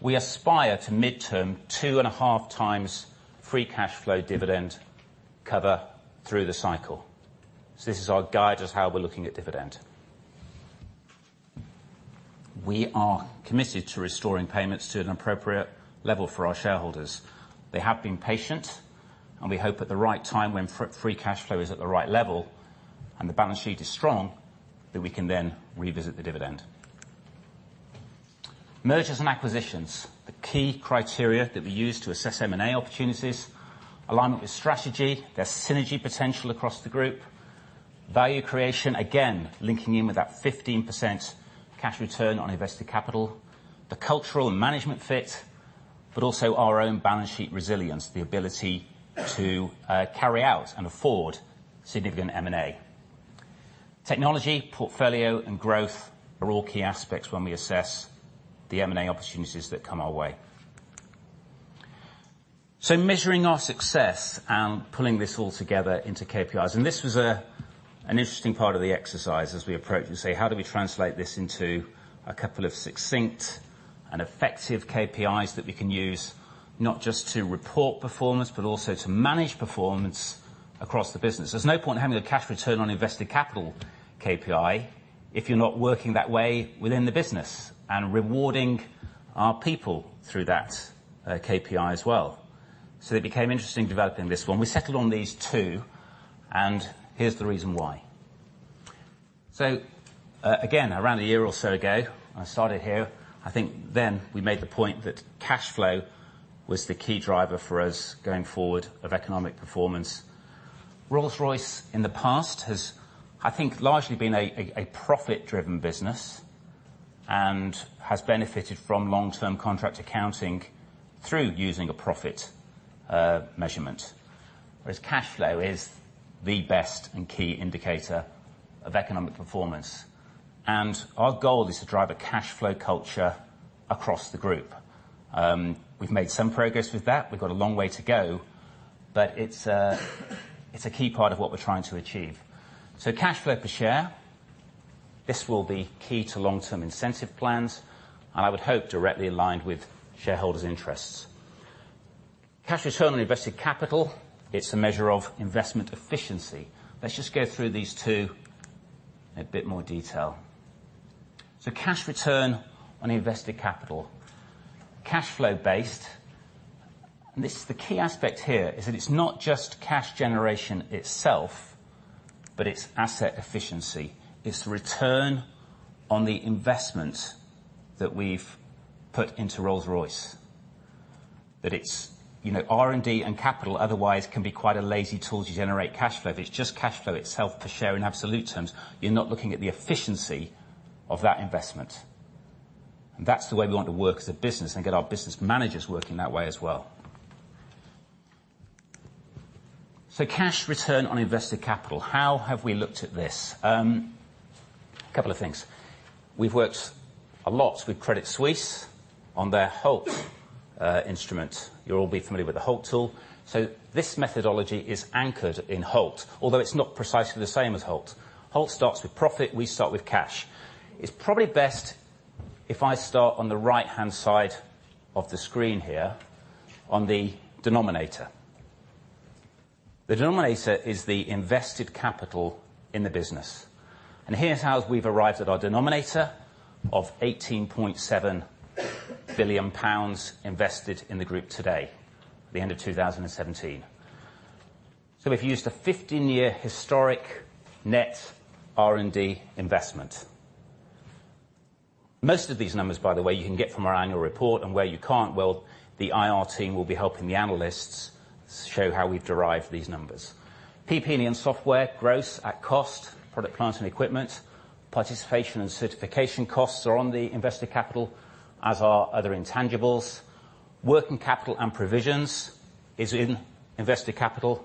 We aspire to midterm 2.5 times free cash flow dividend cover through the cycle. This is our guide as how we're looking at dividend. We are committed to restoring payments to an appropriate level for our shareholders. They have been patient, and we hope at the right time when free cash flow is at the right level and the balance sheet is strong, that we can then revisit the dividend. Mergers and acquisitions. The key criteria that we use to assess M&A opportunities, alignment with strategy, there's synergy potential across the group. Value creation, again, linking in with that 15% cash return on invested capital. The cultural and management fit, but also our own balance sheet resilience, the ability to carry out and afford significant M&A. Technology, portfolio, and growth are all key aspects when we assess the M&A opportunities that come our way. Measuring our success and pulling this all together into KPIs. This was an interesting part of the exercise as we approach and say, How do we translate this into a couple of succinct and effective KPIs that we can use not just to report performance, but also to manage performance across the business? There's no point in having a cash return on invested capital KPI if you're not working that way within the business and rewarding our people through that KPI as well. It became interesting developing this one. We settled on these two, and here's the reason why. Again, around a year or so ago, I started here, I think then we made the point that cash flow was the key driver for us going forward of economic performance. Rolls-Royce in the past has, I think, largely been a profit-driven business and has benefited from long-term contract accounting through using a profit measurement. Whereas cash flow is the best and key indicator of economic performance. Our goal is to drive a cash flow culture across the group. We've made some progress with that. We've got a long way to go, but it's a key part of what we're trying to achieve. Cash flow per share, this will be key to long-term incentive plans, and I would hope directly aligned with shareholders' interests. Cash return on invested capital, it's a measure of investment efficiency. Let's just go through these two in a bit more detail. Cash return on invested capital. Cash flow based. The key aspect here is that it's not just cash generation itself, but it's asset efficiency. It's the return on the investment that we've put into Rolls-Royce. That it's R&D and capital otherwise can be quite a lazy tool to generate cash flow. If it's just cash flow itself per share in absolute terms, you're not looking at the efficiency of that investment. That's the way we want to work as a business and get our business managers working that way as well. Cash return on invested capital, how have we looked at this? A couple of things. We've worked a lot with Credit Suisse on their HOLT instrument. You'll all be familiar with the HOLT tool. This methodology is anchored in HOLT, although it's not precisely the same as HOLT. HOLT starts with profit, we start with cash. It's probably best if I start on the right-hand side of the screen here on the denominator. The denominator is the invested capital in the business, and here's how we've arrived at our denominator of 18.7 billion pounds invested in the group today, at the end of 2017. We've used a 15-year historic net R&D investment. Most of these numbers, by the way, you can get from our annual report, and where you can't, well, the IR team will be helping the analysts show how we've derived these numbers. PP&E and software gross at cost, product, plant, and equipment, participation and certification costs are on the invested capital, as are other intangibles. Working capital and provisions is in invested capital,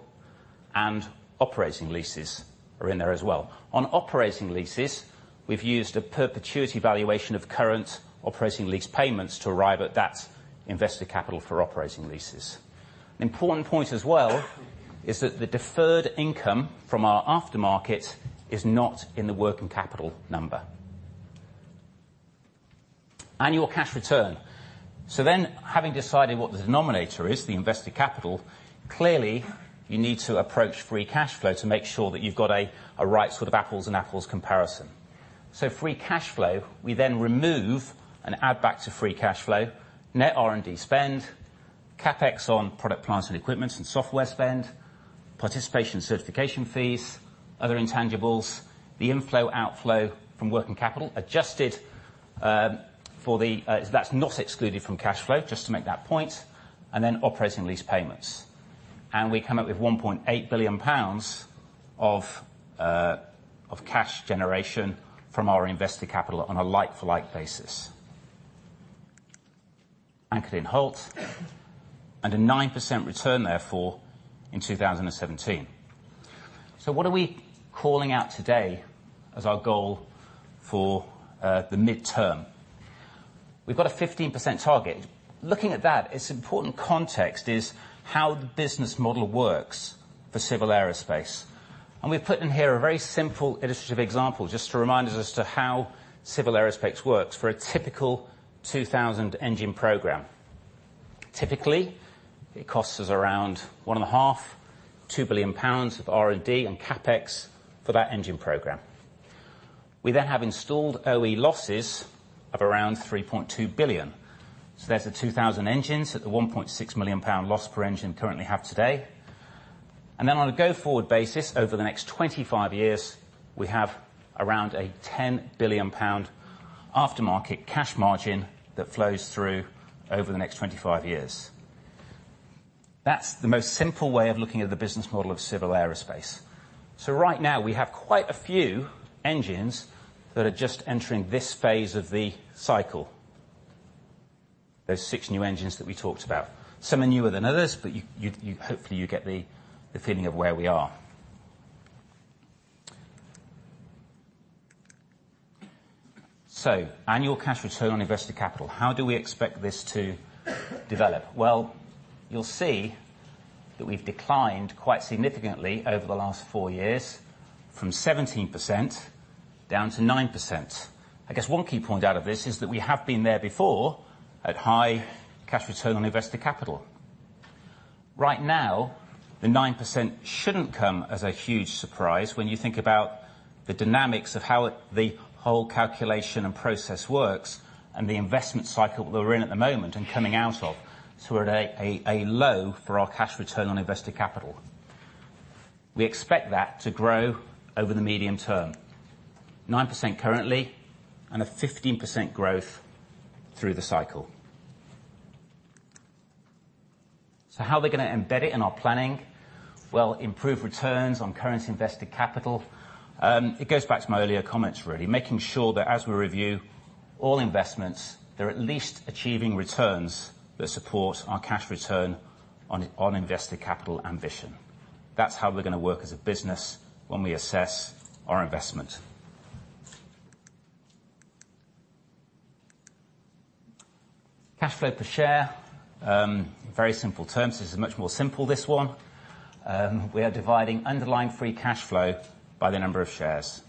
and operating leases are in there as well. On operating leases, we've used a perpetuity valuation of current operating lease payments to arrive at that invested capital for operating leases. An important point as well is that the deferred income from our aftermarket is not in the working capital number. Annual cash return. Having decided what the denominator is, the invested capital, clearly, you need to approach free cash flow to make sure that you've got a right sort of apples and apples comparison. Free cash flow, we then remove and add back to free cash flow, net R&D spend, CapEx on product, plant and equipment and software spend, participation certification fees, other intangibles, the inflow outflow from working capital adjusted for the That's not excluded from cash flow, just to make that point, and then operating lease payments. We come up with 1.8 billion pounds of cash generation from our invested capital on a like-for-like basis. Anchored in HOLT, and a 9% return therefore in 2017. What are we calling out today as our goal for the midterm? We've got a 15% target. Looking at that, its important context is how the business model works for Civil Aerospace. We've put in here a very simple illustrative example just to remind us as to how Civil Aerospace works for a typical 2,000 engine program. Typically, it costs us around 1.5 billion-2 billion pounds of R&D and CapEx for that engine program. We have installed OE losses of around 3.2 billion. There's the 2,000 engines at the 1.6 million pound loss per engine currently have today. On a go-forward basis, over the next 25 years, we have around a 10 billion pound aftermarket cash margin that flows through over the next 25 years. That's the most simple way of looking at the business model of Civil Aerospace. Right now, we have quite a few engines that are just entering this phase of the cycle. Those six new engines that we talked about. Some are newer than others, but hopefully, you get the feeling of where we are. Annual cash return on invested capital. How do we expect this to develop? You'll see that we've declined quite significantly over the last four years from 17% down to 9%. I guess one key point out of this is that we have been there before at high cash return on invested capital. Right now, the 9% shouldn't come as a huge surprise when you think about the dynamics of how the whole calculation and process works and the investment cycle that we're in at the moment and coming out of. We're at a low for our cash return on invested capital. We expect that to grow over the medium term, 9% currently and a 15% growth through the cycle. How are we going to embed it in our planning? Improve returns on current invested capital. It goes back to my earlier comments, really, making sure that as we review all investments, they're at least achieving returns that support our cash return on invested capital ambition. That's how we're going to work as a business when we assess our investment. Cash flow per share. Very simple terms. This is much more simple, this one. We are dividing underlying free cash flow by the number of shares.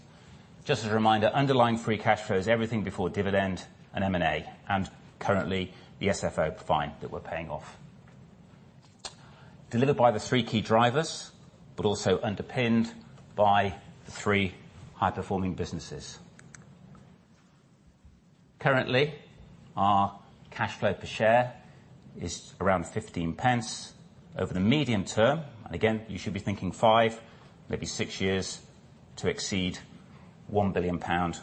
Just as a reminder, underlying free cash flow is everything before dividend and M&A, and currently, the SFO fine that we're paying off. Delivered by the three key drivers, but also underpinned by the three high-performing businesses. Currently, our cash flow per share is around 0.15 over the medium term. Again, you should be thinking five, maybe six years to exceed 1 billion pound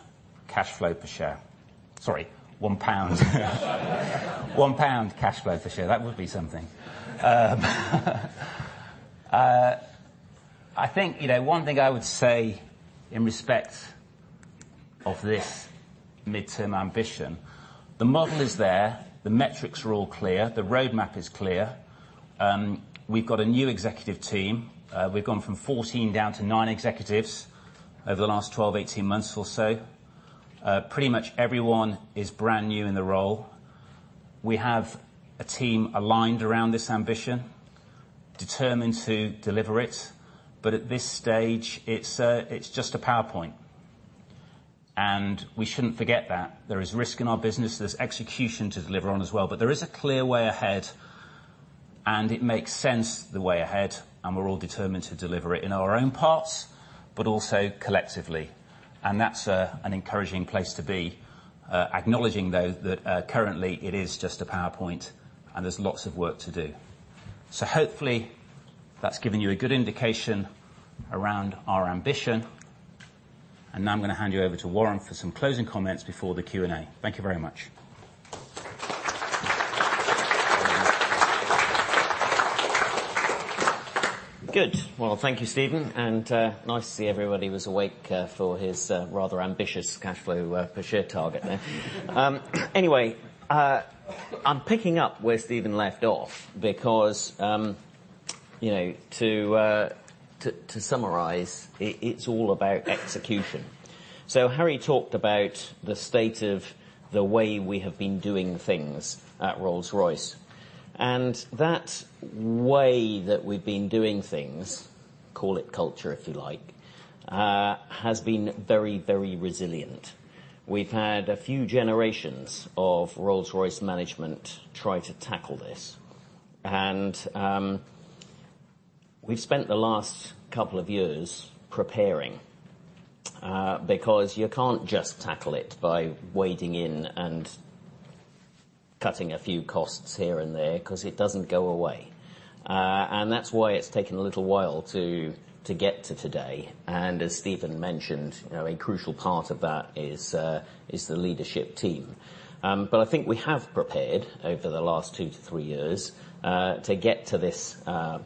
cash flow per share. Sorry, 1 pound. 1 pound cash flow per share. That would be something. One thing I would say in respect of this midterm ambition, the model is there, the metrics are all clear, the roadmap is clear. We've got a new executive team. We've gone from 14 down to nine executives over the last 12, 18 months or so. Pretty much everyone is brand new in the role. We have a team aligned around this ambition, determined to deliver it. At this stage, it's just a PowerPoint, and we shouldn't forget that there is risk in our business. There's execution to deliver on as well, there is a clear way ahead, and it makes sense the way ahead, and we're all determined to deliver it in our own parts, but also collectively. That's an encouraging place to be. Acknowledging, though, that currently it is just a PowerPoint and there's lots of work to do. Hopefully, that's given you a good indication around our ambition. Now I'm going to hand you over to Warren for some closing comments before the Q&A. Thank you very much. Good. Well, thank you, Stephen. Nice to see everybody was awake for his rather ambitious cash flow per share target there. Anyway, I'm picking up where Stephen left off because to summarize, it's all about execution. Harry talked about the state of the way we have been doing things at Rolls-Royce. That way that we've been doing things, call it culture if you like, has been very resilient. We've had a few generations of Rolls-Royce management try to tackle this. We've spent the last couple of years preparing because you can't just tackle it by wading in and cutting a few costs here and there because it doesn't go away. That's why it's taken a little while to get to today. As Stephen mentioned, a crucial part of that is the leadership team. I think we have prepared over the last two to three years to get to this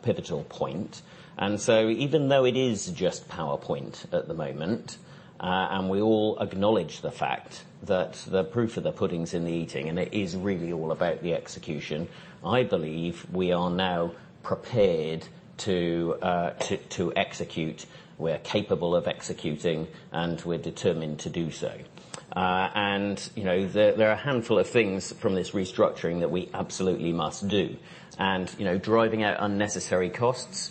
pivotal point. Even though it is just PowerPoint at the moment, we all acknowledge the fact that the proof of the pudding's in the eating, it is really all about the execution. I believe we are now prepared to execute, we're capable of executing, and we're determined to do so. There are a handful of things from this restructuring that we absolutely must do. Driving out unnecessary costs,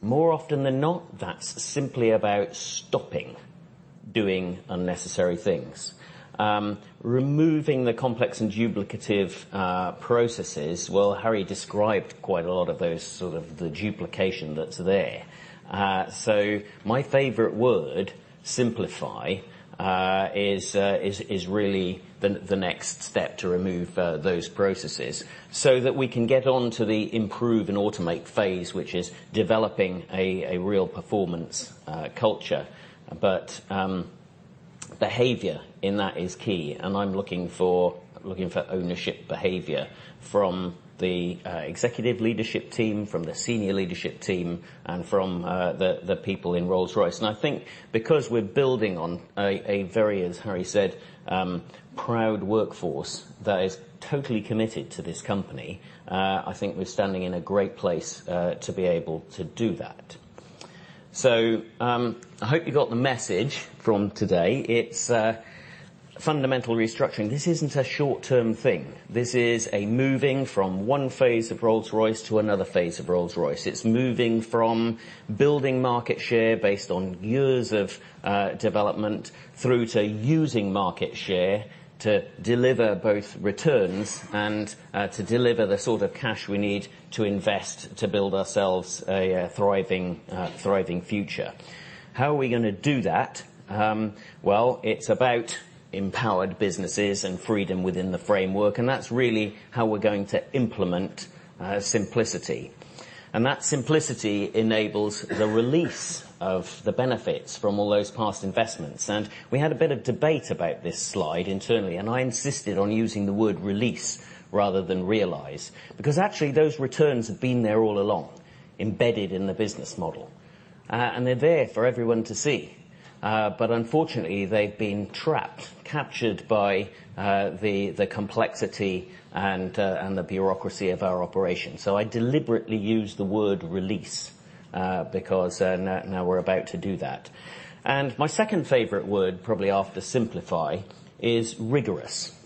more often than not, that's simply about stopping doing unnecessary things. Removing the complex and duplicative processes. Well, Harry described quite a lot of those sort of the duplication that's there. My favorite word, simplify, is really the next step to remove those processes so that we can get on to the improve and automate phase, which is developing a real performance culture. Behavior in that is key, and I'm looking for ownership behavior from the executive leadership team, from the senior leadership team, and from the people in Rolls-Royce. I think because we're building on a very, as Harry said, proud workforce that is totally committed to this company, I hope you got the message from today. It's fundamental restructuring. This isn't a short-term thing. This is a moving from one phase of Rolls-Royce to another phase of Rolls-Royce. It's moving from building market share based on years of development through to using market share to deliver both returns and to deliver the sort of cash we need to invest to build ourselves a thriving future. How are we going to do that? Well, it's about empowered businesses and freedom within the framework, and that's really how we're going to implement simplicity. That simplicity enables the release of the benefits from all those past investments. We had a bit of debate about this slide internally, I insisted on using the word release rather than realize, because actually those returns have been there all along embedded in the business model. They're there for everyone to see. Unfortunately, they've been trapped, captured by the complexity and the bureaucracy of our operation. I deliberately use the word release, because now we're about to do that. My second favorite word, probably after simplify, is rigorous.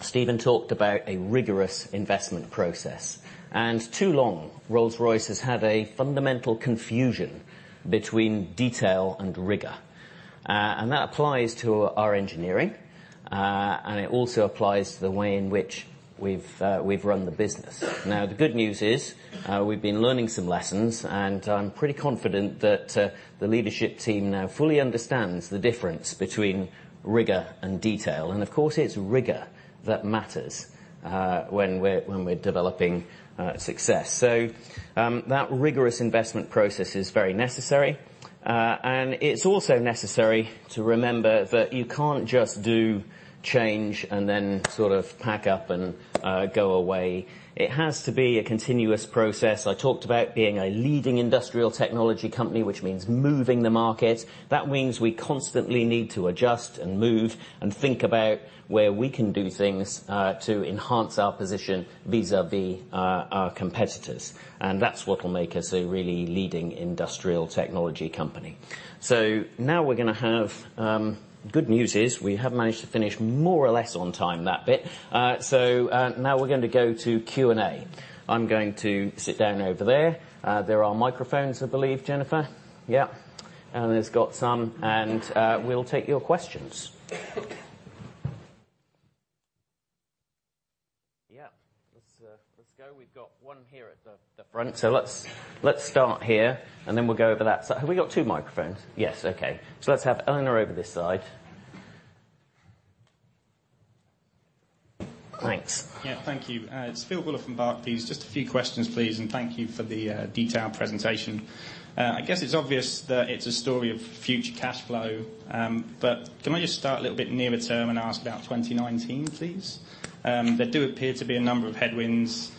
Stephen talked about a rigorous investment process. Too long, Rolls-Royce has had a fundamental confusion between detail and rigor. That applies to our engineering, and it also applies to the way in which we've run the business. The good news is, we've been learning some lessons, and I'm pretty confident that the leadership team now fully understands the difference between rigor and detail. Of course, it's rigor that matters when we're developing success. That rigorous investment process is very necessary. It's also necessary to remember that you can't just do change and then sort of pack up and go away. It has to be a continuous process. I talked about being a leading industrial technology company, which means moving the market. That means we constantly need to adjust and move and think about where we can do things to enhance our position vis-a-vis our competitors. That's what will make us a really leading industrial technology company. Good news is, we have managed to finish more or less on time, that bit. Now we're going to go to Q&A. I'm going to sit down over there. There are microphones, I believe, Jennifer? Yeah. It's got some, and we'll take your questions. Yeah. Let's go. We've got one here at the front. Let's start here, and then we'll go over that side. Have we got two microphones? Yes. Okay. Let's have Eleanor over this side. Thanks. Yeah, thank you. It's Phil Woolliffe from Barclays. Just a few questions, please, and thank you for the detailed presentation. I guess it's obvious that it's a story of future cash flow. Can I just start a little bit nearer term and ask about 2019, please? There do appear to be a number of headwinds,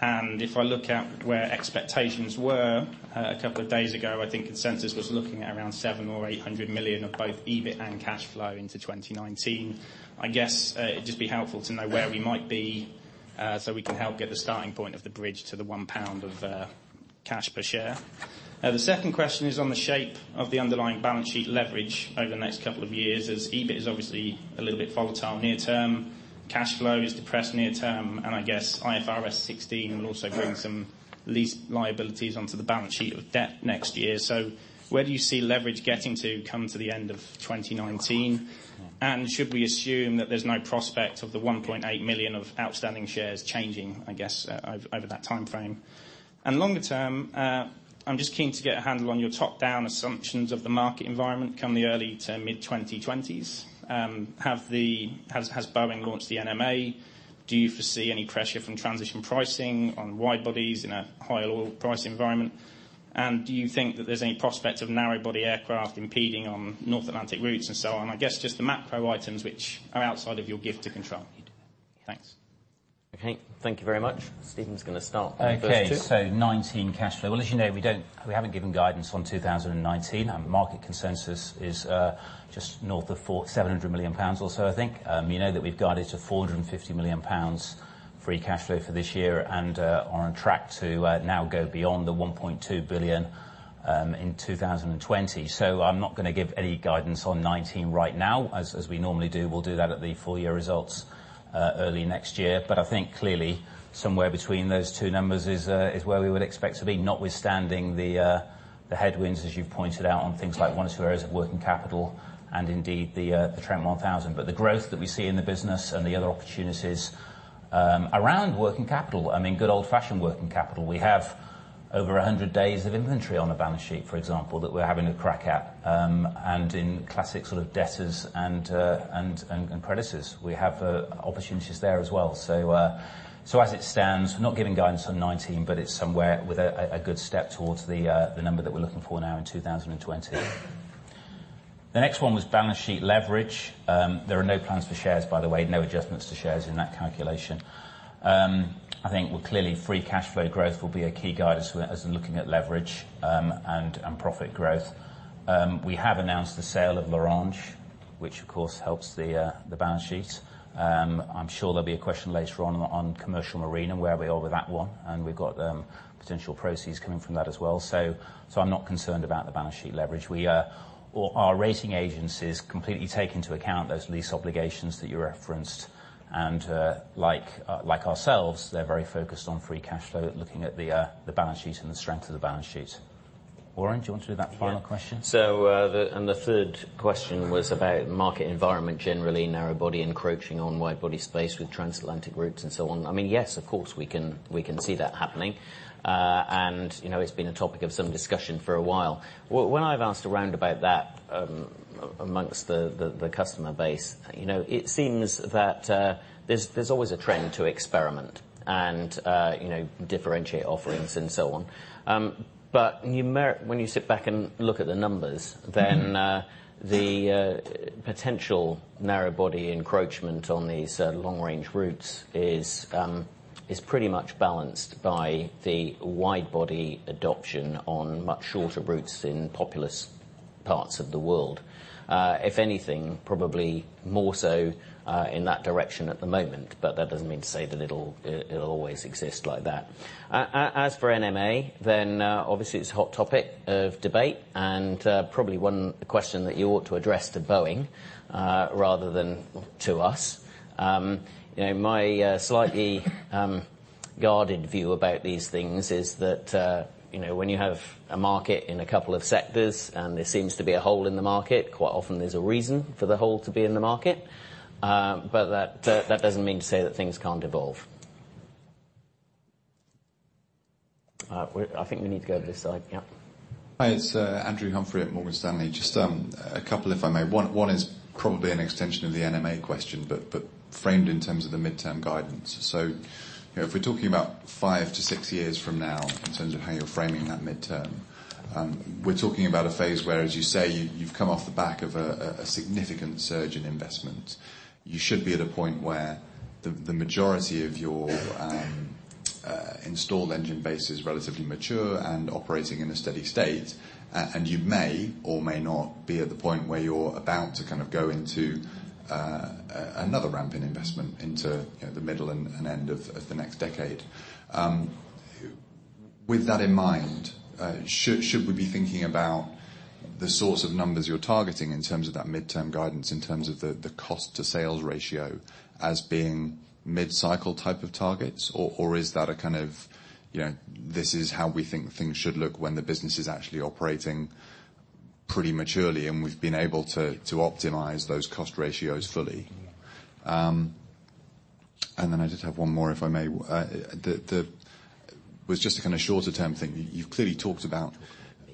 and if I look at where expectations were a couple of days ago, I think consensus was looking at around 700 million or 800 million of both EBIT and cash flow into 2019. I guess it'd just be helpful to know where we might be so we can help get the starting point of the bridge to the 1 pound of cash per share. The second question is on the shape of the underlying balance sheet leverage over the next couple of years, as EBIT is obviously a little bit volatile near term. Cash flow is depressed near term, I guess IFRS 16 will also bring some lease liabilities onto the balance sheet of debt next year. Where do you see leverage getting to come to the end of 2019? Should we assume that there's no prospect of the 1.8 million of outstanding shares changing, I guess, over that timeframe? Longer term, I'm just keen to get a handle on your top-down assumptions of the market environment come the early to mid-2020s. Has Boeing launched the NMA? Do you foresee any pressure from transition pricing on wide bodies in a higher oil price environment? Do you think that there's any prospect of narrow body aircraft impeding on North Atlantic routes and so on? I guess just the macro items which are outside of your gift to control. Thanks. Okay. Thank you very much. Stephen's going to start with the first two. Okay. 2019 cash flow. Well, as you know, we haven't given guidance on 2019. Market consensus is just north of 700 million pounds or so, I think. You know that we've guided to 450 million pounds free cash flow for this year and are on track to now go beyond the 1.2 billion in 2020. I'm not going to give any guidance on 2019 right now, as we normally do. We'll do that at the full year results early next year. I think clearly somewhere between those two numbers is where we would expect to be, notwithstanding the headwinds, as you pointed out, on things like one or two areas of working capital and indeed the Trent 1000. The growth that we see in the business and the other opportunities around working capital, I mean, good old-fashioned working capital. We have over 100 days of inventory on the balance sheet, for example, that we're having a crack at. In classic sort of debtors and creditors, we have opportunities there as well. As it stands, we're not giving guidance on 2019, but it's somewhere with a good step towards the number that we're looking for now in 2020. The next one was balance sheet leverage. There are no plans for shares, by the way, no adjustments to shares in that calculation. I think, well, clearly, free cash flow growth will be a key guide as we're looking at leverage and profit growth. We have announced the sale of L'Orange, which of course helps the balance sheet. I'm sure there'll be a question later on Commercial Marine, where we are with that one, and we've got potential proceeds coming from that as well. I'm not concerned about the balance sheet leverage. Our rating agencies completely take into account those lease obligations that you referenced. Like ourselves, they're very focused on free cash flow, looking at the balance sheet and the strength of the balance sheet. Warren, do you want to do that final question? Yeah. The third question was about market environment, generally narrow body encroaching on wide body space with transatlantic routes and so on. I mean, yes, of course, we can see that happening. It's been a topic of some discussion for a while. When I've asked around about that amongst the customer base, it seems that there's always a trend to experiment and differentiate offerings and so on. When you sit back and look at the numbers, the potential narrow body encroachment on these long-range routes is pretty much balanced by the wide body adoption on much shorter routes in populous parts of the world. If anything, probably more so in that direction at the moment, that doesn't mean to say that it'll always exist like that. As for NMA, obviously it's a hot topic of debate, probably one question that you ought to address to Boeing rather than to us. My slightly guarded view about these things is that when you have a market in a couple of sectors and there seems to be a hole in the market, quite often there's a reason for the hole to be in the market. That doesn't mean to say that things can't evolve. I think we need to go to this side, yep. Hi, it's Andrew Humphrey at Morgan Stanley. Just a couple, if I may. One is probably an extension of the NMA question, but framed in terms of the midterm guidance. If we're talking about five to six years from now in terms of how you're framing that midterm, we're talking about a phase where, as you say, you've come off the back of a significant surge in investment. You should be at a point where the majority of your installed engine base is relatively mature and operating in a steady state. You may or may not be at the point where you're about to go into another ramp in investment into the middle and end of the next decade. With that in mind, should we be thinking about the sorts of numbers you're targeting in terms of that midterm guidance, in terms of the cost-to-sales ratio as being mid-cycle type of targets? Or is that a kind of this is how we think things should look when the business is actually operating pretty maturely and we've been able to optimize those cost ratios fully? I just have one more, if I may. It was just a kind of shorter-term thing. You've clearly talked about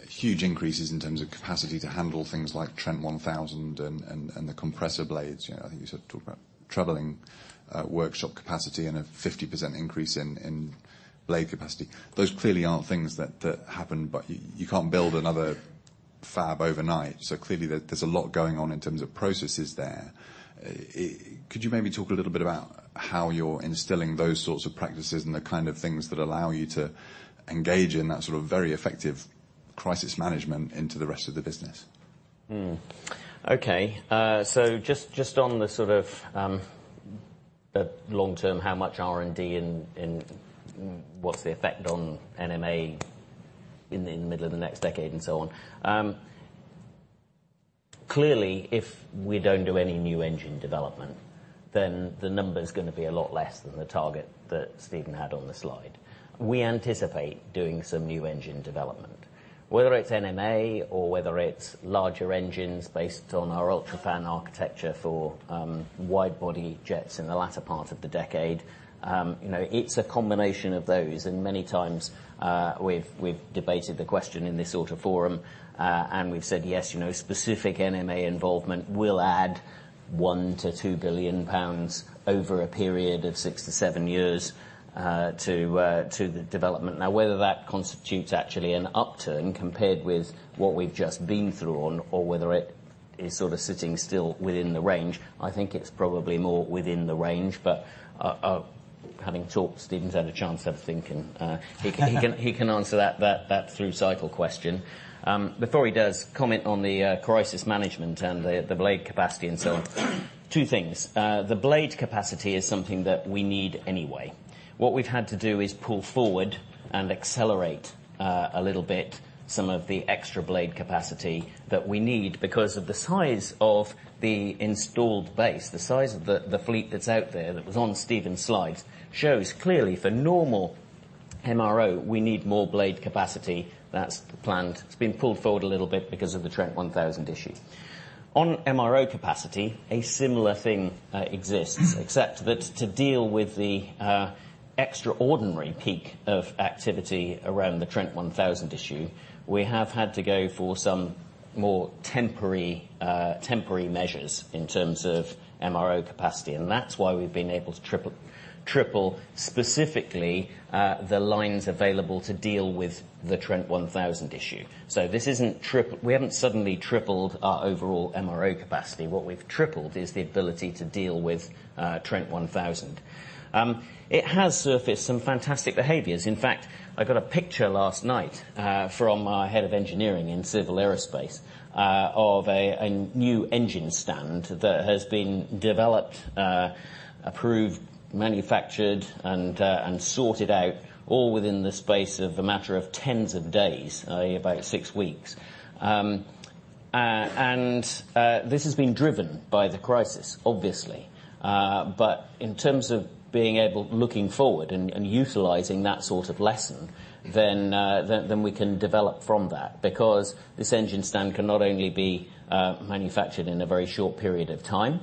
huge increases in terms of capacity to handle things like Trent 1000 and the compressor blades. I think you sort of talked about troubling workshop capacity and a 50% increase in blade capacity. Those clearly aren't things that happen, you can't build another fab overnight. Clearly, there's a lot going on in terms of processes there. Could you maybe talk a little bit about how you're instilling those sorts of practices and the kind of things that allow you to engage in that sort of very effective crisis management into the rest of the business? Just on the sort of long-term, how much R&D and what's the effect on NMA in the middle of the next decade and so on. Clearly, if we don't do any new engine development, then the number's going to be a lot less than the target that Stephen had on the slide. We anticipate doing some new engine development. Whether it's NMA or whether it's larger engines based on our UltraFan architecture for wide-body jets in the latter part of the decade. It's a combination of those, and many times, we've debated the question in this sort of forum, and we've said, yes, specific NMA involvement will add 1 billion-2 billion pounds over a period of six to seven years to the development. Whether that constitutes actually an upturn compared with what we've just been through or whether it is sort of sitting still within the range, I think it's probably more within the range. Having talked, Stephen's had a chance to have a think and he can answer that through cycle question. Before he does comment on the crisis management and the blade capacity and so on, two things. The blade capacity is something that we need anyway. What we've had to do is pull forward and accelerate a little bit some of the extra blade capacity that we need because of the size of the installed base. The size of the fleet that's out there, that was on Stephen's slides, shows clearly for normal MRO, we need more blade capacity. That's the plan. It's been pulled forward a little bit because of the Trent 1000 issue. On MRO capacity, a similar thing exists, except that to deal with the extraordinary peak of activity around the Trent 1000 issue, we have had to go for some more temporary measures in terms of MRO capacity, and that's why we've been able to triple specifically, the lines available to deal with the Trent 1000 issue. We haven't suddenly tripled our overall MRO capacity. What we've tripled is the ability to deal with Trent 1000. It has surfaced some fantastic behaviors. In fact, I got a picture last night from our head of engineering in Civil Aerospace of a new engine stand that has been developed, approved, manufactured, and sorted out all within the space of a matter of tens of days, about six weeks. This has been driven by the crisis, obviously. In terms of being able, looking forward and utilizing that sort of lesson, we can develop from that. This engine stand can not only be manufactured in a very short period of time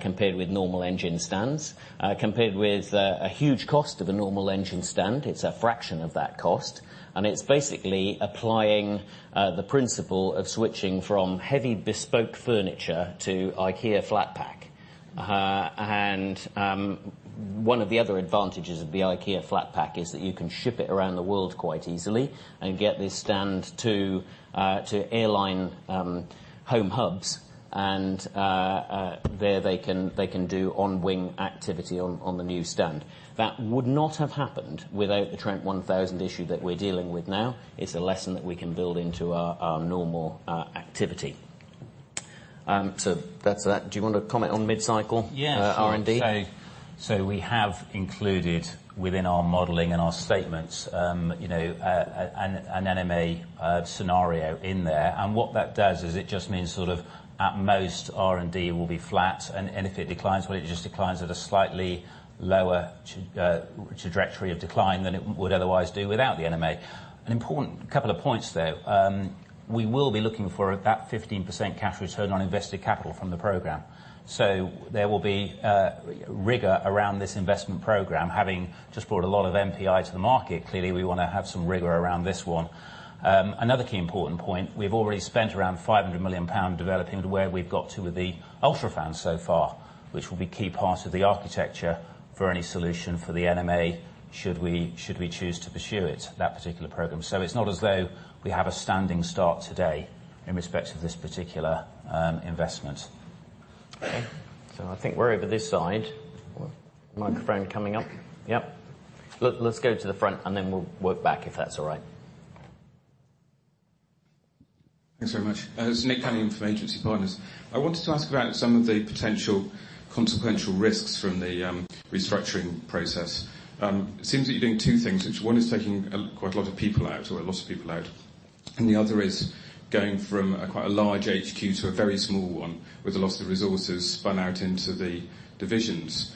compared with normal engine stands, compared with a huge cost of a normal engine stand, it's a fraction of that cost. It's basically applying the principle of switching from heavy bespoke furniture to IKEA flat pack. One of the other advantages of the IKEA flat pack is that you can ship it around the world quite easily and get this stand to airline home hubs. There they can do on-wing activity on the new stand. That would not have happened without the Trent 1000 issue that we're dealing with now. It's a lesson that we can build into our normal activity. So that's that. Do you want to comment on mid-cycle R&D? Yes. We have included within our modeling and our statements, an NMA scenario in there. What that does is it just means sort of at most R&D will be flat. If it declines, well it just declines at a slightly lower trajectory of decline than it would otherwise do without the NMA. An important couple of points there. We will be looking for about 15% cash return on invested capital from the program. There will be rigor around this investment program, having just brought a lot of NPI to the market. Clearly, we want to have some rigor around this one. Another key important point, we've already spent around 500 million pounds developing to where we've got to with the UltraFan so far, which will be key part of the architecture for any solution for the NMA, should we choose to pursue it, that particular program. It's not as though we have a standing start today in respect of this particular investment. Okay. I think we're over this side. Microphone coming up. Yep. Let's go to the front and we'll work back, if that's all right. Thanks very much. It's Nick Cunningham from Agency Partners. I wanted to ask about some of the potential consequential risks from the restructuring process. It seems that you're doing two things, which one is taking quite a lot of people out, or a lot of people out, and the other is going from a quite a large HQ to a very small one with a lot of the resources spun out into the divisions.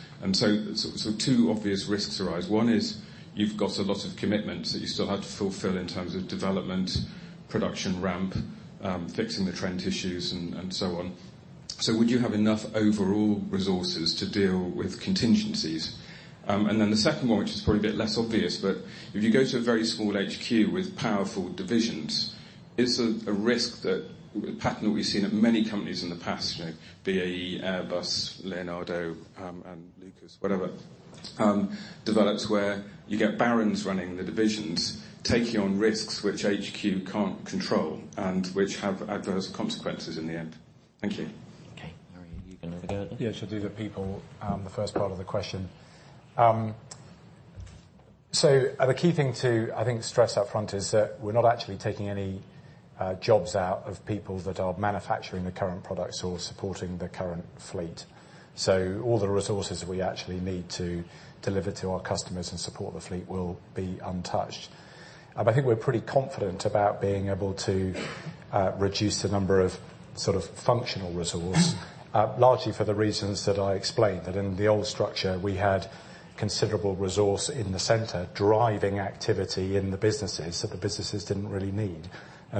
Two obvious risks arise. One is you've got a lot of commitments that you still have to fulfill in terms of development, production ramp, fixing the Trent issues and so on. Would you have enough overall resources to deal with contingencies? The second one, which is probably a bit less obvious, but if you go to a very small HQ with powerful divisions, is there a risk that a pattern that we've seen at many companies in the past, BAE, Airbus, Leonardo, and Lucas, whatever, develops where you get barons running the divisions, taking on risks which HQ can't control and which have adverse consequences in the end? Thank you. Okay, all right. You can have a go at it. I shall do the people, the first part of the question. The key thing to, I think, stress up front is that we're not actually taking any jobs out of people that are manufacturing the current products or supporting the current fleet. All the resources we actually need to deliver to our customers and support the fleet will be untouched. I think we're pretty confident about being able to reduce the number of sort of functional resource, largely for the reasons that I explained. That in the old structure, we had considerable resource in the center driving activity in the businesses that the businesses didn't really need.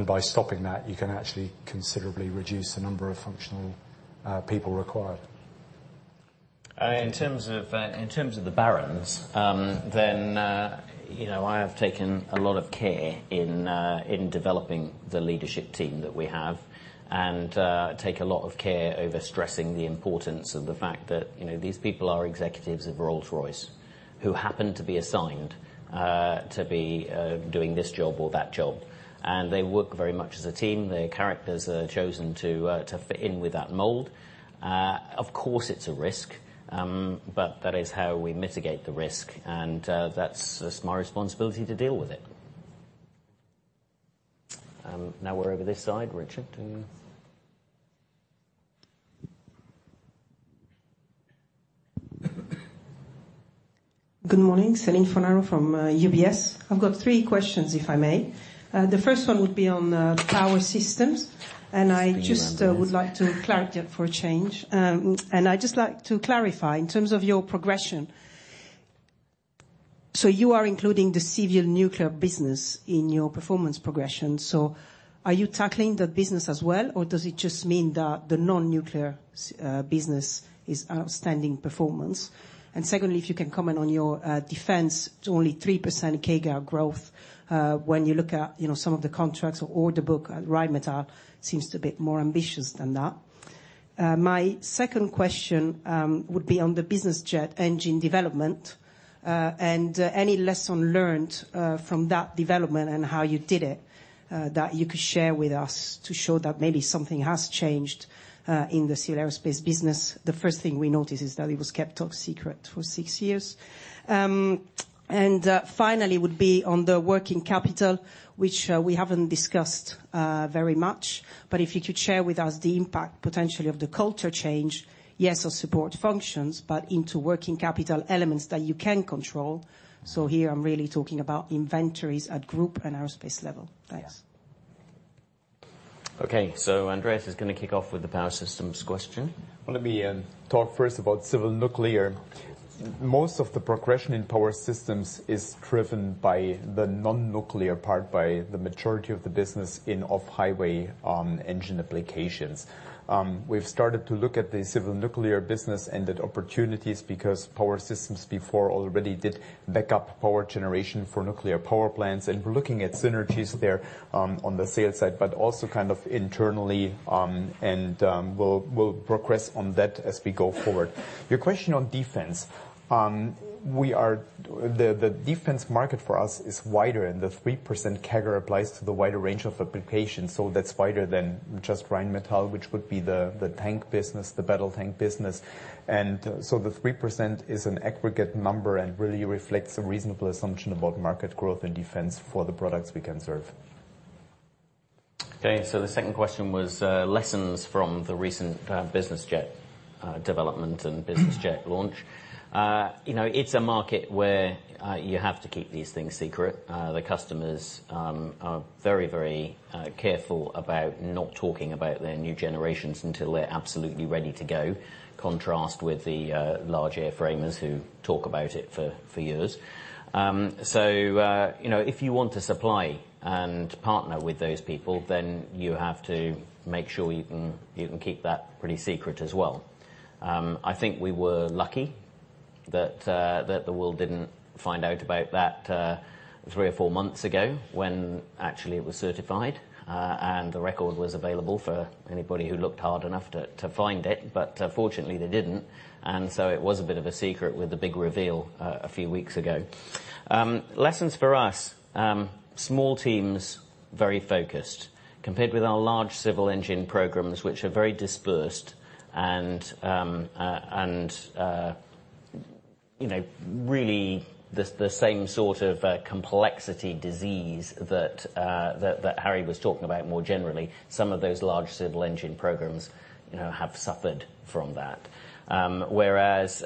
By stopping that, you can actually considerably reduce the number of functional people required. In terms of the barons, I have taken a lot of care in developing the leadership team that we have, and take a lot of care over stressing the importance of the fact that these people are executives of Rolls-Royce who happen to be assigned to be doing this job or that job, and they work very much as a team. Their characters are chosen to fit in with that mold. Of course, it's a risk, but that is how we mitigate the risk, and that's my responsibility to deal with it. Now we're over this side. Richard. Good morning, Céline Fornaro from UBS. I've got three questions, if I may. The first one would be on Power Systems. Just bring you in, Andreas. would like to clarify for a change. I'd just like to clarify in terms of your progression. You are including the civil nuclear business in your performance progression. Are you tackling the business as well, or does it just mean that the non-nuclear business is outstanding performance? Secondly, if you can comment on your Defence to only 3% CAGR growth, when you look at some of the contracts or the book, Rheinmetall seems to be more ambitious than that. My second question would be on the business jet engine development, and any lesson learned from that development and how you did it, that you could share with us to show that maybe something has changed in the Civil Aerospace business. The first thing we noticed is that it was kept top secret for six years. Finally, would be on the working capital, which we haven't discussed very much, if you could share with us the impact potentially of the culture change, yes, of support functions, but into working capital elements that you can control. Here I'm really talking about inventories at group and aerospace level. Thanks. Okay, Andreas is going to kick off with the Power Systems question. Let me talk first about civil nuclear. Most of the progression in Power Systems is driven by the non-nuclear part, by the majority of the business in off-highway engine applications. We've started to look at the civil nuclear business and at opportunities because Power Systems before already did backup power generation for nuclear power plants. We're looking at synergies there, on the sales side, also kind of internally. We'll progress on that as we go forward. Your question on defense. The defense market for us is wider, the 3% CAGR applies to the wider range of applications. That's wider than just Rheinmetall, which would be the tank business, the battle tank business. The 3% is an aggregate number and really reflects a reasonable assumption about market growth and defense for the products we can serve. Okay. The second question was lessons from the recent business jet development and business jet launch. It's a market where you have to keep these things secret. The customers are very careful about not talking about their new generations until they're absolutely ready to go. Contrast with the large airframers who talk about it for years. If you want to supply and partner with those people, then you have to make sure you can keep that pretty secret as well. I think we were lucky that the world didn't find out about that three or four months ago when actually it was certified, the record was available for anybody who looked hard enough to find it. Fortunately, they didn't, it was a bit of a secret with the big reveal a few weeks ago. Lessons for us, small teams, very focused. Compared with our large civil engine programs, which are very dispersed really the same sort of complexity disease that Harry was talking about more generally. Some of those large civil engine programs have suffered from that. Whereas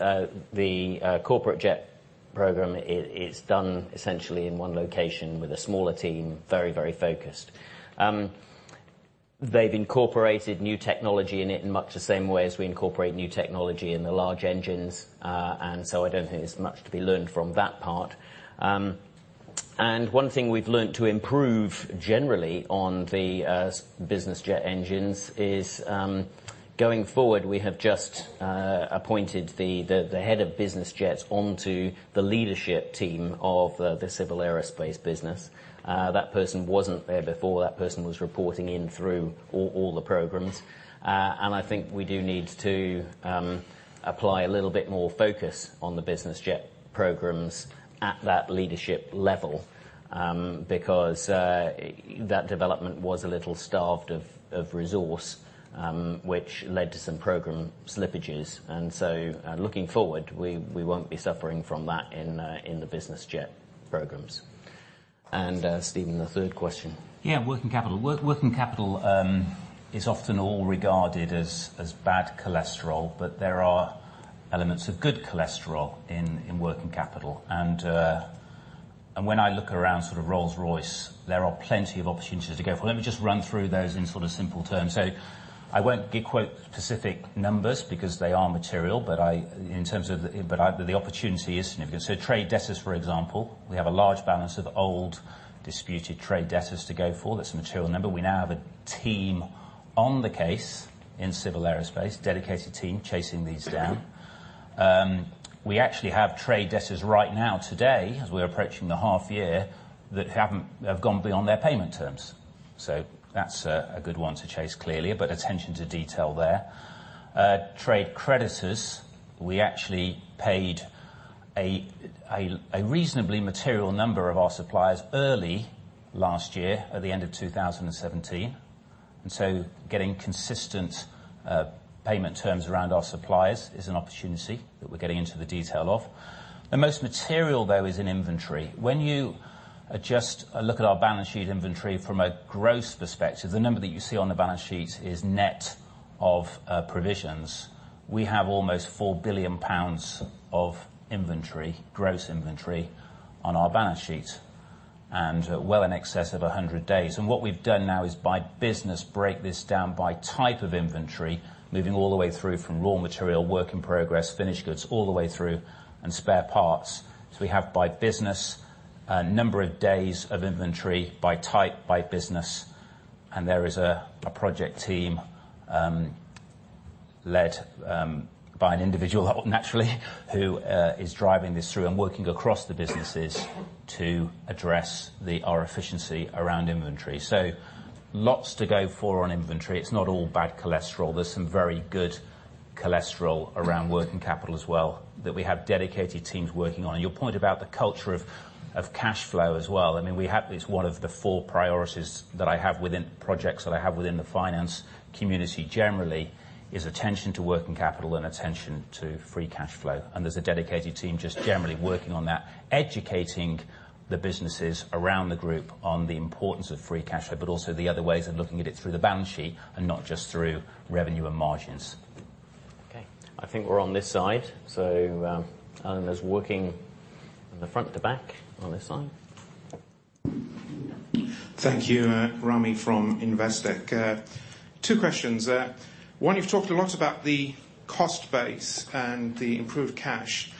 the corporate jet program is done essentially in one location with a smaller team, very focused. They've incorporated new technology in it in much the same way as we incorporate new technology in the large engines. I don't think there's much to be learned from that part. One thing we've learned to improve generally on the business jet engines is, going forward, we have just appointed the head of business jets onto the leadership team of the Civil Aerospace business. That person wasn't there before. That person was reporting in through all the programs. I think we do need to apply a little bit more focus on the business jet programs at that leadership level, because that development was a little starved of resource, which led to some program slippages. Looking forward, we won't be suffering from that in the business jet programs. Stephen, the third question. Yeah, working capital. Working capital is often all regarded as bad cholesterol, but there are elements of good cholesterol in working capital. When I look around Rolls-Royce, there are plenty of opportunities to go for. Let me just run through those in simple terms. I won't give quite specific numbers because they are material, but the opportunity is significant. Trade debtors, for example, we have a large balance of old disputed trade debtors to go for. That's a material number. We now have a team on the case in Civil Aerospace, dedicated team chasing these down. We actually have trade debtors right now today, as we're approaching the half year, that have gone beyond their payment terms. That's a good one to chase, clearly, a bit attention to detail there. Trade creditors, we actually paid a reasonably material number of our suppliers early last year at the end of 2017. Getting consistent payment terms around our suppliers is an opportunity that we're getting into the detail of. The most material, though, is in inventory. When you adjust a look at our balance sheet inventory from a gross perspective, the number that you see on the balance sheet is net of provisions. We have almost 4 billion pounds of gross inventory on our balance sheet and well in excess of 100 days. What we've done now is by business, break this down by type of inventory, moving all the way through from raw material, work in progress, finished goods, all the way through, and spare parts. We have by business, number of days of inventory by type, by business, and there is a project team led by an individual, naturally, who is driving this through and working across the businesses to address our efficiency around inventory. Lots to go for on inventory. It's not all bad cholesterol. There's some very good cholesterol around working capital as well that we have dedicated teams working on. Your point about the culture of cash flow as well. It's one of the four priorities that I have within projects, that I have within the finance community generally, is attention to working capital and attention to free cash flow. There's a dedicated team just generally working on that, educating the businesses around the group on the importance of free cash flow, but also the other ways of looking at it through the balance sheet and not just through revenue and margins. Okay. I think we're on this side. Alan is working on the front to back on this side. Thank you. Ramy from Investec. Two questions there. One, you've talked a lot about the cost base and the improved cash.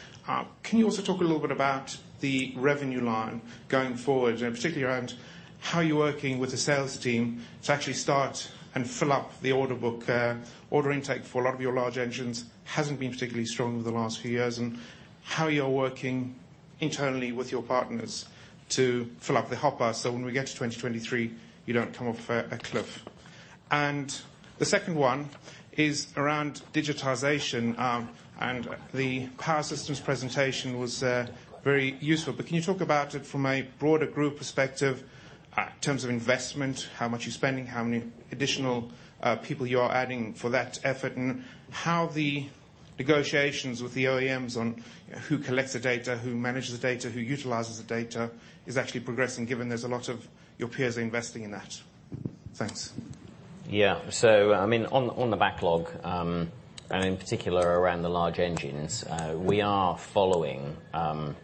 Can you also talk a little bit about the revenue line going forward, and particularly around how you're working with the sales team to actually start and fill up the order book? Order intake for a lot of your large engines hasn't been particularly strong over the last few years, and how you're working internally with your partners to fill up the hopper so when we get to 2023, you don't come off a cliff. The second one is around digitization. The Power Systems presentation was very useful. Can you talk about it from a broader group perspective in terms of investment, how much you're spending, how many additional people you are adding for that effort, and how Negotiations with the OEMs on who collects the data, who manages the data, who utilizes the data, is actually progressing, given there's a lot of your peers are investing in that. Thanks. Yeah. So, on the backlog, and in particular, around the large engines, we are following a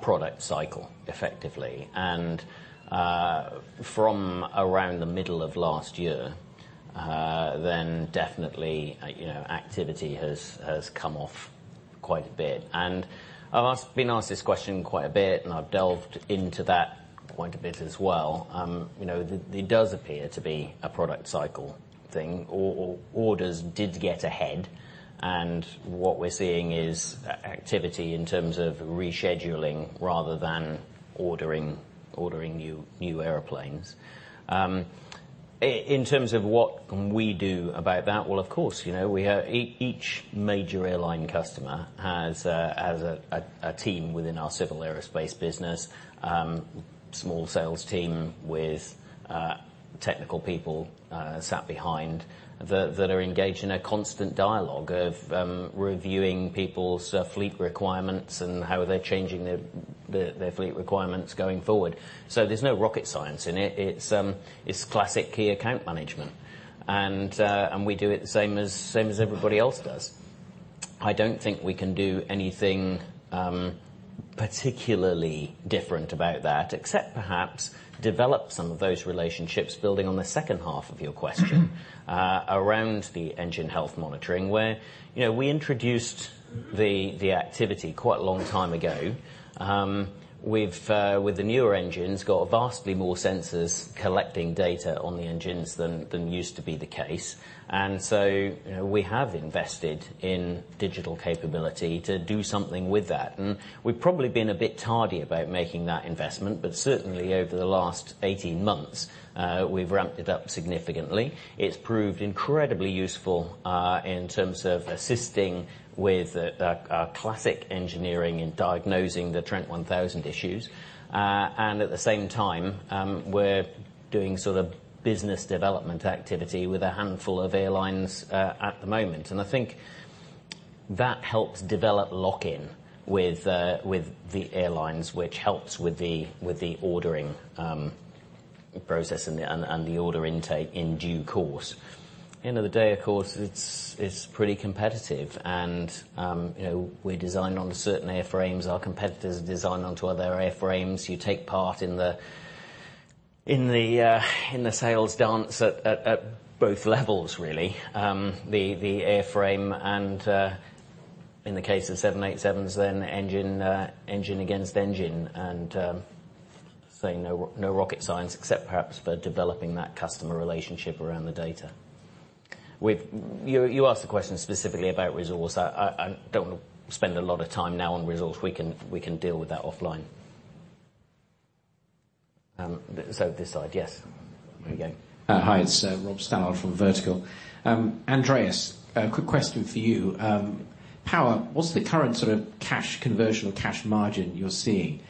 product cycle effectively. From around the middle of last year, then definitely, activity has come off quite a bit. I've been asked this question quite a bit, and I've delved into that quite a bit as well. It does appear to be a product cycle thing, or orders did get ahead. What we're seeing is activity in terms of rescheduling rather than ordering new airplanes. In terms of what can we do about that, well, of course, each major airline customer has a team within our Civil Aerospace business, small sales team with technical people sat behind, that are engaged in a constant dialogue of reviewing people's fleet requirements and how they're changing their fleet requirements going forward. There's no rocket science in it. It's classic key account management. We do it the same as everybody else does. I don't think we can do anything particularly different about that, except perhaps develop some of those relationships, building on the second half of your question around the engine health monitoring, where we introduced the activity quite a long time ago. With the newer engines, got vastly more sensors collecting data on the engines than used to be the case. We have invested in digital capability to do something with that. We've probably been a bit tardy about making that investment. Certainly, over the last 18 months, we've ramped it up significantly. It's proved incredibly useful in terms of assisting with our classic engineering and diagnosing the Trent 1000 issues. At the same time, we're doing business development activity with a handful of airlines at the moment. I think that helps develop lock-in with the airlines, which helps with the ordering process and the order intake in due course. End of the day, of course, it's pretty competitive. We're designed onto certain airframes. Our competitors are designed onto other airframes. You take part in the sales dance at both levels really. The airframe and, in the case of 787s then engine against engine. As I say, no rocket science except perhaps for developing that customer relationship around the data. You asked a question specifically about resource. I don't want to spend a lot of time now on resource. We can deal with that offline. This side. There we go. Hi, it's Rob Stallard from Vertical. Andreas, a quick question for you. Power, what's the current sort of cash conversion or cash margin you're seeing?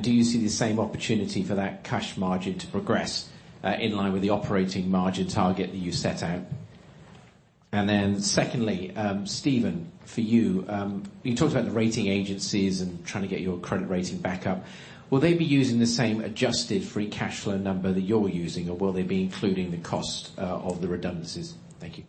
Do you see the same opportunity for that cash margin to progress in line with the operating margin target that you set out? Secondly, Stephen, for you. You talked about the rating agencies and trying to get your credit rating back up. Will they be using the same adjusted free cash flow number that you're using, or will they be including the cost of the redundancies? Thank you.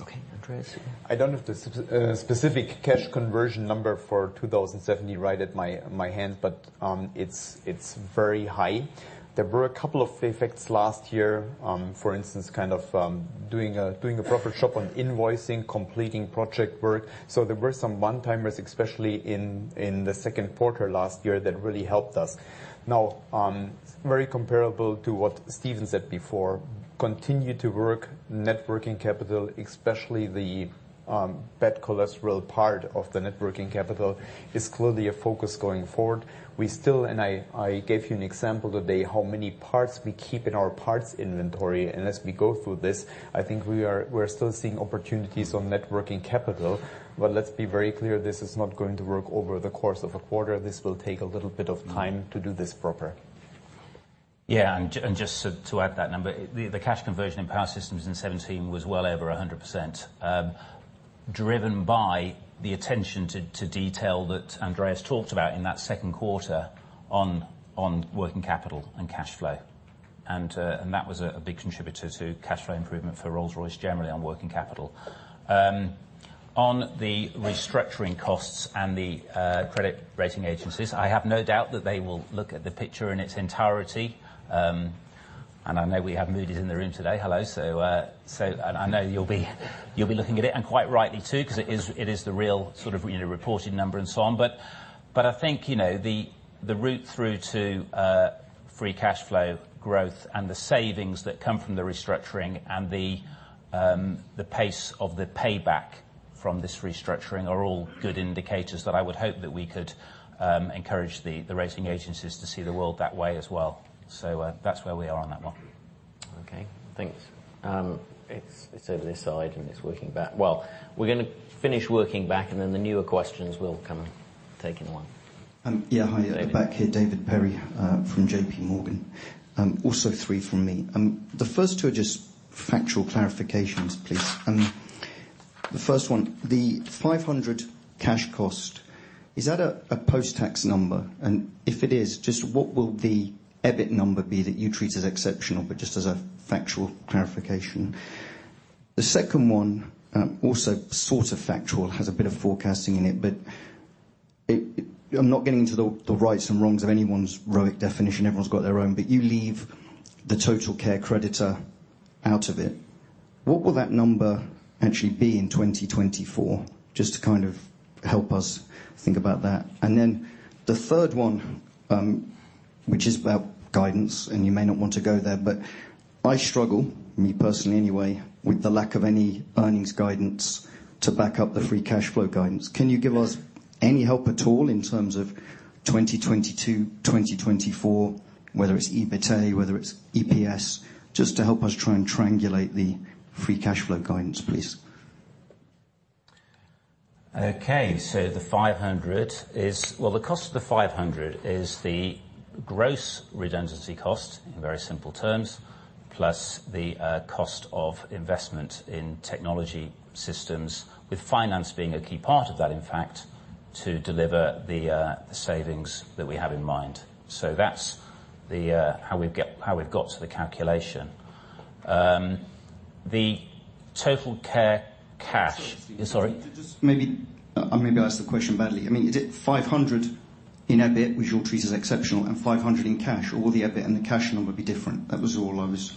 Okay. Andreas? I don't have the specific cash conversion number for 2017 right at my hands, but it's very high. There were a couple of effects last year. For instance, kind of doing a proper shop on invoicing, completing project work. There were some one-timers, especially in the second quarter last year that really helped us. Very comparable to what Stephen said before, continue to work net working capital, especially the bad cholesterol part of the net working capital is clearly a focus going forward. We still, and I gave you an example today, how many parts we keep in our parts inventory. As we go through this, I think we're still seeing opportunities on net working capital. Let's be very clear, this is not going to work over the course of a quarter. This will take a little bit of time to do this proper. Just to add to that number, the cash conversion in Power Systems in 2017 was well over 100%, driven by the attention to detail that Andreas talked about in that second quarter on working capital and cash flow. That was a big contributor to cash flow improvement for Rolls-Royce generally on working capital. On the restructuring costs and the credit rating agencies, I have no doubt that they will look at the picture in its entirety. I know we have Moody's in the room today. Hello. I know you'll be looking at it, and quite rightly too, because it is the real sort of reported number and so on. I think, the route through to free cash flow growth and the savings that come from the restructuring and the pace of the payback from this restructuring are all good indicators that I would hope that we could encourage the rating agencies to see the world that way as well. That's where we are on that one. Okay. Thanks. It's over this side, and it's working back. We're going to finish working back, and then the newer questions will come Taking one Yeah. Hi. Back here, David Perry from J.P. Morgan. Also three from me. The first two are just factual clarifications, please. The first one, the 500 cash cost, is that a post-tax number? If it is, just what will the EBIT number be that you treat as exceptional, but just as a factual clarification? The second one, also sort of factual, has a bit of forecasting in it, but I'm not getting into the rights and wrongs of anyone's ROIC definition. Everyone's got their own. You leave the TotalCare creditor out of it. What will that number actually be in 2024? Just to kind of help us think about that. The third one, which is about guidance, and you may not want to go there, but I struggle, me personally anyway, with the lack of any earnings guidance to back up the free cash flow guidance. Can you give us any help at all in terms of 2022, 2024, whether it's EBITA, whether it's EPS, just to help us try and triangulate the free cash flow guidance, please? The 500 is the gross redundancy cost, in very simple terms, plus the cost of investment in technology systems, with finance being a key part of that, in fact, to deliver the savings that we have in mind. That's how we've got to the calculation. The TotalCare cash- Sorry, Steve. Sorry? Just maybe I asked the question badly. Is it 500 in EBIT, which you'll treat as exceptional, and 500 in cash, or the EBIT and the cash number will be different? That was all I was.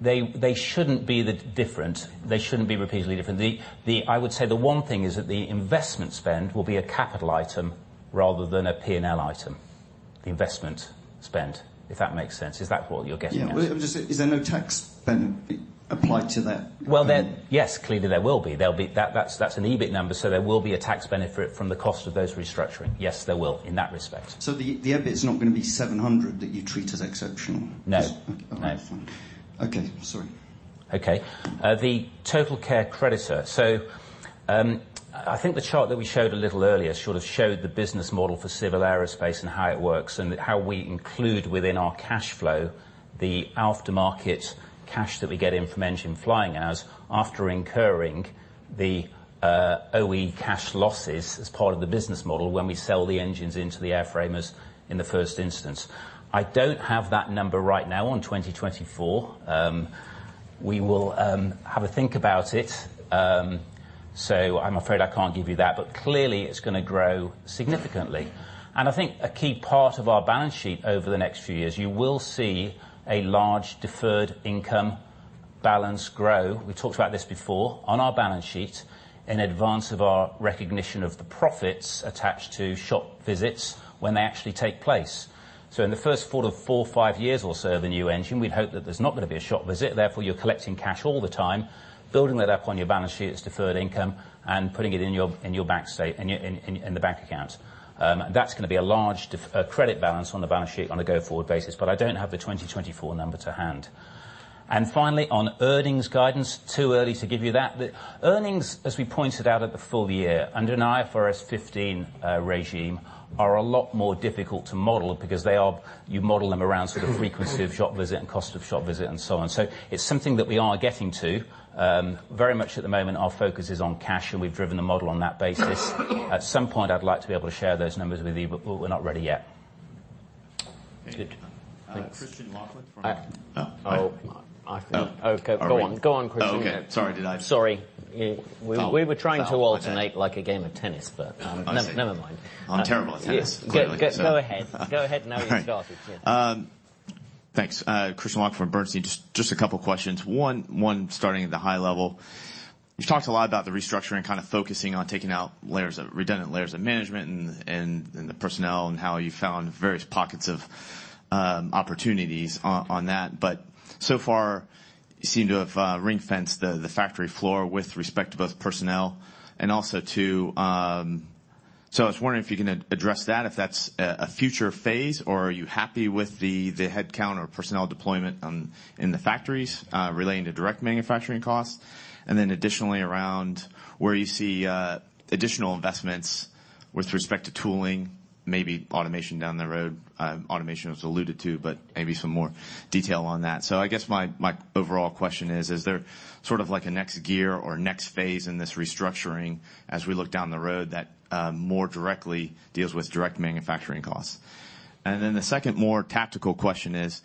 They shouldn't be different. They shouldn't be repeatedly different. I would say the one thing is that the investment spend will be a capital item rather than a P&L item. The investment spend, if that makes sense. Is that what you're getting at? Yeah. Is there no tax benefit applied to that? Well, yes, clearly there will be. That's an EBIT number, so there will be a tax benefit from the cost of those restructuring. Yes, there will, in that respect. The EBIT is not going to be 700 that you treat as exceptional? No. Okay. Fine. Okay, sorry. The TotalCare creditor. I think the chart that we showed a little earlier sort of showed the business model for Civil Aerospace and how it works, and how we include within our cash flow the after-market cash that we get in from engine flying hours after incurring the OE cash losses as part of the business model when we sell the engines into the airframers in the first instance. I don't have that number right now on 2024. We will have a think about it. I'm afraid I can't give you that, but clearly it's going to grow significantly. I think a key part of our balance sheet over the next few years, you will see a large deferred income balance grow. We talked about this before. On our balance sheet in advance of our recognition of the profits attached to shop visits when they actually take place. In the first four to five years or so of a new engine, we'd hope that there's not going to be a shop visit. Therefore, you're collecting cash all the time, building that up on our balance sheet as deferred income, and putting it in the bank account. That's going to be a large credit balance on the balance sheet on a go-forward basis. I don't have the 2024 number to hand. Finally, on earnings guidance, too early to give you that. The earnings, as we pointed out at the full year, under an IFRS 15 regime, are a lot more difficult to model because you model them around sort of frequency of shop visit and cost of shop visit and so on. It's something that we are getting to. Very much at the moment, our focus is on cash, and we've driven the model on that basis. At some point, I'd like to be able to share those numbers with you, but we're not ready yet. That's good. Thanks. Christian Laughland. Oh. Oh. Okay. Go on, Christian. Okay. Sorry. Sorry. We were trying to alternate like a game of tennis, but never mind. I see. I'm terrible at tennis, clearly. Go ahead. Now you can start. Yeah. Thanks. Christian Laughland from Bernstein. Just a couple questions. One, starting at the high level. You've talked a lot about the restructuring, kind of focusing on taking out redundant layers of management and the personnel and how you found various pockets of opportunities on that. So far, you seem to have ring-fenced the factory floor with respect to both personnel. I was wondering if you can address that, if that's a future phase, or are you happy with the headcount or personnel deployment in the factories relating to direct manufacturing costs? Additionally, around where you see additional investments with respect to tooling, maybe automation down the road. Automation was alluded to, but maybe some more detail on that. I guess my overall question is there sort of like a next gear or next phase in this restructuring as we look down the road that more directly deals with direct manufacturing costs? The second, more tactical question is,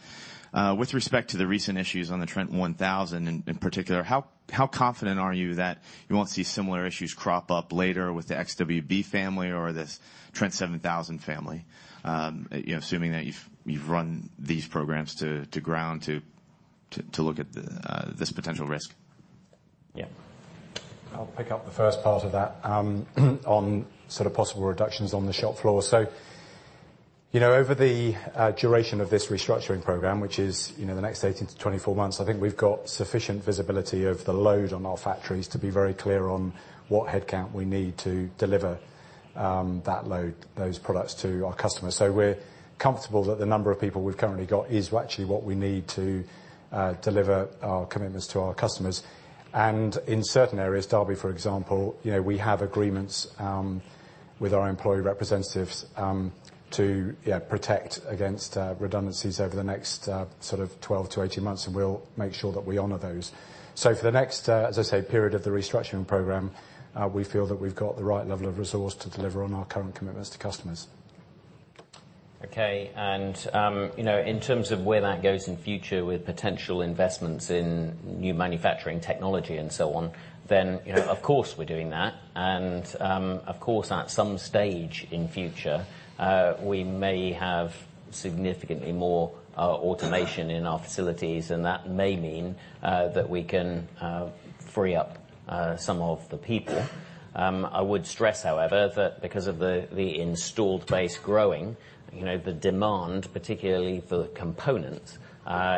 with respect to the recent issues on the Trent 1000 in particular, how confident are you that you won't see similar issues crop up later with the Trent XWB family or the Trent 7000 family? Assuming that you've run these programs to ground to look at this potential risk. Yeah. I'll pick up the first part of that on sort of possible reductions on the shop floor. Over the duration of this restructuring program, which is the next 18-24 months, I think we've got sufficient visibility of the load on our factories to be very clear on what headcount we need to deliver that load, those products to our customers. We're comfortable that the number of people we've currently got is actually what we need to deliver our commitments to our customers. In certain areas, Derby, for example, we have agreements with our employee representatives to protect against redundancies over the next 12-18 months, and we'll make sure that we honor those. For the next, as I say, period of the restructuring program, we feel that we've got the right level of resource to deliver on our current commitments to customers. Okay. In terms of where that goes in future with potential investments in new manufacturing technology and so on, of course we're doing that. Of course, at some stage in future, we may have significantly more automation in our facilities, and that may mean that we can free up some of the people. I would stress, however, that because of the installed base growing, the demand, particularly for the components,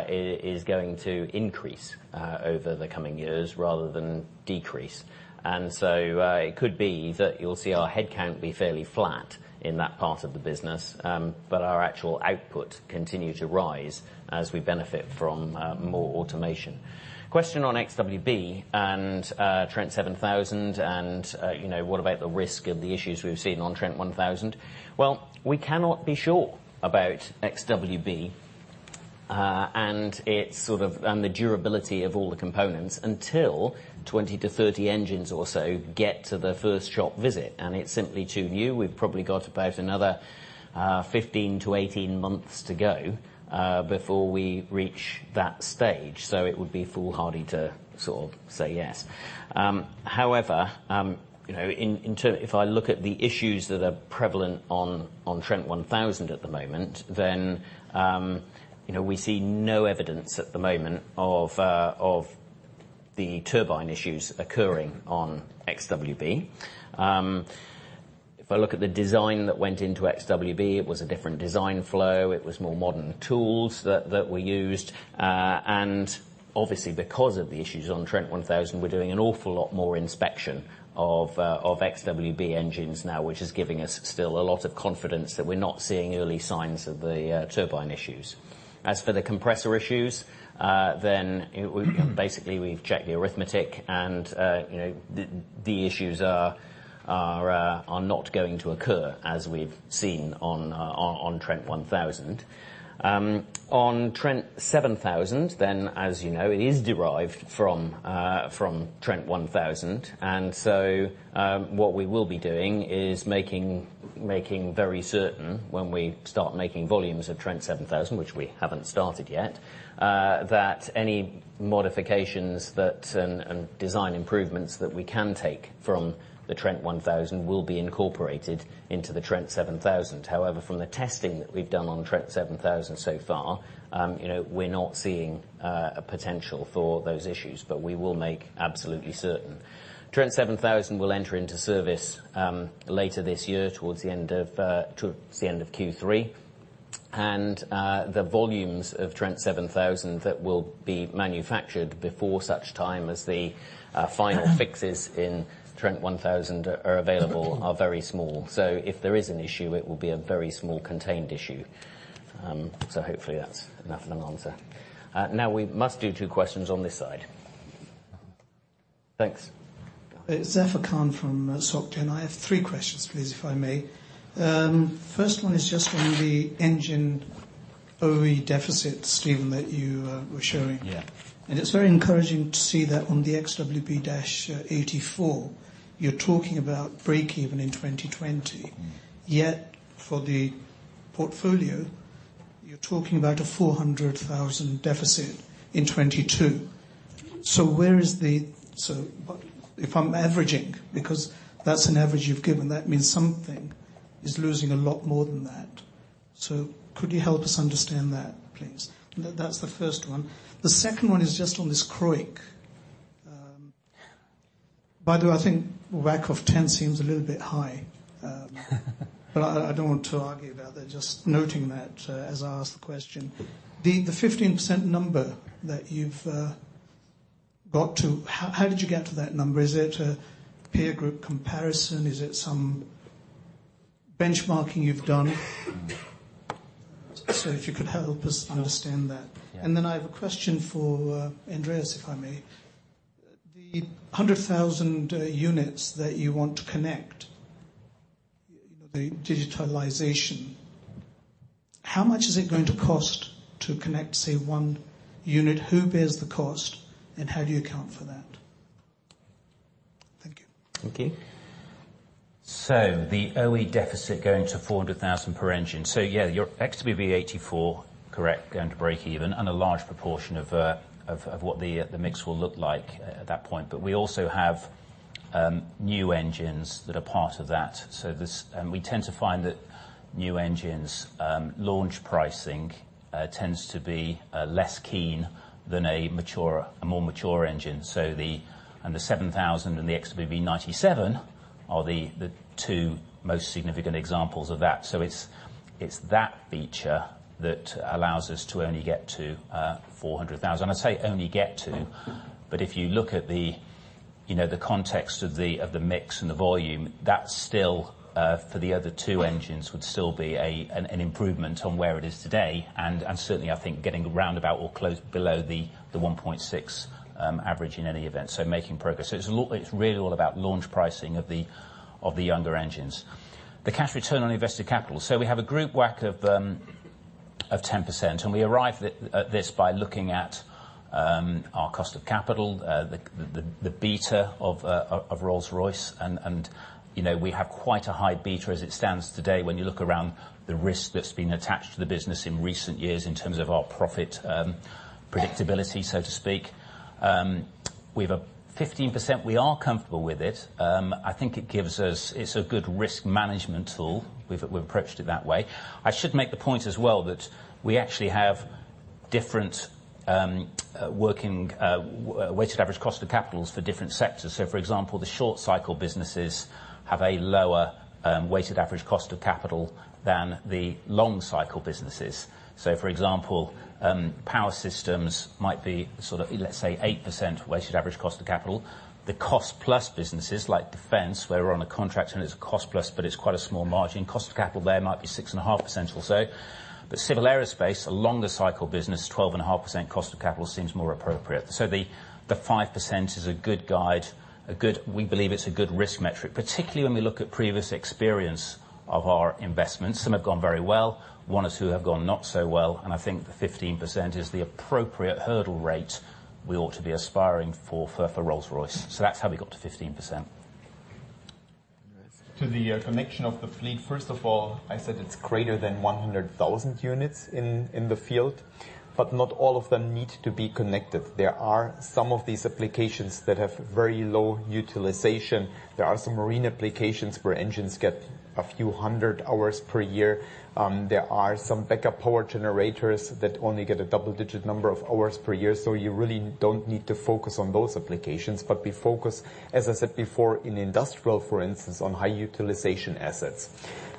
is going to increase over the coming years rather than decrease. It could be that you'll see our headcount be fairly flat in that part of the business, but our actual output continue to rise as we benefit from more automation. Question on XWB and Trent 7000, and what about the risk of the issues we've seen on Trent 1000? Well, we cannot be sure about XWB, and the durability of all the components until 20-30 engines or so get to their first shop visit. It's simply too new. We've probably got about another 15-18 months to go, before we reach that stage. It would be foolhardy to say yes. However, if I look at the issues that are prevalent on Trent 1000 at the moment, we see no evidence at the moment of the turbine issues occurring on XWB. If I look at the design that went into XWB, it was a different design flow. It was more modern tools that were used. Obviously because of the issues on Trent 1000, we're doing an awful lot more inspection of XWB engines now, which is giving us still a lot of confidence that we're not seeing early signs of the turbine issues. As for the compressor issues, we've checked the arithmetic and the issues are not going to occur as we've seen on Trent 1000. On Trent 7000, as you know, it is derived from Trent 1000. What we will be doing is making very certain when we start making volumes of Trent 7000, which we haven't started yet, that any modifications and design improvements that we can take from the Trent 1000 will be incorporated into the Trent 7000. However, from the testing that we've done on Trent 7000 so far, we're not seeing a potential for those issues, but we will make absolutely certain. Trent 7000 will enter into service later this year towards the end of Q3. The volumes of Trent 7000 that will be manufactured before such time as the final fixes in Trent 1000 are available are very small. If there is an issue, it will be a very small contained issue. Hopefully that's enough of an answer. Now we must do two questions on this side. Thanks. Zafar Khan from Société Générale. I have three questions, please, if I may. First one is just on the engine OE deficit, Stephen, that you were showing. Yeah. It's very encouraging to see that on the XWB-84, you're talking about breakeven in 2020. Yet for the portfolio, you're talking about a 400,000 deficit in 2022. If I'm averaging, because that's an average you've given, that means something is losing a lot more than that. Could you help us understand that, please? That's the first one. The second one is just on this CROIC. By the way, I think WACC of 10 seems a little bit high. I don't want to argue about that, just noting that, as I ask the question. The 15% number that you've got to, how did you get to that number? Is it a peer group comparison? Is it some benchmarking you've done? If you could help us understand that. Yeah. I have a question for Andreas, if I may. The 100,000 units that you want to connect, the digitalization, how much is it going to cost to connect, say one unit? Who bears the cost, and how do you account for that? Thank you. Thank you. The OE deficit going to 400,000 per engine. Yeah, your Trent XWB-84, correct, going to break even and a large proportion of what the mix will look like at that point. We also have new engines that are part of that. We tend to find that new engines' launch pricing tends to be less keen than a more mature engine. The Trent 7000 and the Trent XWB-97 are the two most significant examples of that. It's that feature that allows us to only get to 400,000. I say only get to, but if you look at the The context of the mix and the volume, that still for the other two engines would still be an improvement on where it is today. Certainly, I think getting roundabout or close below the 1.6 average in any event. Making progress. It's really all about launch pricing of the younger engines. The cash return on invested capital. We have a group WACC of 10%, and we arrive at this by looking at our cost of capital, the beta of Rolls-Royce. We have quite a high beta as it stands today when you look around the risk that's been attached to the business in recent years in terms of our profit predictability, so to speak. We have a 15%. We are comfortable with it. I think it's a good risk management tool. We've approached it that way. I should make the point as well that we actually have different weighted average cost of capitals for different sectors. For example, the short cycle businesses have a lower weighted average cost of capital than the long cycle businesses. For example, Power Systems might be, let's say 8% weighted average cost of capital. The cost plus businesses like Rolls-Royce Defence, where we're on a contract and it's a cost plus, but it's quite a small margin. Cost of capital there might be 6.5% or so. Civil Aerospace, a longer cycle business, 12.5% cost of capital seems more appropriate. The 5% is a good guide. We believe it's a good risk metric, particularly when we look at previous experience of our investments. Some have gone very well. One or two have gone not so well, I think the 15% is the appropriate hurdle rate we ought to be aspiring for Rolls-Royce. That's how we got to 15%. To the connection of the fleet. First of all, I said it's greater than 100,000 units in the field, but not all of them need to be connected. There are some of these applications that have very low utilization. There are some marine applications where engines get a few hundred hours per year. There are some backup power generators that only get a double-digit number of hours per year. You really don't need to focus on those applications, but we focus, as I said before, in industrial, for instance, on high utilization assets.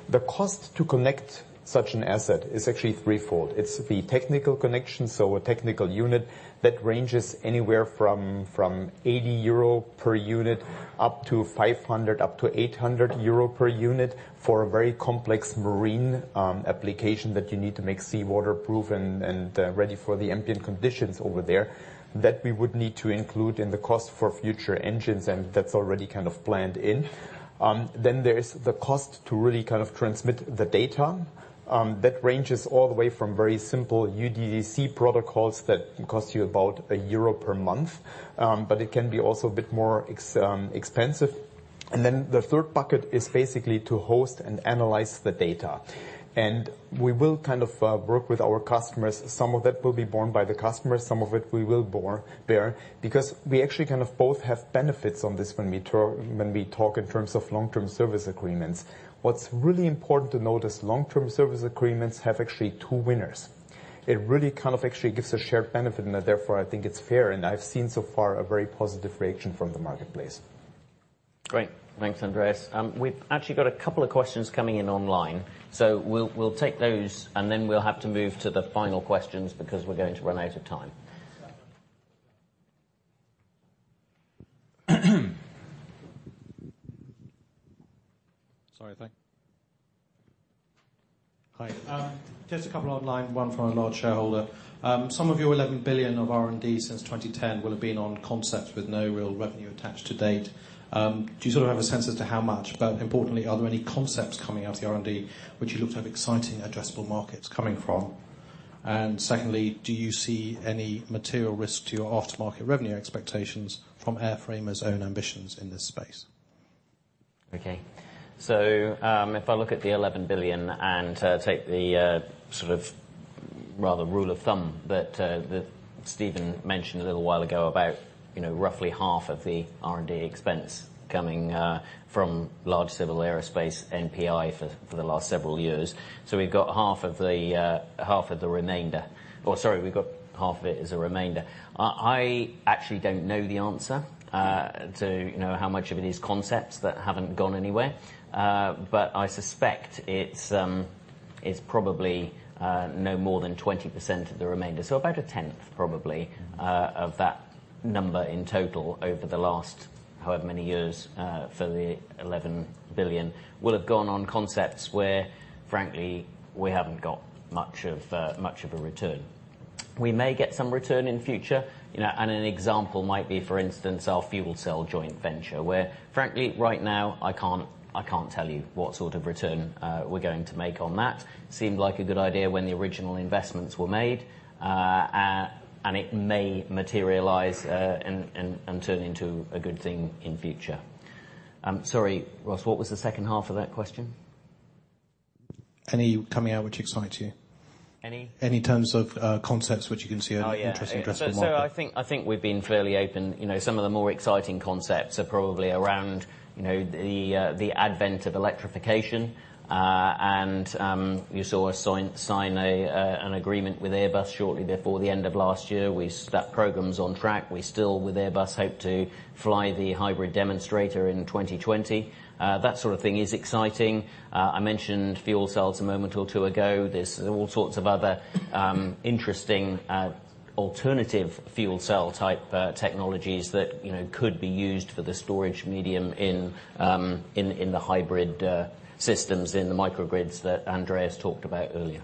The cost to connect such an asset is actually threefold. It's the technical connection, so a technical unit that ranges anywhere from 80 euro per unit, up to 500, up to 800 euro per unit for a very complex marine application that you need to make seawater proof and ready for the ambient conditions over there. That we would need to include in the cost for future engines, and that's already kind of planned in. There is the cost to really kind of transmit the data. That ranges all the way from very simple UDDC protocols that cost you about EUR 1 per month. It can be also a bit more expensive. The third bucket is basically to host and analyze the data. We will kind of work with our customers. Some of that will be borne by the customer, some of it we will bear, because we actually kind of both have benefits on this when we talk in terms of long-term service agreements. What's really important to note is long-term service agreements have actually two winners. It really kind of actually gives a shared benefit and therefore, I think it's fair, and I've seen so far a very positive reaction from the marketplace. Great. Thanks, Andreas. We've actually got a couple of questions coming in online. We'll take those and then we'll have to move to the final questions because we're going to run out of time. Sorry. Hi. Just a couple online, one from a large shareholder. Some of your 11 billion of R&D since 2010 will have been on concepts with no real revenue attached to date. Do you sort of have a sense as to how much, importantly, are there any concepts coming out of the R&D which you look to have exciting addressable markets coming from? Secondly, do you see any material risk to your aftermarket revenue expectations from airframers' own ambitions in this space? Okay. If I look at the 11 billion and take the sort of rather rule of thumb that Stephen mentioned a little while ago about roughly half of the R&D expense coming from large Civil Aerospace NPI for the last several years. We've got half of the remainder, or, sorry, we've got half of it as a remainder. I actually don't know the answer to how much of it is concepts that haven't gone anywhere. I suspect it's probably no more than 20% of the remainder. About a tenth probably of that number in total over the last however many years for the 11 billion will have gone on concepts where, frankly, we haven't got much of a return. We may get some return in future. An example might be, for instance, our fuel cell joint venture, where frankly, right now I can't tell you what sort of return we're going to make on that. Seemed like a good idea when the original investments were made. It may materialize and turn into a good thing in future. I'm sorry, Ross, what was the second half of that question? Any coming out which excites you? Any- Any terms of concepts which you can see are interesting addressable markets. Oh, yeah. I think we've been fairly open. Some of the more exciting concepts are probably around the advent of electrification. You saw us sign an agreement with Airbus shortly before the end of last year. That program's on track. We still, with Airbus, hope to fly the hybrid demonstrator in 2020. That sort of thing is exciting. I mentioned fuel cells a moment or two ago. There's all sorts of other interesting Alternative fuel cell type technologies that could be used for the storage medium in the hybrid systems, in the microgrids that Andreas talked about earlier.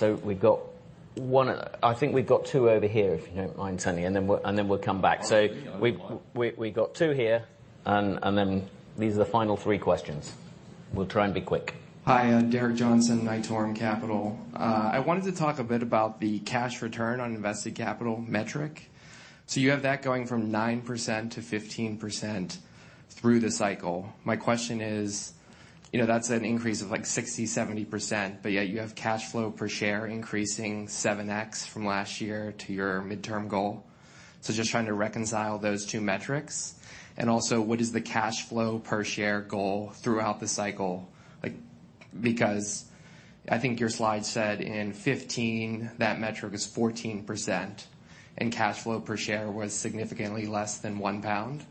We've got one I think we've got two over here, if you don't mind, Sunny, and then we'll come back. Yeah, no. I'm fine. We've got two here, and then these are the final three questions. We'll try and be quick. Hi. I'm Derek Johnson, Nitorum Capital. I wanted to talk a bit about the cash return on invested capital metric. You have that going from 9% to 15% through the cycle. My question is, that's an increase of 60%-70%, but yet you have cash flow per share increasing 7x from last year to your midterm goal. Just trying to reconcile those two metrics. Also, what is the cash flow per share goal throughout the cycle? Because I think your slide said in 2015, that metric is 14%, and cash flow per share was significantly less than 1 pound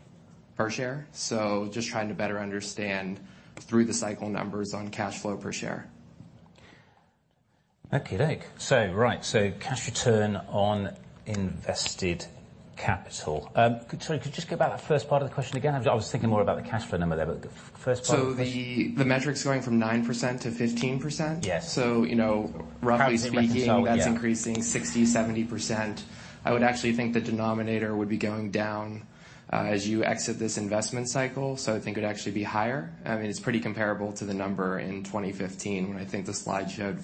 per share. Just trying to better understand through the cycle numbers on cash flow per share. Okey-doke. Right, cash return on invested capital. Sorry, could you just go back to the first part of the question again? I was thinking more about the cash flow number there, but the first part of the question. The metric's going from 9% to 15%. Yes. Roughly speaking. Approximately, yeah. That's increasing 60, 70%. I would actually think the denominator would be going down as you exit this investment cycle. I think it'd actually be higher. I mean, it's pretty comparable to the number in 2015 when I think the slide showed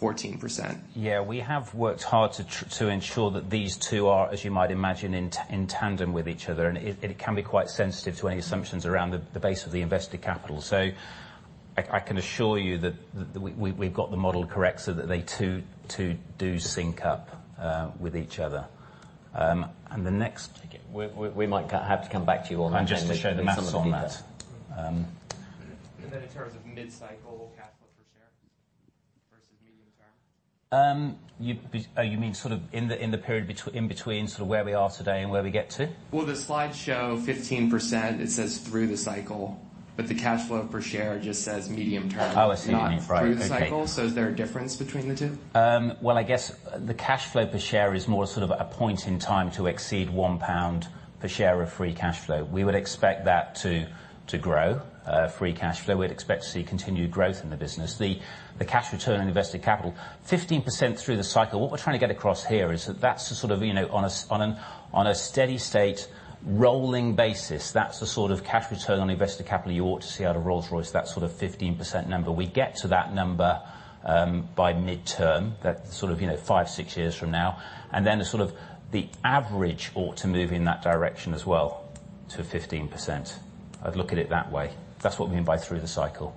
14%. We have worked hard to ensure that these two are, as you might imagine, in tandem with each other. It can be quite sensitive to any assumptions around the base of the invested capital. I can assure you that we've got the model correct so that they two do sync up with each other. Just to show the maths on that. in terms of mid-cycle cash flow per share versus medium-term. You mean sort of in the period in between where we are today and where we get to? The slide show 15%, it says through the cycle, but the cash flow per share just says medium-term. I see what you mean. Right. Okay It's not through the cycle. Is there a difference between the two? I guess the cash flow per share is more sort of a point in time to exceed 1 pound per share of free cash flow. We would expect that to grow, free cash flow. We'd expect to see continued growth in the business. The cash return on invested capital, 15% through the cycle. What we're trying to get across here is that that's on a steady state, rolling basis. That's the sort of cash return on invested capital you ought to see out of Rolls-Royce, that sort of 15% number. We get to that number by midterm, that sort of five, six years from now, the sort of the average ought to move in that direction as well to 15%. I'd look at it that way. That's what we mean by through the cycle.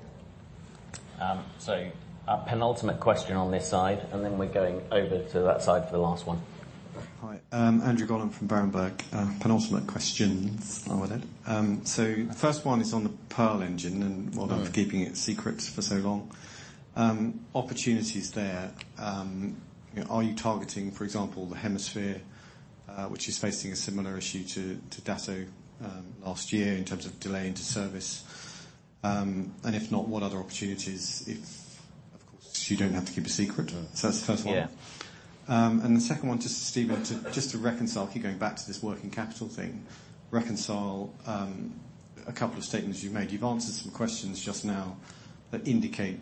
Our penultimate question on this side, and then we're going over to that side for the last one. Hi. Andrew Gollan from Berenberg. Penultimate questions on with it. The first one is on the Pearl engine, and well done for keeping it secret for so long. Opportunities there, are you targeting, for example, the Hemisphere, which is facing a similar issue to Dassault last year in terms of delay into service? If not, what other opportunities, if, of course, you don't have to keep it secret. That's the first one. Yeah. The second one, just to Stephen, just to reconcile, keep going back to this working capital thing, reconcile a couple of statements you've made. You've answered some questions just now that indicate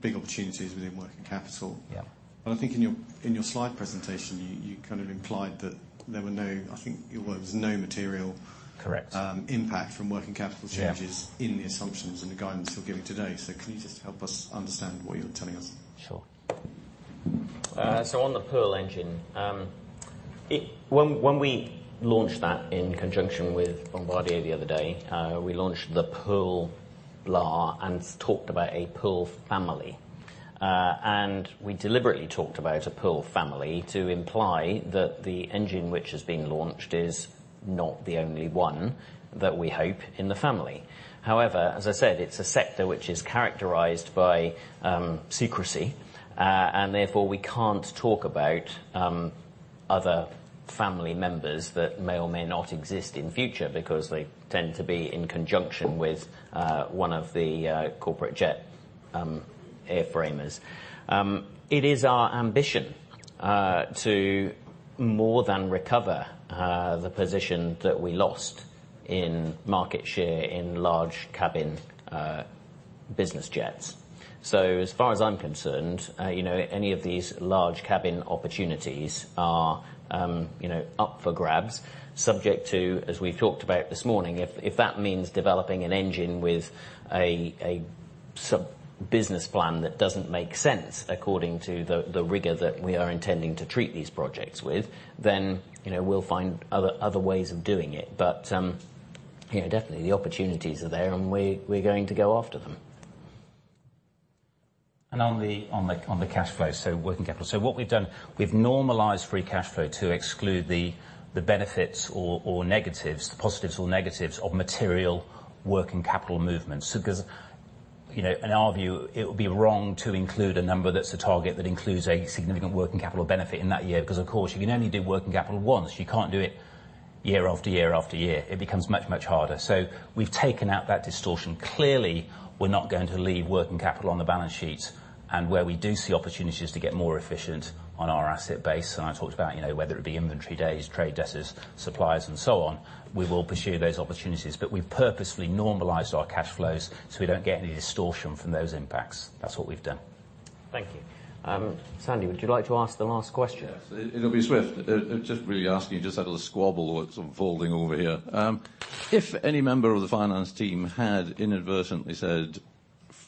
big opportunities within working capital. Yeah. I think in your slide presentation, you kind of implied that there were no, I think your words, no material- Correct impact from working capital changes Yeah in the assumptions and the guidance you're giving today. Can you just help us understand what you're telling us? Sure. On the Pearl engine. When we launched that in conjunction with Bombardier the other day, we launched the Pearl, [inaudible] and talked about a Pearl family. We deliberately talked about a Pearl family to imply that the engine which is being launched is not the only one that we hope in the family. However, as I said, it's a sector which is characterized by secrecy. Therefore, we can't talk about other family members that may or may not exist in future because they tend to be in conjunction with one of the corporate jet airframers. It is our ambition to more than recover the position that we lost in market share in large cabin business jets. As far as I'm concerned, any of these large cabin opportunities are up for grabs subject to, as we've talked about this morning, if that means developing an engine with a sub-business plan that doesn't make sense according to the rigor that we are intending to treat these projects with, then we'll find other ways of doing it. Definitely the opportunities are there, and we're going to go after them. On the cash flow, working capital. What we've done, we've normalized free cash flow to exclude the benefits or negatives, the positives or negatives of material working capital movements. Because in our view, it would be wrong to include a number that's a target that includes a significant working capital benefit in that year because, of course, you can only do working capital once. You can't do it year after year. It becomes much, much harder. We've taken out that distortion. Clearly, we're not going to leave working capital on the balance sheet. Where we do see opportunities to get more efficient on our asset base, and I talked about, whether it be inventory days, trade debtors, suppliers, and so on, we will pursue those opportunities. We've purposefully normalized our cash flows so we don't get any distortion from those impacts. That's what we've done. Thank you. Sandy, would you like to ask the last question? Yes. It'll be swift. Just really asking you, just out of the squabble that's unfolding over here. If any member of the finance team had inadvertently said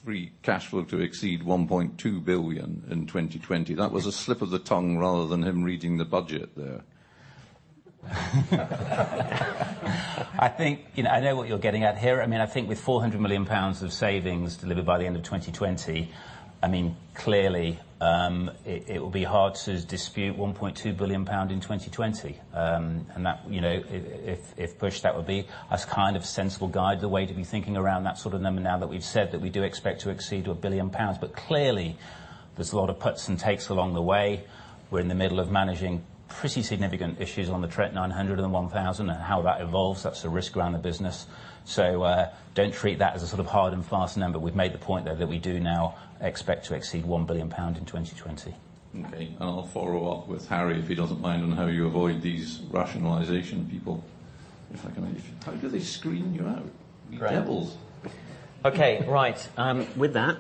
free cash flow to exceed 1.2 billion in 2020, that was a slip of the tongue rather than him reading the budget there. I think I know what you're getting at here. I think with 400 million pounds of savings delivered by the end of 2020, clearly, it would be hard to dispute 1.2 billion pound in 2020. That if pushed, that would be as kind of sensible guide the way to be thinking around that sort of number now that we've said that we do expect to exceed 1 billion pounds. Clearly, there's a lot of puts and takes along the way. We're in the middle of managing pretty significant issues on the Trent 900 and Trent 1000 and how that evolves. That's a risk around the business. Don't treat that as a sort of hard and fast number. We've made the point, though, that we do now expect to exceed 1 billion pound in 2020. Okay. I'll follow up with Harry, if he doesn't mind, on how you avoid these rationalization people. If I can ask you. How do they screen you out? Right. You devils. Okay, right. With that,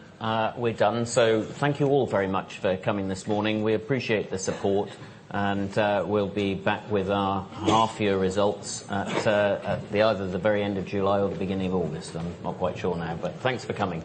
we're done. Thank you all very much for coming this morning. We appreciate the support. We'll be back with our half year results at either the very end of July or the beginning of August. I'm not quite sure now, thanks for coming.